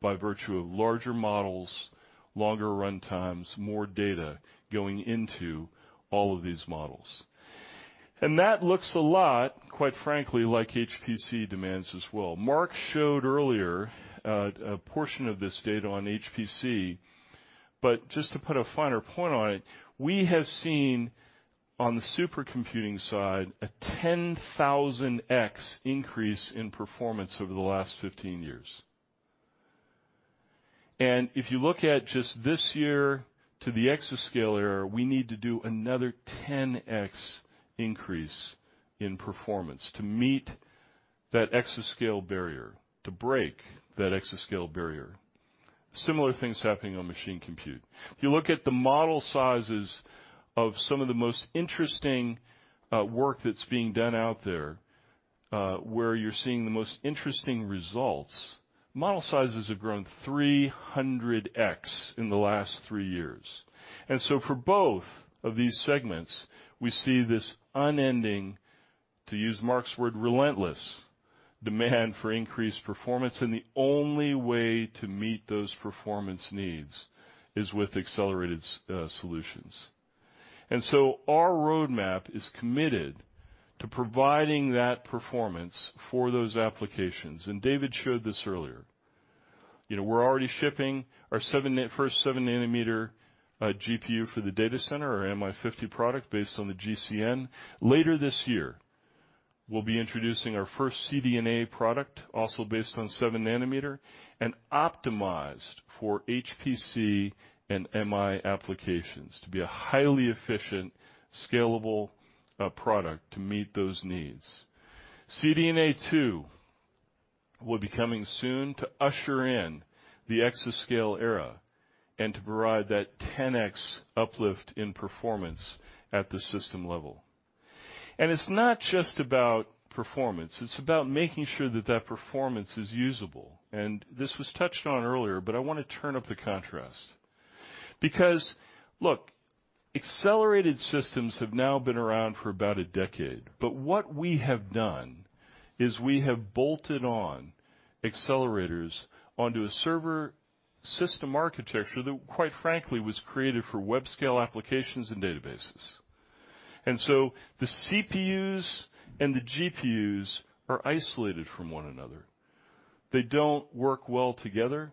Speaker 5: by virtue of larger models, longer runtimes, more data going into all of these models. That looks a lot, quite frankly, like HPC demands as well. Mark showed earlier a portion of this data on HPC. Just to put a finer point on it, we have seen, on the super computing side, a 10,000X increase in performance over the last 15 years. If you look at just this year to the exascale era, we need to do another 10X increase in performance to meet that exascale barrier, to break that exascale barrier. Similar things happening on machine compute. If you look at the model sizes of some of the most interesting work that's being done out there, where you're seeing the most interesting results, model sizes have grown 300X in the last three years. For both of these segments, we see this unending, to use Mark's word, relentless demand for increased performance, and the only way to meet those performance needs is with accelerated solutions. Our roadmap is committed to providing that performance for those applications, and David showed this earlier. We're already shipping our first 7-nm GPU for the data center, our MI50 product based on the GCN. Later this year, we'll be introducing our first CDNA product, also based on 7-nm and optimized for HPC and MI applications to be a highly efficient, scalable product to meet those needs. CDNA 2 will be coming soon to usher in the exascale era and to provide that 10X uplift in performance at the system level. It's not just about performance, it's about making sure that that performance is usable. This was touched on earlier, but I want to turn up the contrast. Look, accelerated systems have now been around for about a decade. What we have done is we have bolted on accelerators onto a server system architecture that, quite frankly, was created for web scale applications and databases. The CPUs and the GPUs are isolated from one another. They don't work well together,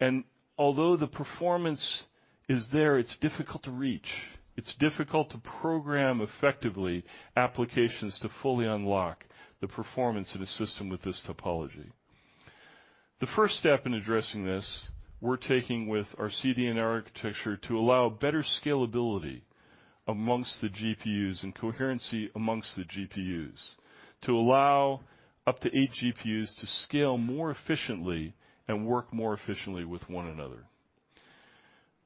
Speaker 5: and although the performance is there, it's difficult to reach. It's difficult to program effectively applications to fully unlock the performance in a system with this topology. The first step in addressing this, we're taking with our CDNA architecture to allow better scalability amongst the GPUs and coherency amongst the GPUs to allow up to eight GPUs to scale more efficiently and work more efficiently with one another.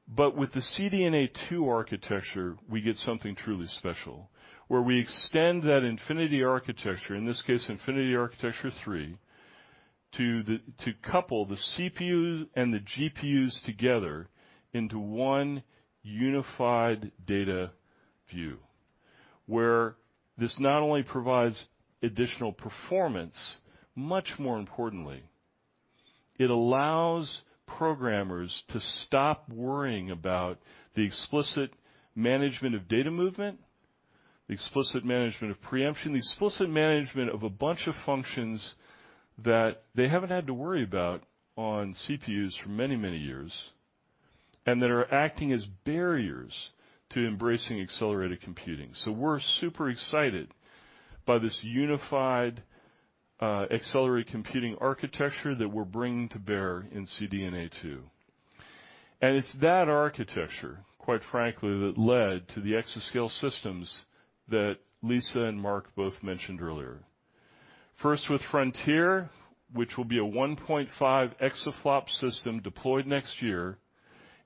Speaker 5: With the CDNA 2 architecture, we get something truly special, where we extend that Infinity Architecture, in this case, Infinity Architecture 3, to couple the CPU and the GPUs together into one unified data view, where this not only provides additional performance, much more importantly, it allows programmers to stop worrying about the explicit management of data movement, the explicit management of preemption, the explicit management of a bunch of functions that they haven't had to worry about on CPUs for many, many years, and that are acting as barriers to embracing accelerated computing. We're super excited by this unified accelerated computing architecture that we're bringing to bear in CDNA 2. It's that architecture, quite frankly, that led to the exascale systems that Lisa and Mark both mentioned earlier. First with Frontier, which will be a 1.5 exaflop system deployed next year,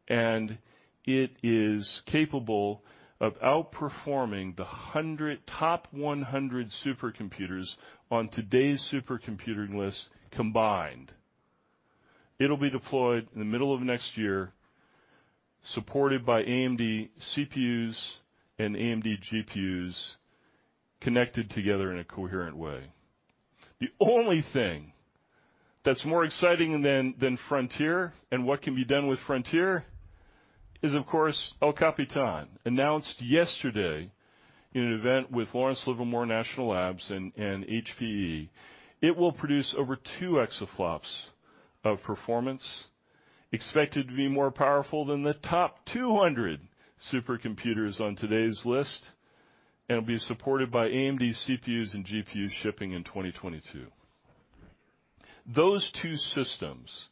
Speaker 5: and it is capable of outperforming the top 100 supercomputers on today's supercomputing list combined. It'll be deployed in the middle of next year, supported by AMD CPUs and AMD GPUs connected together in a coherent way. The only thing that's more exciting than Frontier and what can be done with Frontier is, of course, El Capitan, announced yesterday in an event with Lawrence Livermore National Laboratory and Hewlett Packard Enterprise. It will produce over two exaflops of performance, expected to be more powerful than the top 200 supercomputers on today's list. It'll be supported by AMD CPUs and GPU shipping in 2022. Those two systems,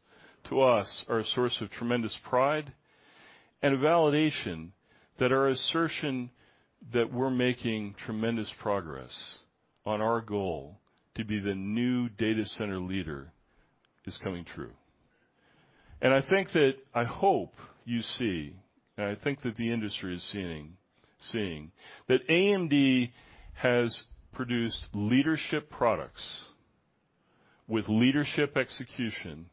Speaker 5: to us, are a source of tremendous pride and a validation that our assertion that we're making tremendous progress on our goal to be the new data center leader is coming true. I think that, I hope you see, and I think that the industry is seeing that AMD has produced leadership products with leadership execution,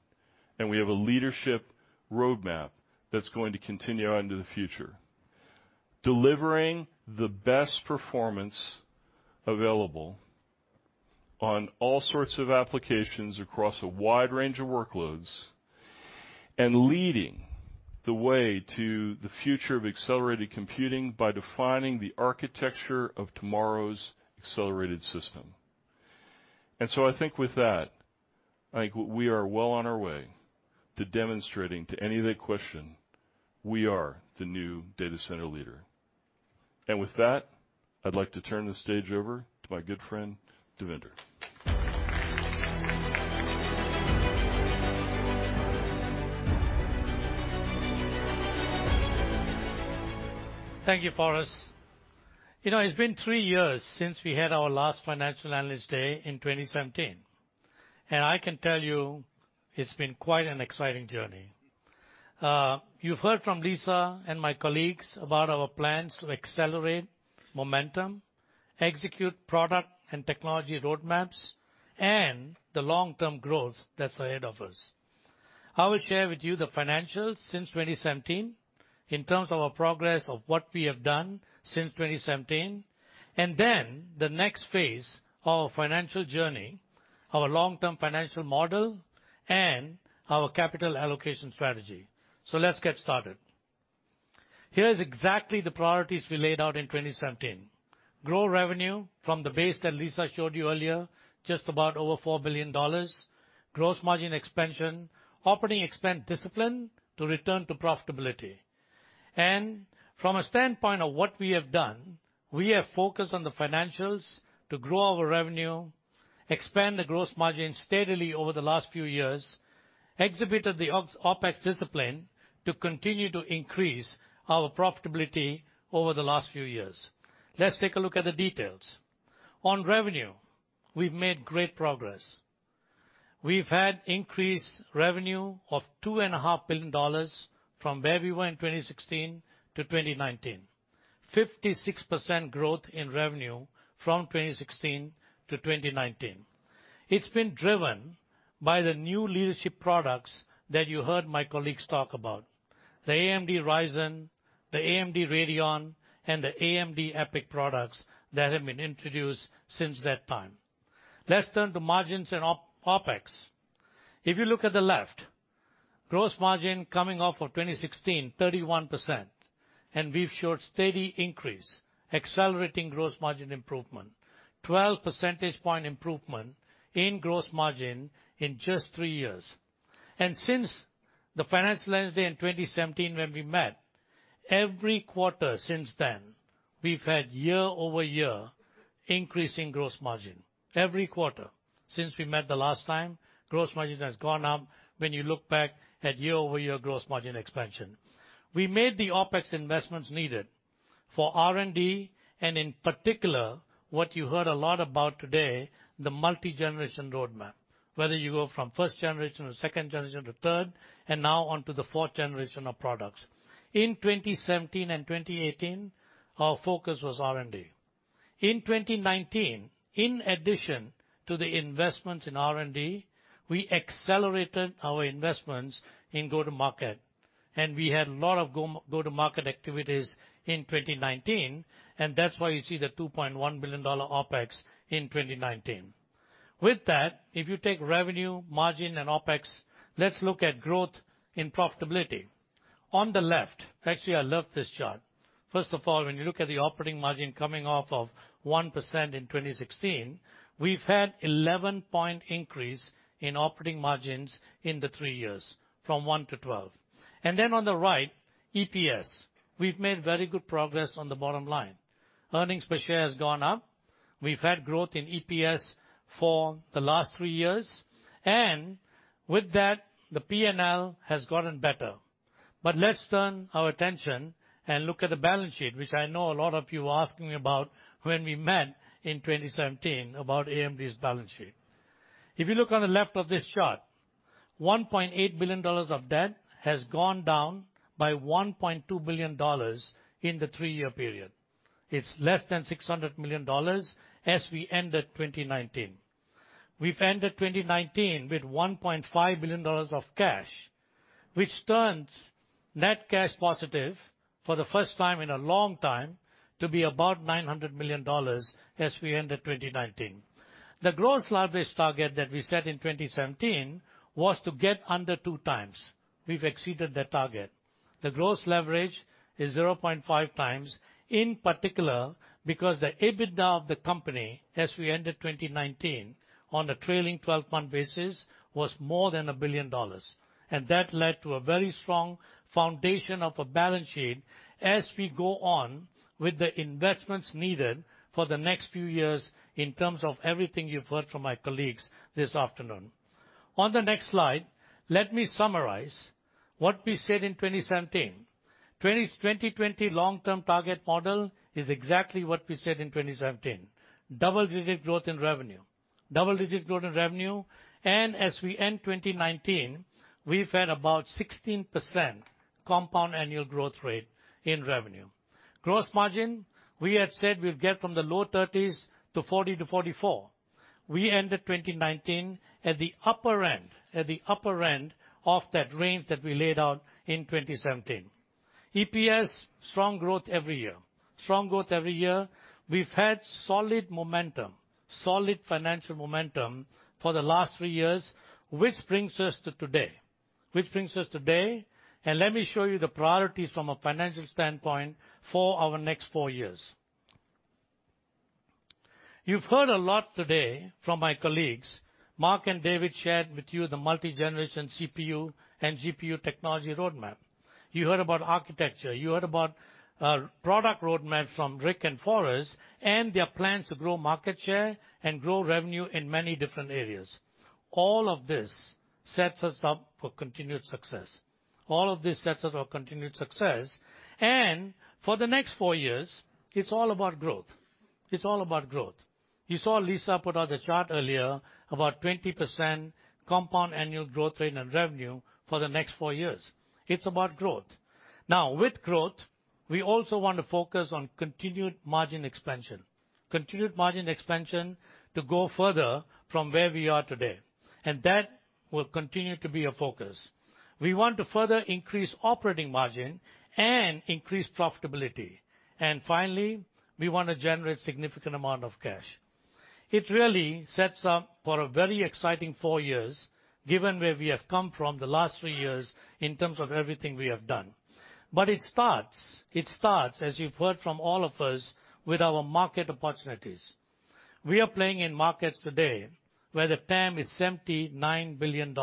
Speaker 5: and we have a leadership roadmap that's going to continue on into the future, delivering the best performance available on all sorts of applications across a wide range of workloads, and leading the way to the future of accelerated computing by defining the architecture of tomorrow's accelerated system. I think with that, I think we are well on our way to demonstrating to any of the question, we are the new data center leader. With that, I'd like to turn the stage over to my good friend, Devinder.
Speaker 6: Thank you, Forrest. It's been three years since we had our last Financial Analyst Day in 2017. I can tell you it's been quite an exciting journey. You've heard from Lisa and my colleagues about our plans to accelerate momentum, execute product and technology roadmaps, and the long-term growth that's ahead of us. I will share with you the financials since 2017 in terms of our progress of what we have done since 2017, the next phase of our financial journey, our long-term financial model, and our capital allocation strategy. Let's get started. Here is exactly the priorities we laid out in 2017. Grow revenue from the base that Lisa showed you earlier, just about over $4 billion. Gross margin expansion. Operating expense discipline to return to profitability. From a standpoint of what we have done, we have focused on the financials to grow our revenue, expand the gross margin steadily over the last few years, exhibited the OpEx discipline to continue to increase our profitability over the last few years. Let's take a look at the details. On revenue, we've made great progress. We've had increased revenue of $2.5 billion from where we were in 2016 to 2019, 56% growth in revenue from 2016 to 2019. It's been driven by the new leadership products that you heard my colleagues talk about. The AMD Ryzen, the AMD Radeon, and the AMD EPYC products that have been introduced since that time. Let's turn to margins and OpEx. If you look at the left, gross margin coming off of 2016, 31%, we've showed steady increase, accelerating gross margin improvement, 12 percentage point improvement in gross margin in just three years. Since the Financial Analyst Day in 2017 when we met, every quarter since then, we've had year-over-year increase in gross margin. Every quarter since we met the last time, gross margin has gone up, when you look back at year-over-year gross margin expansion. We made the OpEx investments needed for R&D, in particular, what you heard a lot about today, the multi-generation roadmap. Whether you go from 1st generation to 2nd generation to 3rd, now onto the 4th generation of products. In 2017 and 2018, our focus was R&D. In 2019, in addition to the investments in R&D, we accelerated our investments in go-to-market, we had a lot of go-to-market activities in 2019, that's why you see the $2.1 billion OpEx in 2019. With that, if you take revenue, margin, and OpEx, let's look at growth in profitability. Actually, I love this chart. First of all, when you look at the operating margin coming off of 1% in 2016, we've had 11-point increase in operating margins in the three years, from 1 to 12. Then on the right, EPS. We've made very good progress on the bottom line. Earnings per share has gone up. We've had growth in EPS for the last three years. With that, the P&L has gotten better. Let's turn our attention and look at the balance sheet, which I know a lot of you were asking about when we met in 2017, about AMD's balance sheet. If you look on the left of this chart, $1.8 billion of debt has gone down by $1.2 billion in the three-year period. It's less than $600 million as we ended 2019. We've ended 2019 with $1.5 billion of cash, which turns net cash positive for the first time in a long time to be about $900 million as we ended 2019. The gross leverage target that we set in 2017 was to get under 2x. We've exceeded that target. The gross leverage is 0.5x, in particular, because the EBITDA of the company as we ended 2019 on a trailing 12-month basis, was more than a billion dollars. That led to a very strong foundation of a balance sheet as we go on with the investments needed for the next few years in terms of everything you've heard from my colleagues this afternoon. On the next slide, let me summarize what we said in 2017. 2020 long-term target model is exactly what we said in 2017. Double-digit growth in revenue. Double-digit growth in revenue, and as we end 2019, we've had about 16% compound annual growth rate in revenue. Gross margin, we had said we'll get from the low 30s to 40%-44%. We ended 2019 at the upper end of that range that we laid out in 2017. EPS, strong growth every year. We've had solid momentum, solid financial momentum for the last three years, which brings us to today. Let me show you the priorities from a financial standpoint for our next four years. You've heard a lot today from my colleagues. Mark and David shared with you the multi-generation CPU and GPU technology roadmap. You heard about architecture, you heard about product roadmap from Rick and Forrest, and their plans to grow market share and grow revenue in many different areas. All of this sets us up for continued success. For the next four years, it's all about growth. You saw Lisa put out a chart earlier about 20% compound annual growth rate and revenue for the next four years. It's about growth. Now, with growth, we also want to focus on continued margin expansion. Continued margin expansion to go further from where we are today. That will continue to be a focus. We want to further increase operating margin and increase profitability. Finally, we want to generate significant amount of cash. It really sets up for a very exciting four years, given where we have come from the last three years in terms of everything we have done. It starts, as you've heard from all of us, with our market opportunities. We are playing in markets today where the TAM is $79 billion.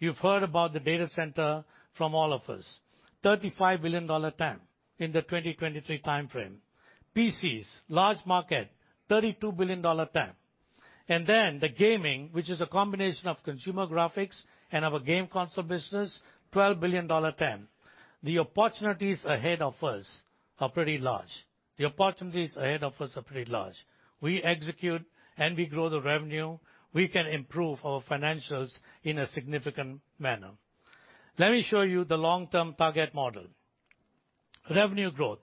Speaker 6: You've heard about the data center from all of us. $35 billion TAM in the 2023 timeframe. PCs, large market, $32 billion TAM. The gaming, which is a combination of consumer graphics and our game console business, $12 billion TAM. The opportunities ahead of us are pretty large. We execute and we grow the revenue, we can improve our financials in a significant manner. Let me show you the long-term target model. Revenue growth,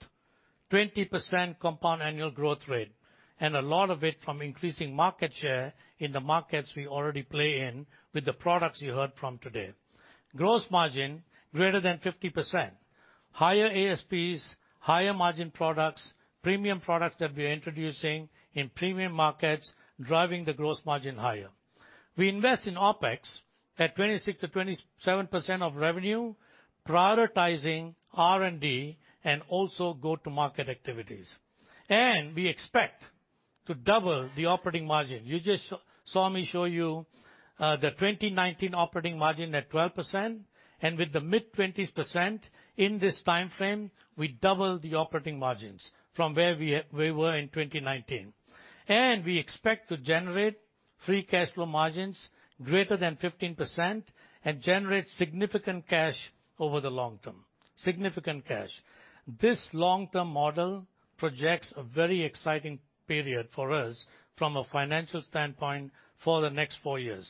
Speaker 6: 20% compound annual growth rate, a lot of it from increasing market share in the markets we already play in with the products you heard from today. Gross margin greater than 50%, higher ASPs, higher margin products, premium products that we're introducing in premium markets, driving the gross margin higher. We invest in OpEx at 26%-27% of revenue, prioritizing R&D and also go-to-market activities. We expect to double the operating margin. You just saw me show you the 2019 operating margin at 12%, and with the mid-20s% in this time frame, we double the operating margins from where we were in 2019. We expect to generate free cash flow margins greater than 15% and generate significant cash over the long term. Significant cash. This long-term model projects a very exciting period for us from a financial standpoint for the next four years.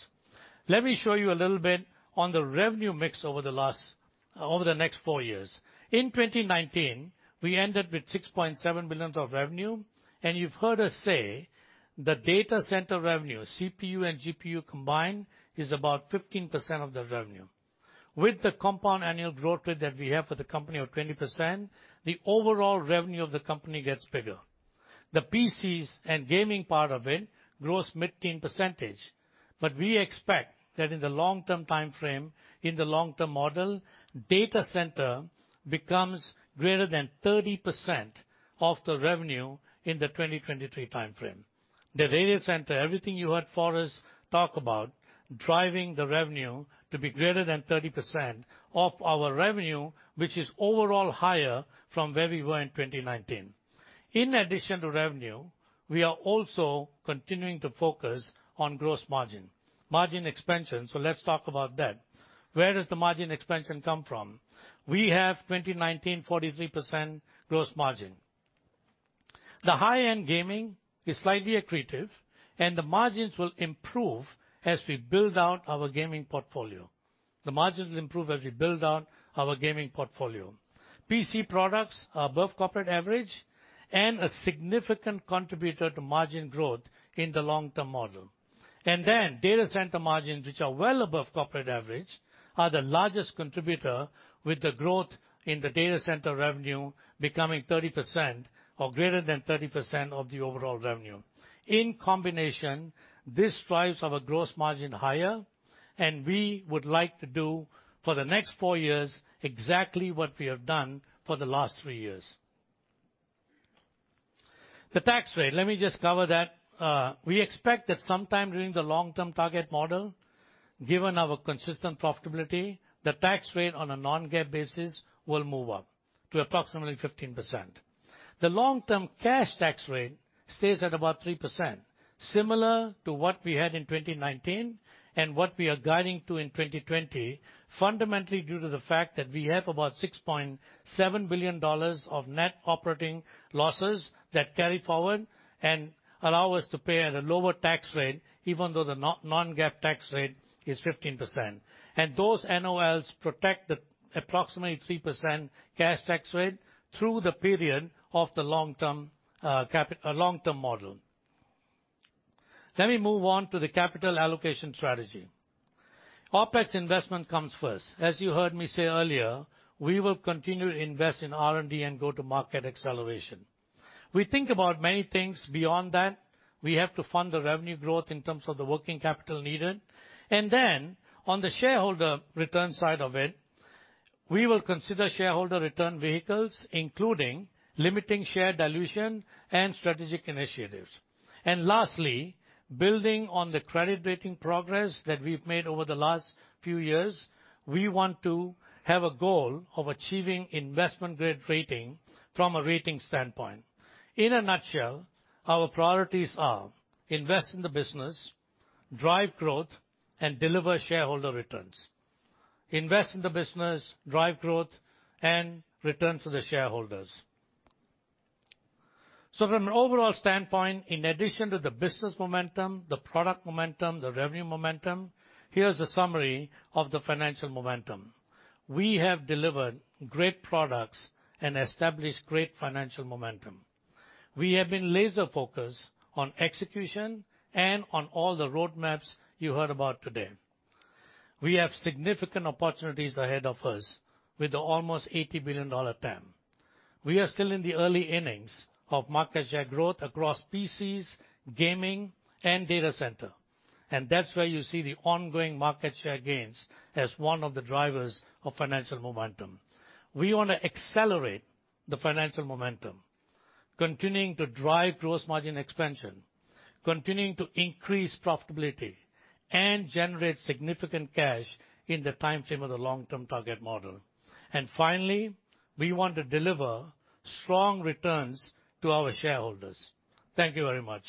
Speaker 6: Let me show you a little bit on the revenue mix over the next four years. In 2019, we ended with $6.7 billion of revenue, and you've heard us say the data center revenue, CPU and GPU combined, is about 15% of the revenue. With the compound annual growth rate that we have for the company of 20%, the overall revenue of the company gets bigger. The PCs and gaming part of it grows mid-teen percentage. We expect that in the long term time frame, in the long term model, data center becomes greater than 30% of the revenue in the 2023 time frame. The data center, everything you heard Forrest talk about, driving the revenue to be greater than 30% of our revenue, which is overall higher from where we were in 2019. In addition to revenue, we are also continuing to focus on gross margin expansion. Let's talk about that. Where does the margin expansion come from? We have 2019, 43% gross margin. The high-end gaming is slightly accretive and the margins will improve as we build out our gaming portfolio. PC products are above corporate average and a significant contributor to margin growth in the long-term model. Data center margins, which are well above corporate average, are the largest contributor with the growth in the data center revenue becoming 30% or greater than 30% of the overall revenue. In combination, this drives our gross margin higher, and we would like to do for the next four years exactly what we have done for the last three years. The tax rate, let me just cover that. We expect that sometime during the long-term target model, given our consistent profitability, the tax rate on a non-GAAP basis will move up to approximately 15%. The long-term cash tax rate stays at about 3%, similar to what we had in 2019 and what we are guiding to in 2020, fundamentally due to the fact that we have about $6.7 billion of net operating losses that carry forward and allow us to pay at a lower tax rate, even though the non-GAAP tax rate is 15%. Those NOLs protect the approximately 3% cash tax rate through the period of the long-term model. Let me move on to the capital allocation strategy. OpEx investment comes first. As you heard me say earlier, we will continue to invest in R&D and go to market acceleration. We think about many things beyond that. We have to fund the revenue growth in terms of the working capital needed. On the shareholder return side of it, we will consider shareholder return vehicles, including limiting share dilution and strategic initiatives. Lastly, building on the credit rating progress that we've made over the last few years, we want to have a goal of achieving investment-grade rating from a rating standpoint. In a nutshell, our priorities are invest in the business, drive growth, and deliver shareholder returns. Invest in the business, drive growth, and returns to the shareholders. From an overall standpoint, in addition to the business momentum, the product momentum, the revenue momentum, here's a summary of the financial momentum. We have delivered great products and established great financial momentum. We have been laser-focused on execution and on all the roadmaps you heard about today. We have significant opportunities ahead of us with the almost $80 billion TAM. We are still in the early innings of market share growth across PCs, gaming, and data center, and that's where you see the ongoing market share gains as one of the drivers of financial momentum. We want to accelerate the financial momentum, continuing to drive gross margin expansion, continuing to increase profitability, and generate significant cash in the time frame of the long-term target model. Finally, we want to deliver strong returns to our shareholders. Thank you very much.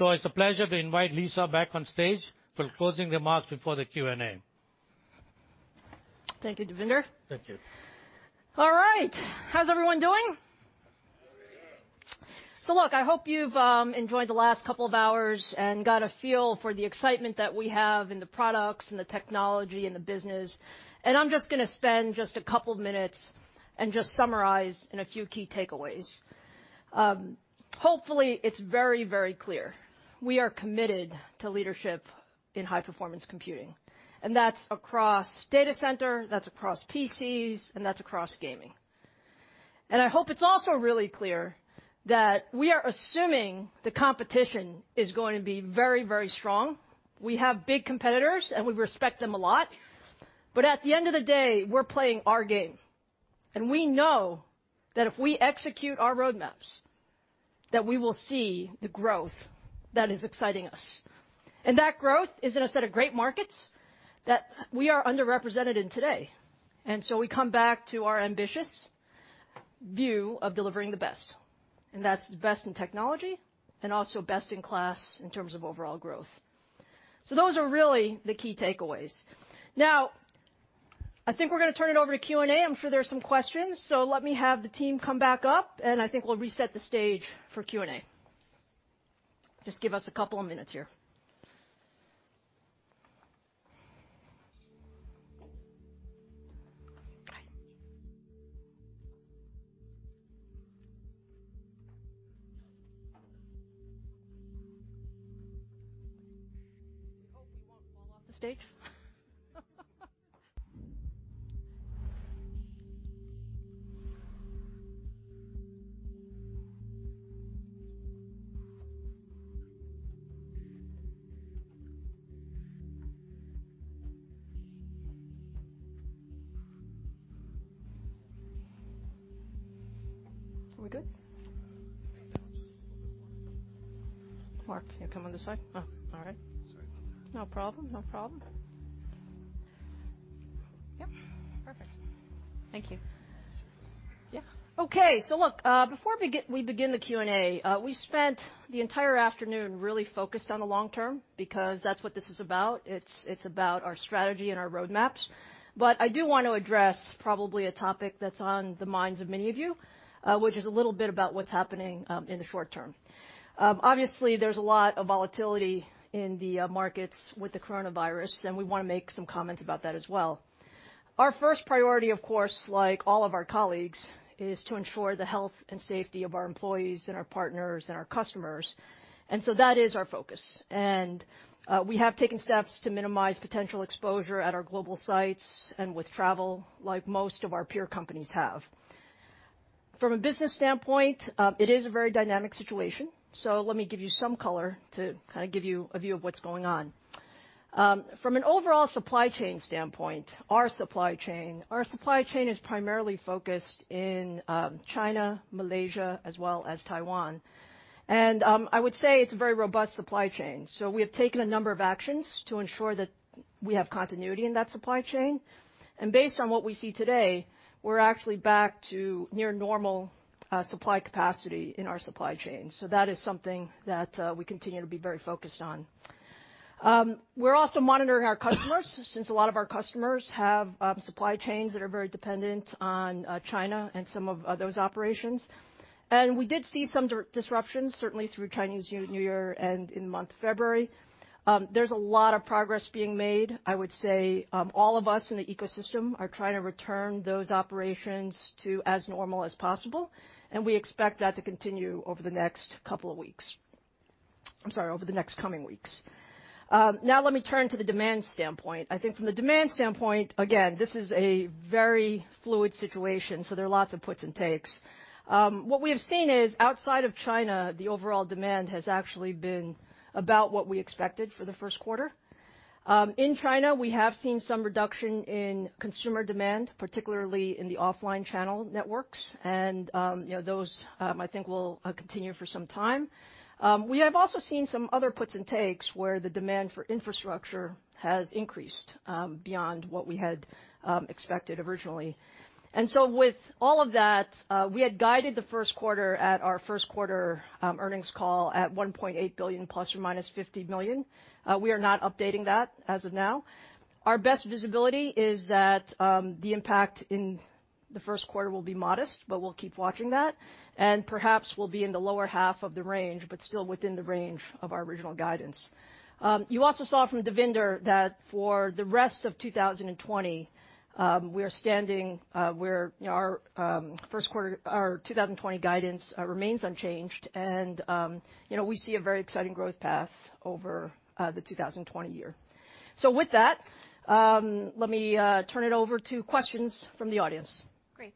Speaker 6: It's a pleasure to invite Lisa back on stage for closing remarks before the Q&A.
Speaker 1: Thank you, Devinder.
Speaker 6: Thank you.
Speaker 1: All right. How's everyone doing? Look, I hope you've enjoyed the last couple of hours and got a feel for the excitement that we have in the products, in the technology, in the business. I'm just going to spend just a couple of minutes and just summarize in a few key takeaways. Hopefully, it's very clear. We are committed to leadership in high-performance computing, that's across data center, that's across PCs, and that's across gaming. I hope it's also really clear that we are assuming the competition is going to be very strong. We have big competitors, we respect them a lot. At the end of the day, we're playing our game, we know that if we execute our roadmaps, that we will see the growth that is exciting us. That growth is in a set of great markets that we are underrepresented in today. We come back to our ambitious view of delivering the best, and that's the best in technology and also best in class in terms of overall growth. Those are really the key takeaways. Now, I think we're going to turn it over to Q&A. I'm sure there's some questions, so let me have the team come back up, and I think we'll reset the stage for Q&A. Just give us a couple of minutes here. I hope we won't fall off the stage. Are we good? Mark, you come on this side. Oh, all right.
Speaker 2: Sorry about that.
Speaker 1: No problem. Yep. Perfect. Thank you. Yeah. Okay. Look, before we begin the Q&A, we spent the entire afternoon really focused on the long term because that's what this is about. It's about our strategy and our roadmaps. I do want to address probably a topic that's on the minds of many of you, which is a little bit about what's happening in the short term. Obviously, there's a lot of volatility in the markets with the coronavirus, and we want to make some comments about that as well. Our first priority, of course, like all of our colleagues, is to ensure the health and safety of our employees and our partners and our customers. That is our focus. We have taken steps to minimize potential exposure at our global sites and with travel, like most of our peer companies have. From a business standpoint, it is a very dynamic situation, so let me give you some color to give you a view of what's going on. From an overall supply chain standpoint, our supply chain is primarily focused in China, Malaysia, as well as Taiwan. I would say it's a very robust supply chain. We have taken a number of actions to ensure that we have continuity in that supply chain. Based on what we see today, we're actually back to near normal supply capacity in our supply chain. That is something that we continue to be very focused on. We're also monitoring our customers, since a lot of our customers have supply chains that are very dependent on China and some of those operations. We did see some disruptions, certainly through Chinese New Year and in the month of February. There's a lot of progress being made. I would say all of us in the ecosystem are trying to return those operations to as normal as possible, and we expect that to continue over the next couple of weeks, I'm sorry, over the next coming weeks. Let me turn to the demand standpoint. I think from the demand standpoint, again, this is a very fluid situation, so there are lots of puts and takes. What we have seen is outside of China, the overall demand has actually been about what we expected for the first quarter. In China, we have seen some reduction in consumer demand, particularly in the offline channel networks, and those, I think, will continue for some time. We have also seen some other puts and takes where the demand for infrastructure has increased beyond what we had expected originally. With all of that, we had guided the first quarter at our first quarter earnings call at $1.8 billion ±$50 million. We are not updating that as of now. Our best visibility is that the impact in the first quarter will be modest, but we'll keep watching that. Perhaps we'll be in the lower half of the range, but still within the range of our original guidance. You also saw from Devinder that for the rest of 2020, our 2020 guidance remains unchanged and we see a very exciting growth path over the 2020 year. With that, let me turn it over to questions from the audience.
Speaker 7: Great.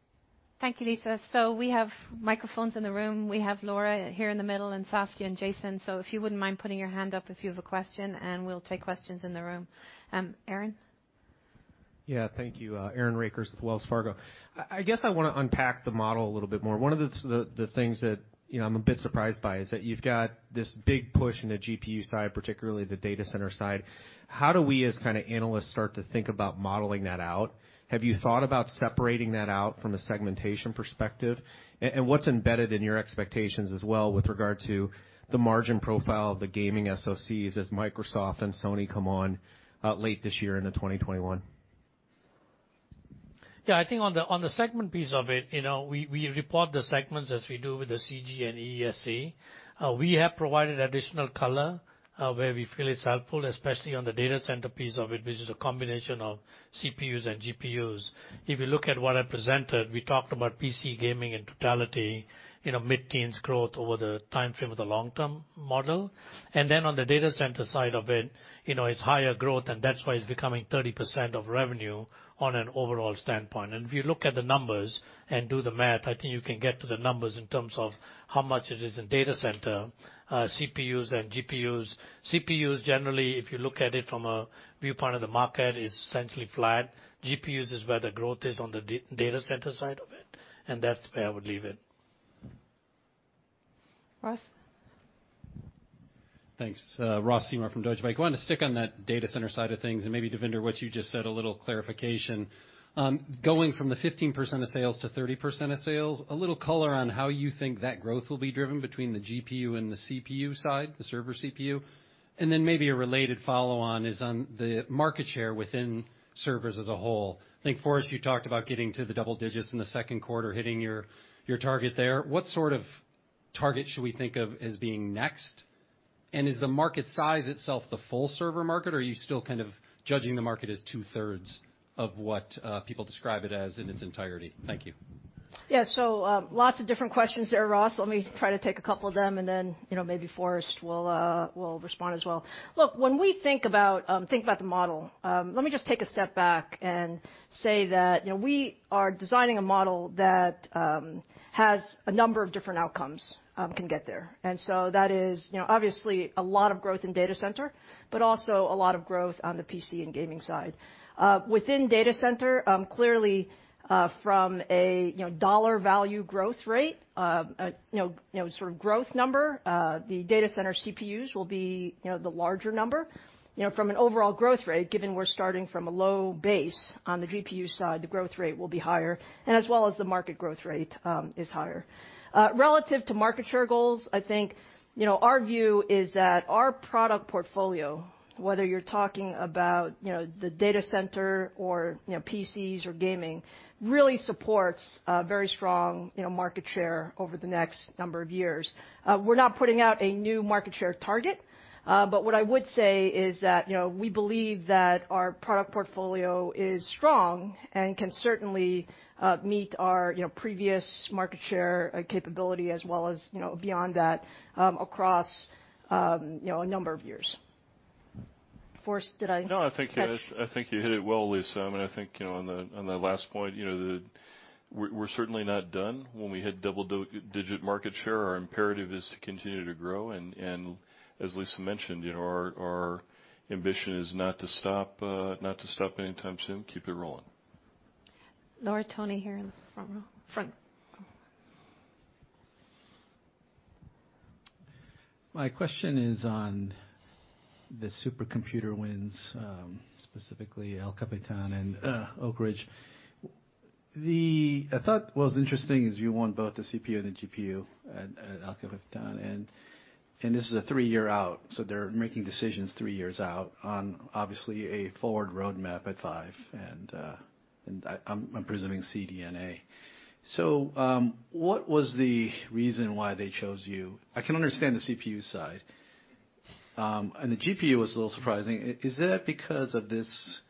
Speaker 7: Thank you, Lisa. We have microphones in the room. We have Laura here in the middle, and Saskia and Jason. If you wouldn't mind putting your hand up if you have a question, and we'll take questions in the room. Aaron?
Speaker 8: Yeah, thank you. Aaron Rakers with Wells Fargo. I guess I want to unpack the model a little bit more. One of the things that I'm a bit surprised by is that you've got this big push in the GPU side, particularly the data center side. How do we, as analysts, start to think about modeling that out? Have you thought about separating that out from a segmentation perspective? What's embedded in your expectations as well with regard to the margin profile of the gaming SOCs as Microsoft and Sony come on late this year into 2021?
Speaker 6: Yeah. I think on the segment piece of it, we report the segments as we do with the CG and EESC. We have provided additional color, where we feel it's helpful, especially on the data center piece of it, which is a combination of CPUs and GPUs. If you look at what I presented, we talked about PC gaming in totality, mid-teens growth over the timeframe of the long-term model. On the data center side of it's higher growth, and that's why it's becoming 30% of revenue on an overall standpoint. If you look at the numbers and do the math, I think you can get to the numbers in terms of how much it is in data center, CPUs and GPUs. CPUs, generally, if you look at it from a viewpoint of the market, is essentially flat. GPUs is where the growth is on the data center side of it, and that's where I would leave it.
Speaker 7: Ross?
Speaker 9: Thanks. Ross Seymore from Deutsche Bank. Want to stick on that data center side of things, and maybe Devinder, what you just said, a little clarification. Going from the 15% of sales to 30% of sales, a little color on how you think that growth will be driven between the GPU and the CPU side, the server CPU. Maybe a related follow-on is on the market share within servers as a whole. I think, Forrest, you talked about getting to the double digits in the second quarter, hitting your target there. What sort of target should we think of as being next? Is the market size itself the full server market, or are you still kind of judging the market as two-thirds of what people describe it as in its entirety? Thank you.
Speaker 1: Lots of different questions there, Ross. Let me try to take a couple of them, and then maybe Forrest will respond as well. Look, when we think about the model, let me just take a step back and say that we are designing a model that has a number of different outcomes can get there. That is obviously a lot of growth in data center, but also a lot of growth on the PC and gaming side. Within data center, clearly, from a dollar value growth rate, sort of growth number, the data center CPUs will be the larger number. From an overall growth rate, given we're starting from a low base on the GPU side, the growth rate will be higher, and as well as the market growth rate is higher. Relative to market share goals, I think our view is that our product portfolio, whether you're talking about the data center or PCs or gaming, really supports a very strong market share over the next number of years. We're not putting out a new market share target, but what I would say is that we believe that our product portfolio is strong and can certainly meet our previous market share capability as well as beyond that, across a number of years. Forrest, did I-
Speaker 5: No, I think.
Speaker 1: Catch?
Speaker 5: I think I hit it well, Lisa. I think on the last point, we're certainly not done. When we hit double-digit market share, our imperative is to continue to grow. As Lisa mentioned, our ambition is not to stop anytime soon. Keep it rolling.
Speaker 7: Laura Tony, here in the front row. Front. Oh.
Speaker 10: My question is on the supercomputer wins, specifically El Capitan and Oak Ridge. I thought what was interesting is you won both the CPU and the GPU at El Capitan, and this is a three-year out, so they're making decisions three years out on obviously a forward roadmap at five, and I'm presuming CDNA. What was the reason why they chose you? I can understand the CPU side. The GPU was a little surprising. Is that because of this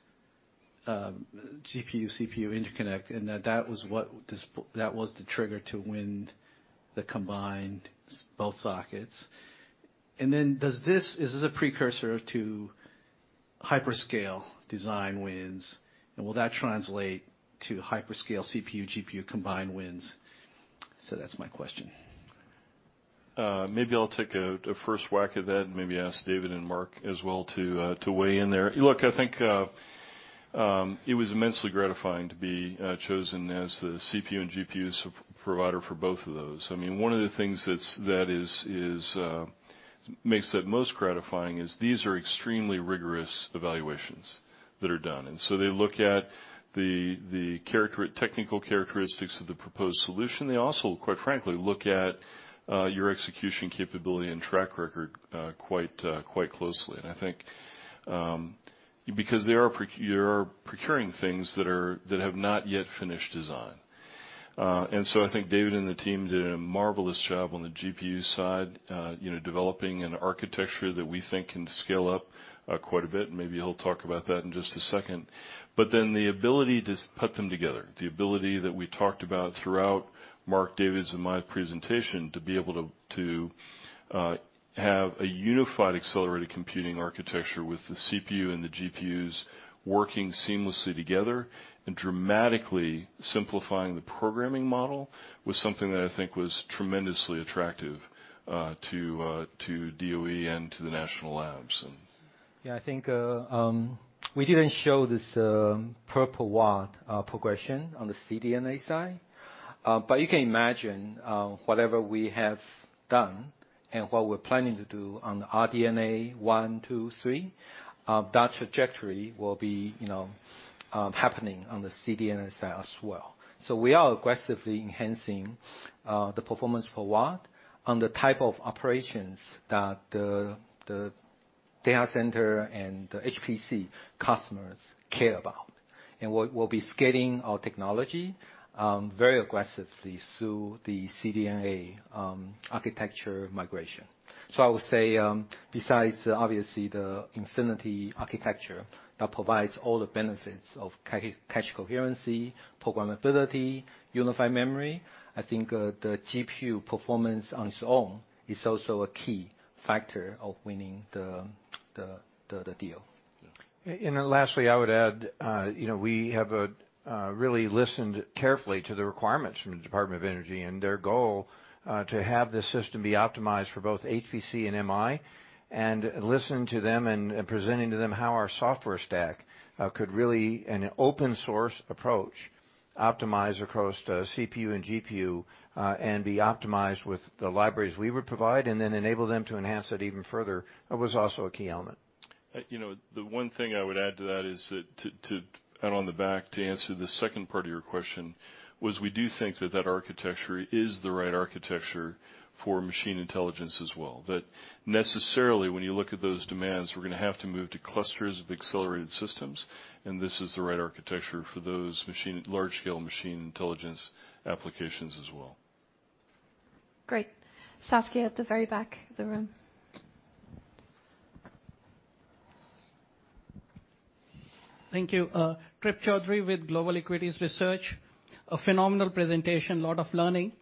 Speaker 10: GPU-CPU interconnect, and that was the trigger to win the combined both sockets? Is this a precursor to hyperscale design wins, and will that translate to hyperscale CPU, GPU combined wins? That's my question.
Speaker 5: Maybe I'll take a first whack at that and maybe ask David and Mark as well to weigh in there. Look, I think it was immensely gratifying to be chosen as the CPU and GPU provider for both of those. One of the things that makes that most gratifying is these are extremely rigorous evaluations that are done. They look at the technical characteristics of the proposed solution. They also, quite frankly, look at your execution capability and track record quite closely. I think, because they are procuring things that have not yet finished design. I think David and the team did a marvelous job on the GPU side, developing an architecture that we think can scale up quite a bit, and maybe he'll talk about that in just a second. The ability to put them together, the ability that we talked about throughout Mark, David's, and my presentation, to be able to have a unified accelerated computing architecture with the CPU and the GPUs working seamlessly together and dramatically simplifying the programming model, was something that I think was tremendously attractive to DOE and to the national labs.
Speaker 3: Yeah, I think we didn't show this per-watt progression on the CDNA side. You can imagine, whatever we have done and what we're planning to do on RDNA 1, 2, 3, that trajectory will be happening on the CDNA side as well. We are aggressively enhancing the performance for watt on the type of operations that the data center and HPC customers care about. We'll be scaling our technology very aggressively through the CDNA architecture migration. I would say, besides obviously the Infinity Architecture that provides all the benefits of cache coherency, programmability, unified memory, I think the GPU performance on its own is also a key factor of winning the deal.
Speaker 2: Lastly, I would add, we have really listened carefully to the requirements from the Department of Energy and their goal to have this system be optimized for both HPC and MI, and listening to them and presenting to them how our software stack could really, in an open source approach, optimize across CPU and GPU, and be optimized with the libraries we would provide, and then enable them to enhance it even further, was also a key element.
Speaker 5: The one thing I would add to that and on the back to answer the second part of your question, was we do think that that architecture is the right architecture for machine intelligence as well. Necessarily, when you look at those demands, we're going to have to move to clusters of accelerated systems, and this is the right architecture for those large-scale machine intelligence applications as well.
Speaker 7: Great. Saskia at the very back of the room.
Speaker 11: Thank you. Trip Chowdhry with Global Equities Research. A phenomenal presentation, lot of learning.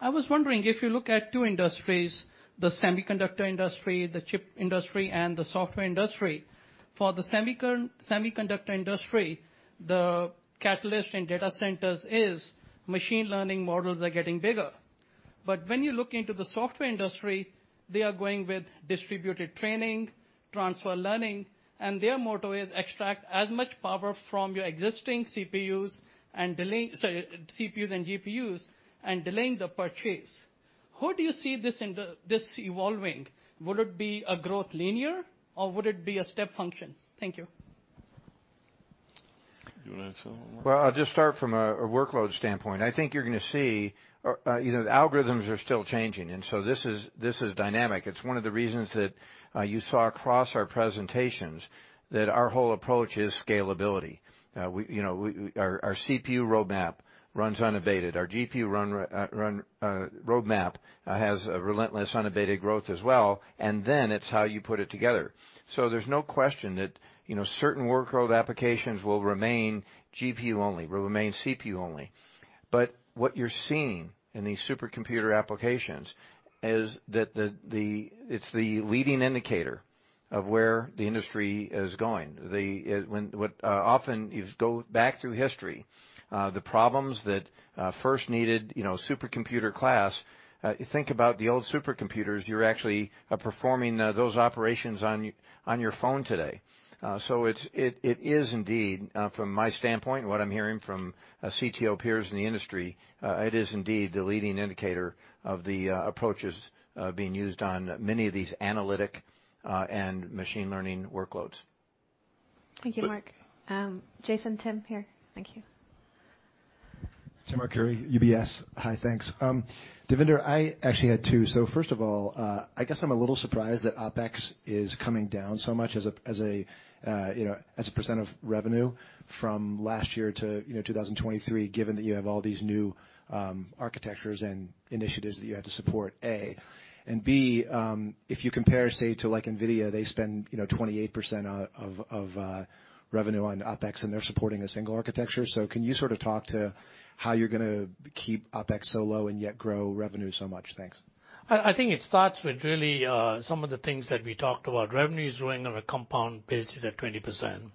Speaker 11: I was wondering if you look at two industries, the semiconductor industry, the chip industry, and the software industry. For the semiconductor industry, the catalyst in data centers is machine learning models are getting bigger. When you look into the software industry, they are going with distributed training, transfer learning, and their motto is extract as much power from your existing CPUs and GPUs, and delaying the purchase. How do you see this evolving? Would it be a growth linear, or would it be a step function? Thank you.
Speaker 5: You want to answer that one, Mark?
Speaker 2: I'll just start from a workload standpoint. I think you're going to see the algorithms are still changing, this is dynamic. It's one of the reasons that you saw across our presentations that our whole approach is scalability. Our CPU roadmap runs unabated. Our GPU roadmap has a relentless, unabated growth as well, it's how you put it together. There's no question that certain workload applications will remain GPU only, will remain CPU only. What you're seeing in these supercomputer applications is that it's the leading indicator of where the industry is going. What often, you go back through history, the problems that first needed supercomputer class, think about the old supercomputers, you're actually performing those operations on your phone today. It is indeed, from my standpoint, and what I'm hearing from CTO peers in the industry, it is indeed the leading indicator of the approaches being used on many of these analytic and machine learning workloads.
Speaker 7: Thank you, Mark. Jason Tim here. Thank you.
Speaker 12: Tim Arcuri, UBS. Hi, thanks. Devinder, I actually had two. First of all, I guess I'm a little surprised that OpEx is coming down so much as a percent of revenue from last year to 2023, given that you have all these new architectures and initiatives that you had to support, A. B, if you compare, say, to NVIDIA, they spend 28% of revenue on OpEx, and they're supporting a single architecture. Can you sort of talk to how you're going to keep OpEx so low and yet grow revenue so much? Thanks.
Speaker 6: I think it starts with really some of the things that we talked about. Revenue is growing on a compound basis at 20%.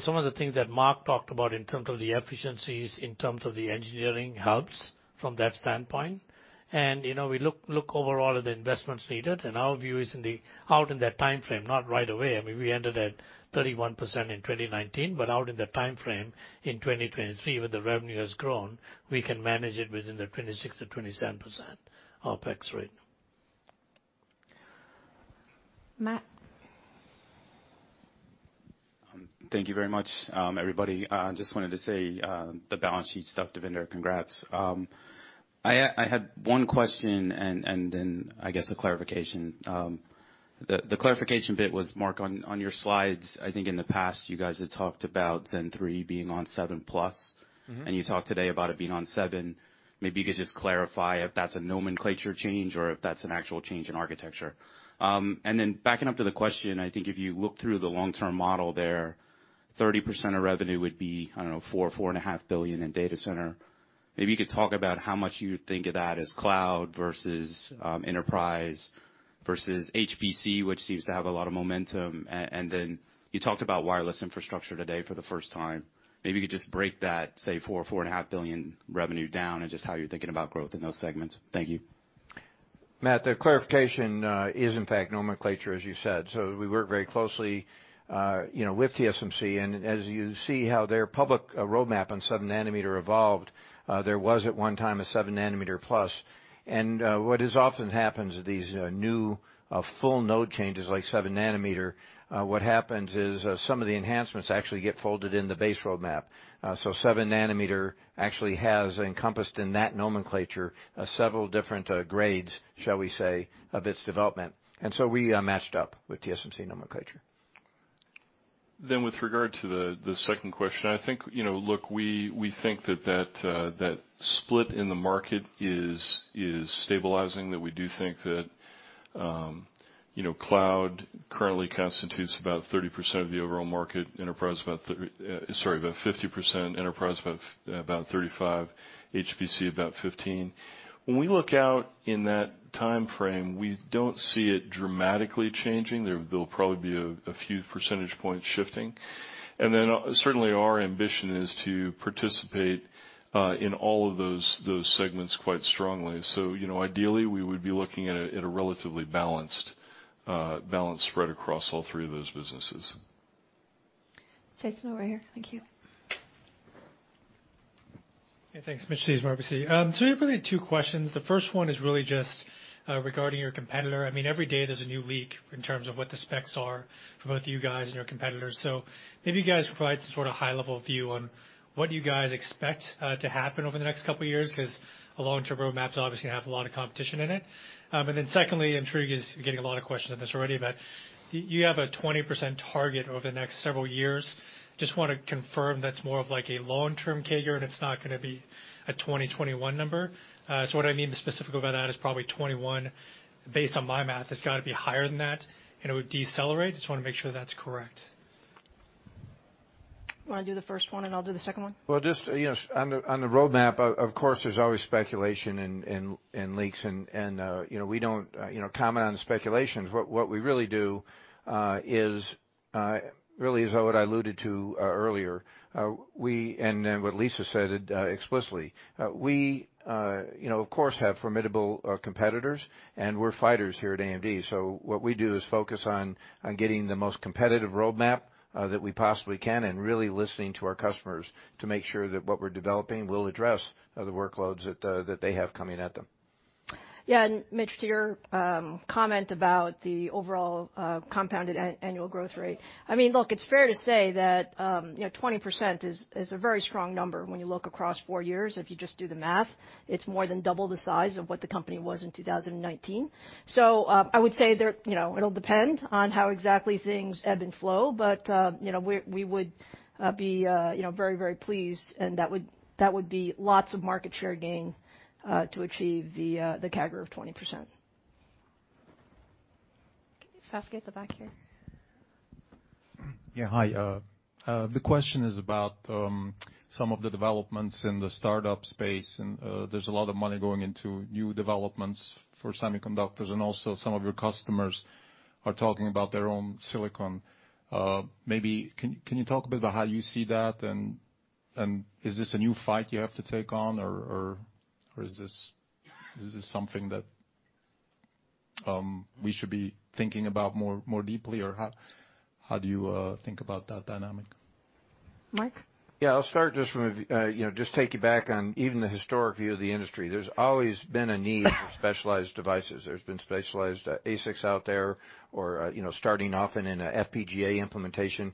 Speaker 6: Some of the things that Mark talked about in terms of the efficiencies, in terms of the engineering helps from that standpoint. We look overall at the investments needed, and our view is out in that timeframe, not right away. I mean, we entered at 31% in 2019, out in that timeframe in 2023, when the revenue has grown, we can manage it within the 26%-27% OpEx rate.
Speaker 7: Matt.
Speaker 13: Thank you very much, everybody. Just wanted to say the balance sheet stuff, Devinder, congrats. I had one question and then I guess a clarification. The clarification bit was, Mark, on your slides, I think in the past you guys had talked about Zen 3 being on 7+. You talked today about it being on 7. Maybe you could just clarify if that's a nomenclature change or if that's an actual change in architecture. Backing up to the question, I think if you look through the long-term model there, 30% of revenue would be, I don't know, $4 billion or $4.5 billion in data center. Maybe you could talk about how much you think of that as cloud versus enterprise versus HPC, which seems to have a lot of momentum. You talked about wireless infrastructure today for the first time. Maybe you could just break that, say, $4 billion or $4.5 billion revenue down and just how you're thinking about growth in those segments. Thank you.
Speaker 2: Matt, the clarification is in fact nomenclature, as you said. We work very closely with TSMC, and as you see how their public roadmap on 7-nm evolved, there was at one time a 7-nm plus. What often happens at these new full node changes like 7-nm, what happens is some of the enhancements actually get folded in the base roadmap. 7-nm actually has encompassed in that nomenclature several different grades, shall we say, of its development. We matched up with TSMC nomenclature.
Speaker 5: With regard to the second question, we think that split in the market is stabilizing. We do think that cloud currently constitutes about 30% of the overall market. Enterprise, about 50%, enterprise about 35%, HPC about 15%. When we look out in that timeframe, we don't see it dramatically changing. There'll probably be a few percentage points shifting. Certainly our ambition is to participate in all of those segments quite strongly. Ideally, we would be looking at a relatively balanced spread across all three of those businesses.
Speaker 7: Jason, over here. Thank you.
Speaker 14: Hey, thanks. Steve Michell from RBC. Really two questions. The first one is really just regarding your competitor. Every day there's a new leak in terms of what the specs are for both you guys and your competitors. Maybe you guys can provide some sort of high level view on what you guys expect to happen over the next couple of years, because a long-term roadmap's obviously going to have a lot of competition in it. Secondly, I'm sure you guys are getting a lot of questions on this already, but you have a 20% target over the next several years. Just want to confirm that's more of like a long-term CAGR, and it's not going to be a 2021 number. What I mean specifically by that is probably 2021, based on my math, has got to be higher than that, and it would decelerate. Just want to make sure that's correct.
Speaker 1: You want to do the first one, and I'll do the second one?
Speaker 5: Well, just on the roadmap, of course, there's always speculation and leaks and we don't comment on the speculations. What we really do is, really as what I alluded to earlier, and what Lisa said explicitly. We, of course, have formidable competitors, and we're fighters here at AMD. What we do is focus on getting the most competitive roadmap that we possibly can and really listening to our customers to make sure that what we're developing will address the workloads that they have coming at them.
Speaker 1: Mitch, to your comment about the overall compounded annual growth rate. It's fair to say that 20% is a very strong number when you look across four years. If you just do the math, it's more than double the size of what the company was in 2019. I would say it'll depend on how exactly things ebb and flow, but we would be very pleased and that would be lots of market share gain, to achieve the CAGR of 20%.
Speaker 7: Okay. Saskia at the back here.
Speaker 10: Yeah. Hi. The question is about some of the developments in the startup space, and there's a lot of money going into new developments for semiconductors, and also some of your customers are talking about their own silicon. Maybe can you talk a bit about how you see that, and is this a new fight you have to take on, or is this something that we should be thinking about more deeply, or how do you think about that dynamic?
Speaker 1: Mark?
Speaker 2: Yeah. I'll start just take you back on even the historic view of the industry. There's always been a need for specialized devices. There's been specialized ASICs out there or starting off in an FPGA implementation.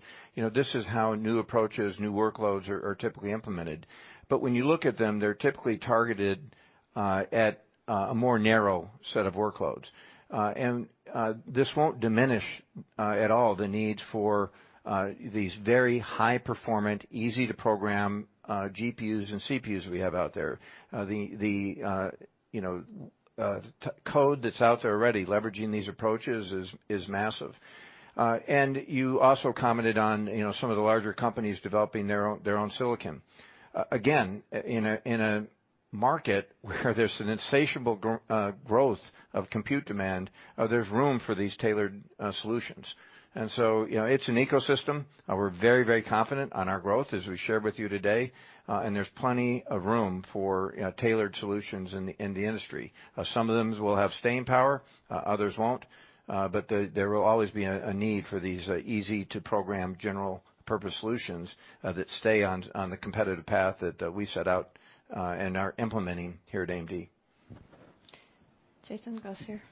Speaker 2: This is how new approaches, new workloads are typically implemented. When you look at them, they're typically targeted at a more narrow set of workloads. This won't diminish at all the need for these very high performant, easy to program, GPUs and CPUs we have out there. The code that's out there already leveraging these approaches is massive. You also commented on some of the larger companies developing their own silicon. Again, in a market where there's an insatiable growth of compute demand, there's room for these tailored solutions. It's an ecosystem. We're very confident on our growth, as we shared with you today. There's plenty of room for tailored solutions in the industry. Some of them will have staying power, others won't. There will always be a need for these easy to program general purpose solutions that stay on the competitive path that we set out, and are implementing here at AMD.
Speaker 1: Jason, across here.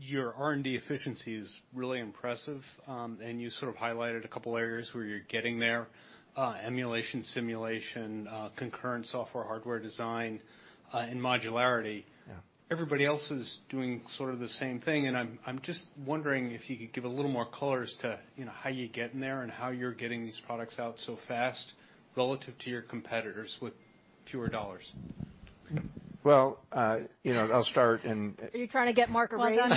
Speaker 15: Your R&D efficiency is really impressive. You sort of highlighted a couple areas where you're getting there. Emulation, simulation, concurrent software, hardware design, and modularity.
Speaker 2: Yeah.
Speaker 15: Everybody else is doing sort of the same thing, I'm just wondering if you could give a little more color as to how you're getting there and how you're getting these products out so fast relative to your competitors with fewer dollars?
Speaker 2: Well, I'll start.
Speaker 1: Are you trying to get Mark around?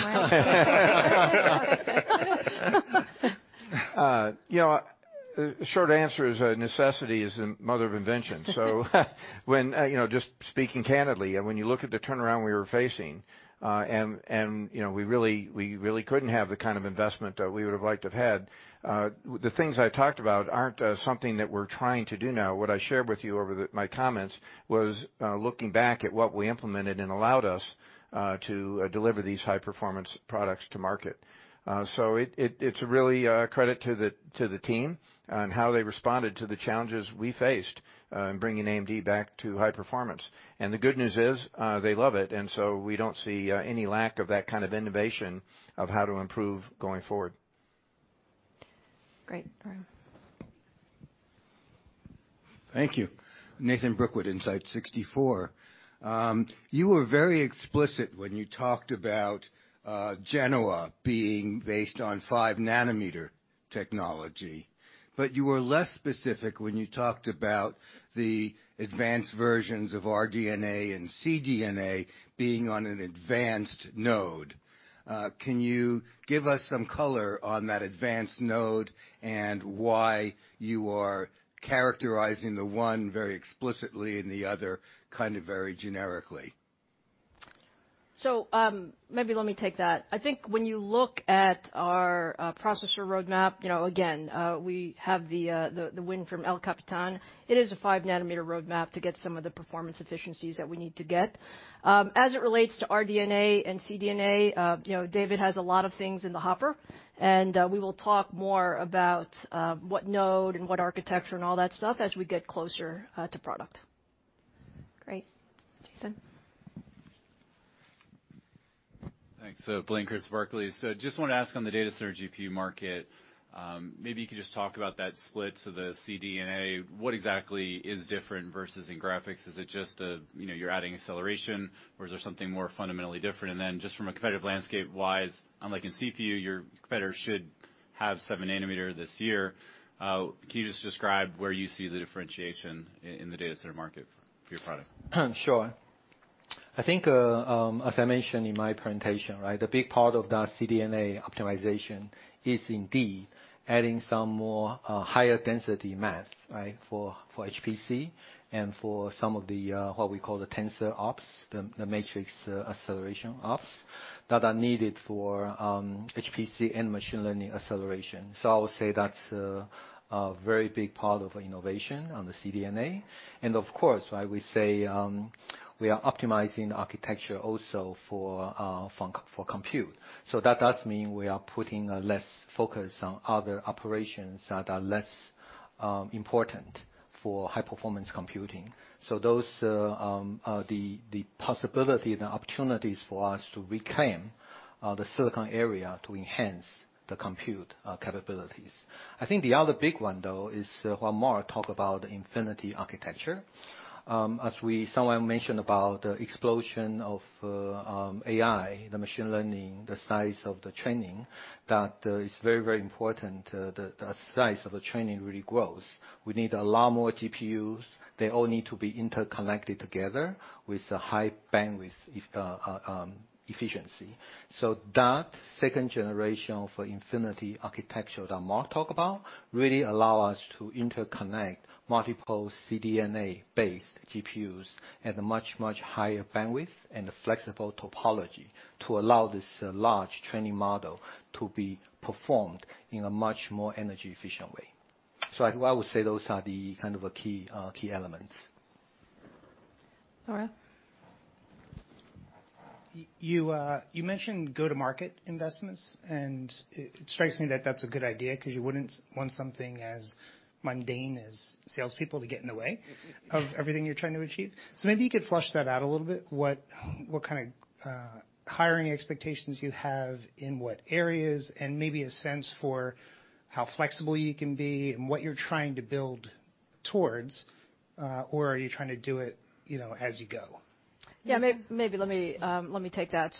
Speaker 2: The short answer is necessity is the mother of invention. Just speaking candidly, when you look at the turnaround we were facing, and we really couldn't have the kind of investment that we would've liked to have had. The things I talked about aren't something that we're trying to do now. What I shared with you over my comments was looking back at what we implemented and allowed us to deliver these high performance products to market. It's really a credit to the team and how they responded to the challenges we faced, bringing AMD back to high performance. The good news is, they love it. We don't see any lack of that kind of innovation of how to improve going forward.
Speaker 1: Great. Arun.
Speaker 16: Thank you. Nathan Brookwood, Insight 64. You were very explicit when you talked about Genoa being based on five nm technology, but you were less specific when you talked about the advanced versions of RDNA and CDNA being on an advanced node. Can you give us some color on that advanced node and why you are characterizing the one very explicitly and the other very generically?
Speaker 1: Maybe let me take that. I think when you look at our processor roadmap, again, we have the win from El Capitan. It is a five-nm roadmap to get some of the performance efficiencies that we need to get. As it relates to RDNA and CDNA, David has a lot of things in the hopper, and we will talk more about what node and what architecture and all that stuff as we get closer to product.
Speaker 7: Great. Jason.
Speaker 17: Thanks. Blake Harris, Barclays. Just want to ask on the data center GPU market. Maybe you could just talk about that split to the CDNA. What exactly is different versus in graphics? Is it just you're adding acceleration or is there something more fundamentally different? Just from a competitive landscape-wise, unlike in CPU, your competitor should have 7-nm this year. Can you just describe where you see the differentiation in the data center market for your product?
Speaker 3: Sure. I think, as I mentioned in my presentation, the big part of the CDNA optimization is indeed adding some more higher density maths for HPC and for some of the, what we call the tensor ops, the matrix acceleration ops, that are needed for HPC and machine learning acceleration. I would say that's a very big part of innovation on the CDNA. Of course, we say we are optimizing architecture also for compute. That does mean we are putting less focus on other operations that are less important for high-performance computing. Those are the possibility and the opportunities for us to reclaim the silicon area to enhance the compute capabilities. I think the other big one, though, is what Mark talked about Infinity Architecture. We somewhere mentioned about the explosion of AI, the machine learning, the size of the training, that is very important. The size of the training really grows. We need a lot more GPUs. They all need to be interconnected together with a high bandwidth efficiency. That second generation for Infinity Architecture that Mark talked about really allow us to interconnect multiple CDNA-based GPUs at a much, much higher bandwidth and a flexible topology to allow this large training model to be performed in a much more energy efficient way. I would say those are the key elements.
Speaker 7: Laura.
Speaker 18: You mentioned go-to-market investments, and it strikes me that that's a good idea because you wouldn't want something as mundane as salespeople to get in the way of everything you're trying to achieve. Maybe you could flesh that out a little bit. What kind of hiring expectations you have in what areas, and maybe a sense for how flexible you can be and what you're trying to build towards, or are you trying to do it as you go?
Speaker 1: Yeah, maybe let me take that.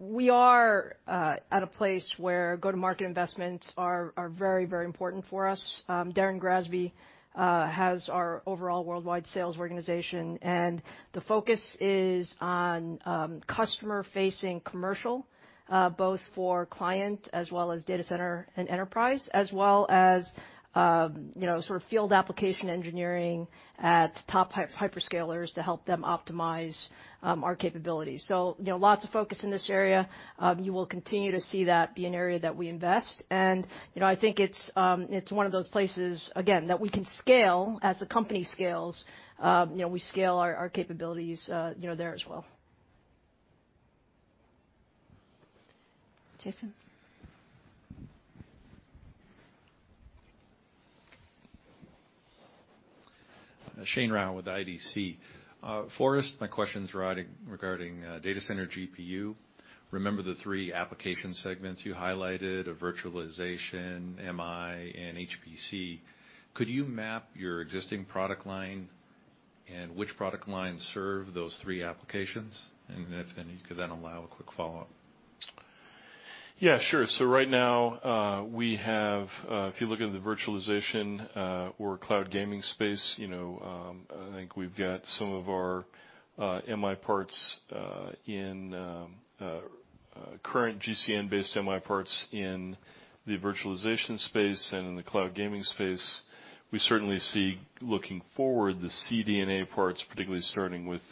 Speaker 1: We are at a place where go-to-market investments are very, very important for us. Darren Grasby has our overall worldwide sales organization, and the focus is on customer-facing commercial, both for client as well as data center and enterprise, as well as field application engineering at top hyperscalers to help them optimize our capabilities. Lots of focus in this area. You will continue to see that be an area that we invest. I think it's one of those places, again, that we can scale as the company scales. We scale our capabilities there as well.
Speaker 7: Jason.
Speaker 19: Shane Rau with IDC. Forrest, my question's regarding data center GPU. Remember the three application segments you highlighted, virtualization, MI, and HPC. Could you map your existing product line and which product lines serve those three applications? If then you could then allow a quick follow-up.
Speaker 5: Yeah, sure. Right now, we have, if you look at the virtualization or cloud gaming space, I think we've got some of our MI parts in current GCN-based MI parts in the virtualization space and in the cloud gaming space. We certainly see looking forward, the CDNA parts, particularly starting with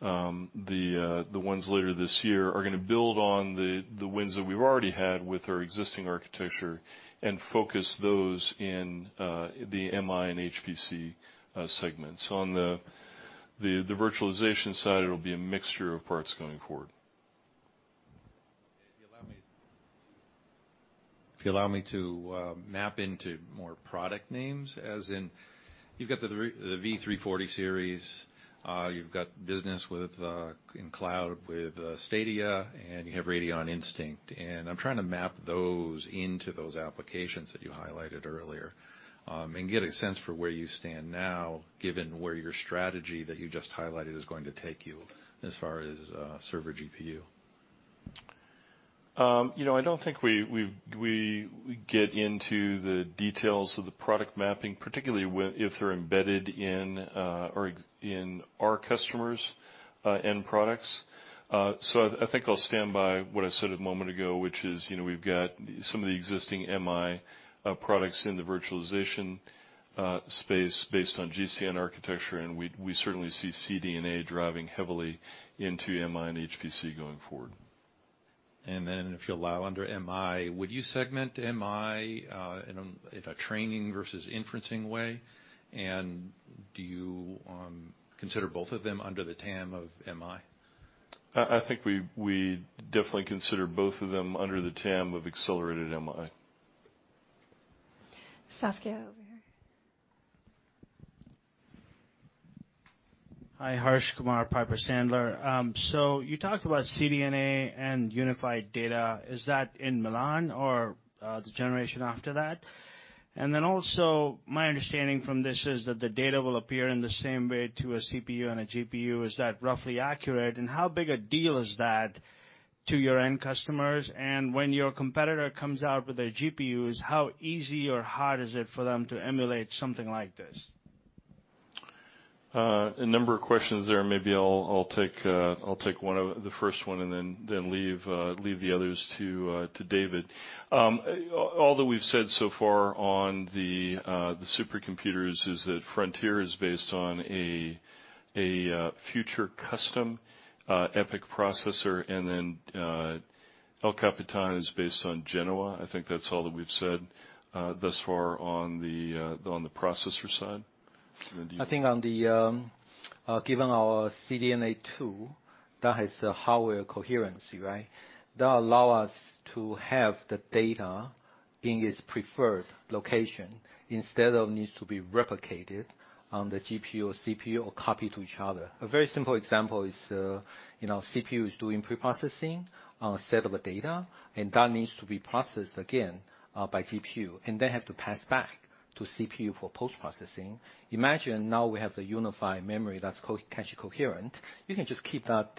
Speaker 5: the ones later this year, are going to build on the wins that we've already had with our existing architecture and focus those in the MI and HPC segments. On the virtualization side, it'll be a mixture of parts going forward.
Speaker 19: Okay. If you allow me to map into more product names, as in. You've got the V340 series, you've got business in cloud with Stadia, and you have Radeon Instinct. I'm trying to map those into those applications that you highlighted earlier and get a sense for where you stand now, given where your strategy that you just highlighted is going to take you as far as server GPU.
Speaker 5: I don't think we get into the details of the product mapping, particularly if they're embedded in our customers' end products. I think I'll stand by what I said a moment ago, which is we've got some of the existing MI products in the virtualization space based on GCN architecture, and we certainly see CDNA driving heavily into MI and HPC going forward.
Speaker 19: If you'll allow, under MI, would you segment MI in a training versus inferencing way? Do you consider both of them under the TAM of MI?
Speaker 5: I think we definitely consider both of them under the TAM of accelerated MI.
Speaker 7: Saskia, over here.
Speaker 20: Hi. Harsh Kumar, Piper Sandler. You talked about CDNA and unified data. Is that in Milan or the generation after that? My understanding from this is that the data will appear in the same way to a CPU and a GPU. Is that roughly accurate, and how big a deal is that to your end customers? When your competitor comes out with their GPUs, how easy or hard is it for them to emulate something like this?
Speaker 5: A number of questions there. Maybe I'll take the first one and then leave the others to David. All that we've said so far on the supercomputers is that Frontier is based on a future custom EPYC processor, and then El Capitan is based on Genoa. I think that's all that we've said thus far on the processor side. Do you want to-
Speaker 3: I think given our CDNA 2, that has a hardware coherency, right? That allow us to have the data in its preferred location instead of needs to be replicated on the GPU or CPU or copy to each other. A very simple example is CPU is doing preprocessing on a set of data, and that needs to be processed again by GPU, and then have to pass back to CPU for post-processing. Imagine now we have the unified memory that's cache coherent. You can just keep that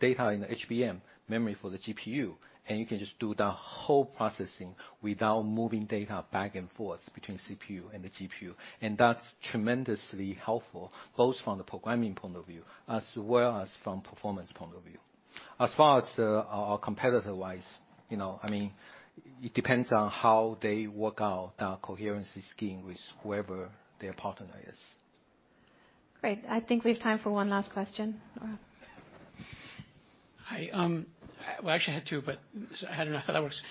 Speaker 3: data in HBM memory for the GPU, and you can just do the whole processing without moving data back and forth between CPU and the GPU. That's tremendously helpful, both from the programming point of view as well as from performance point of view. As far as our competitor wise, it depends on how they work out their coherency scheme with whoever their partner is.
Speaker 7: Great. I think we have time for one last question. Laura.
Speaker 21: Hi. Well, I actually had two, I don't know how that works.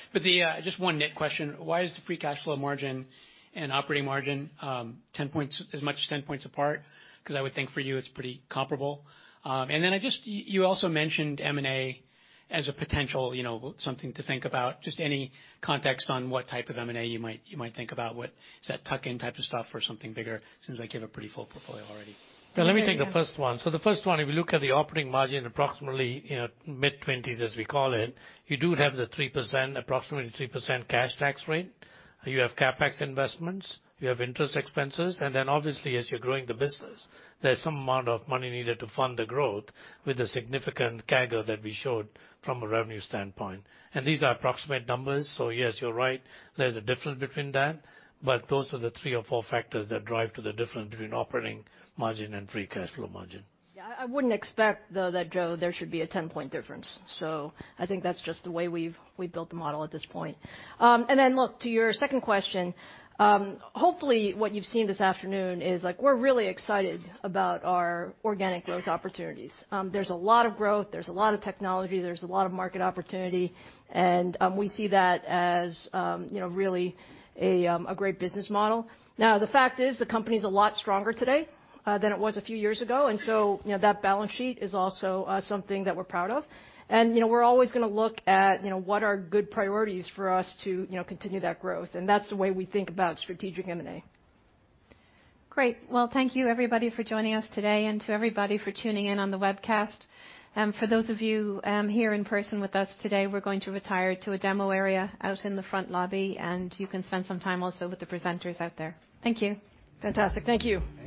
Speaker 21: Just one net question. Why is the free cash flow margin and operating margin as much as 10 points apart? I would think for you it's pretty comparable. You also mentioned M&A as a potential, something to think about. Just any context on what type of M&A you might think about. Is that tuck-in type of stuff or something bigger? Seems like you have a pretty full portfolio already.
Speaker 6: Let me take the first one. The first one, if you look at the operating margin, approximately mid-20s as we call it, you do have approximately 3% cash tax rate. You have CapEx investments, you have interest expenses, obviously as you're growing the business, there's some amount of money needed to fund the growth with a significant CAGR that we showed from a revenue standpoint. These are approximate numbers. Yes, you're right, there's a difference between that, those are the three or four factors that drive to the difference between operating margin and free cash flow margin.
Speaker 1: Yeah. I wouldn't expect, though, that, Joe, there should be a 10-point difference. Look, to your second question, hopefully what you've seen this afternoon is we're really excited about our organic growth opportunities. There's a lot of growth, there's a lot of technology, there's a lot of market opportunity, and we see that as really a great business model. Now, the fact is, the company's a lot stronger today than it was a few years ago, and so that balance sheet is also something that we're proud of. We're always going to look at what are good priorities for us to continue that growth. That's the way we think about strategic M&A.
Speaker 7: Great. Thank you everybody for joining us today and to everybody for tuning in on the webcast. For those of you here in person with us today, we're going to retire to a demo area out in the front lobby, and you can spend some time also with the presenters out there. Thank you.
Speaker 1: Fantastic. Thank you.
Speaker 5: Thank you.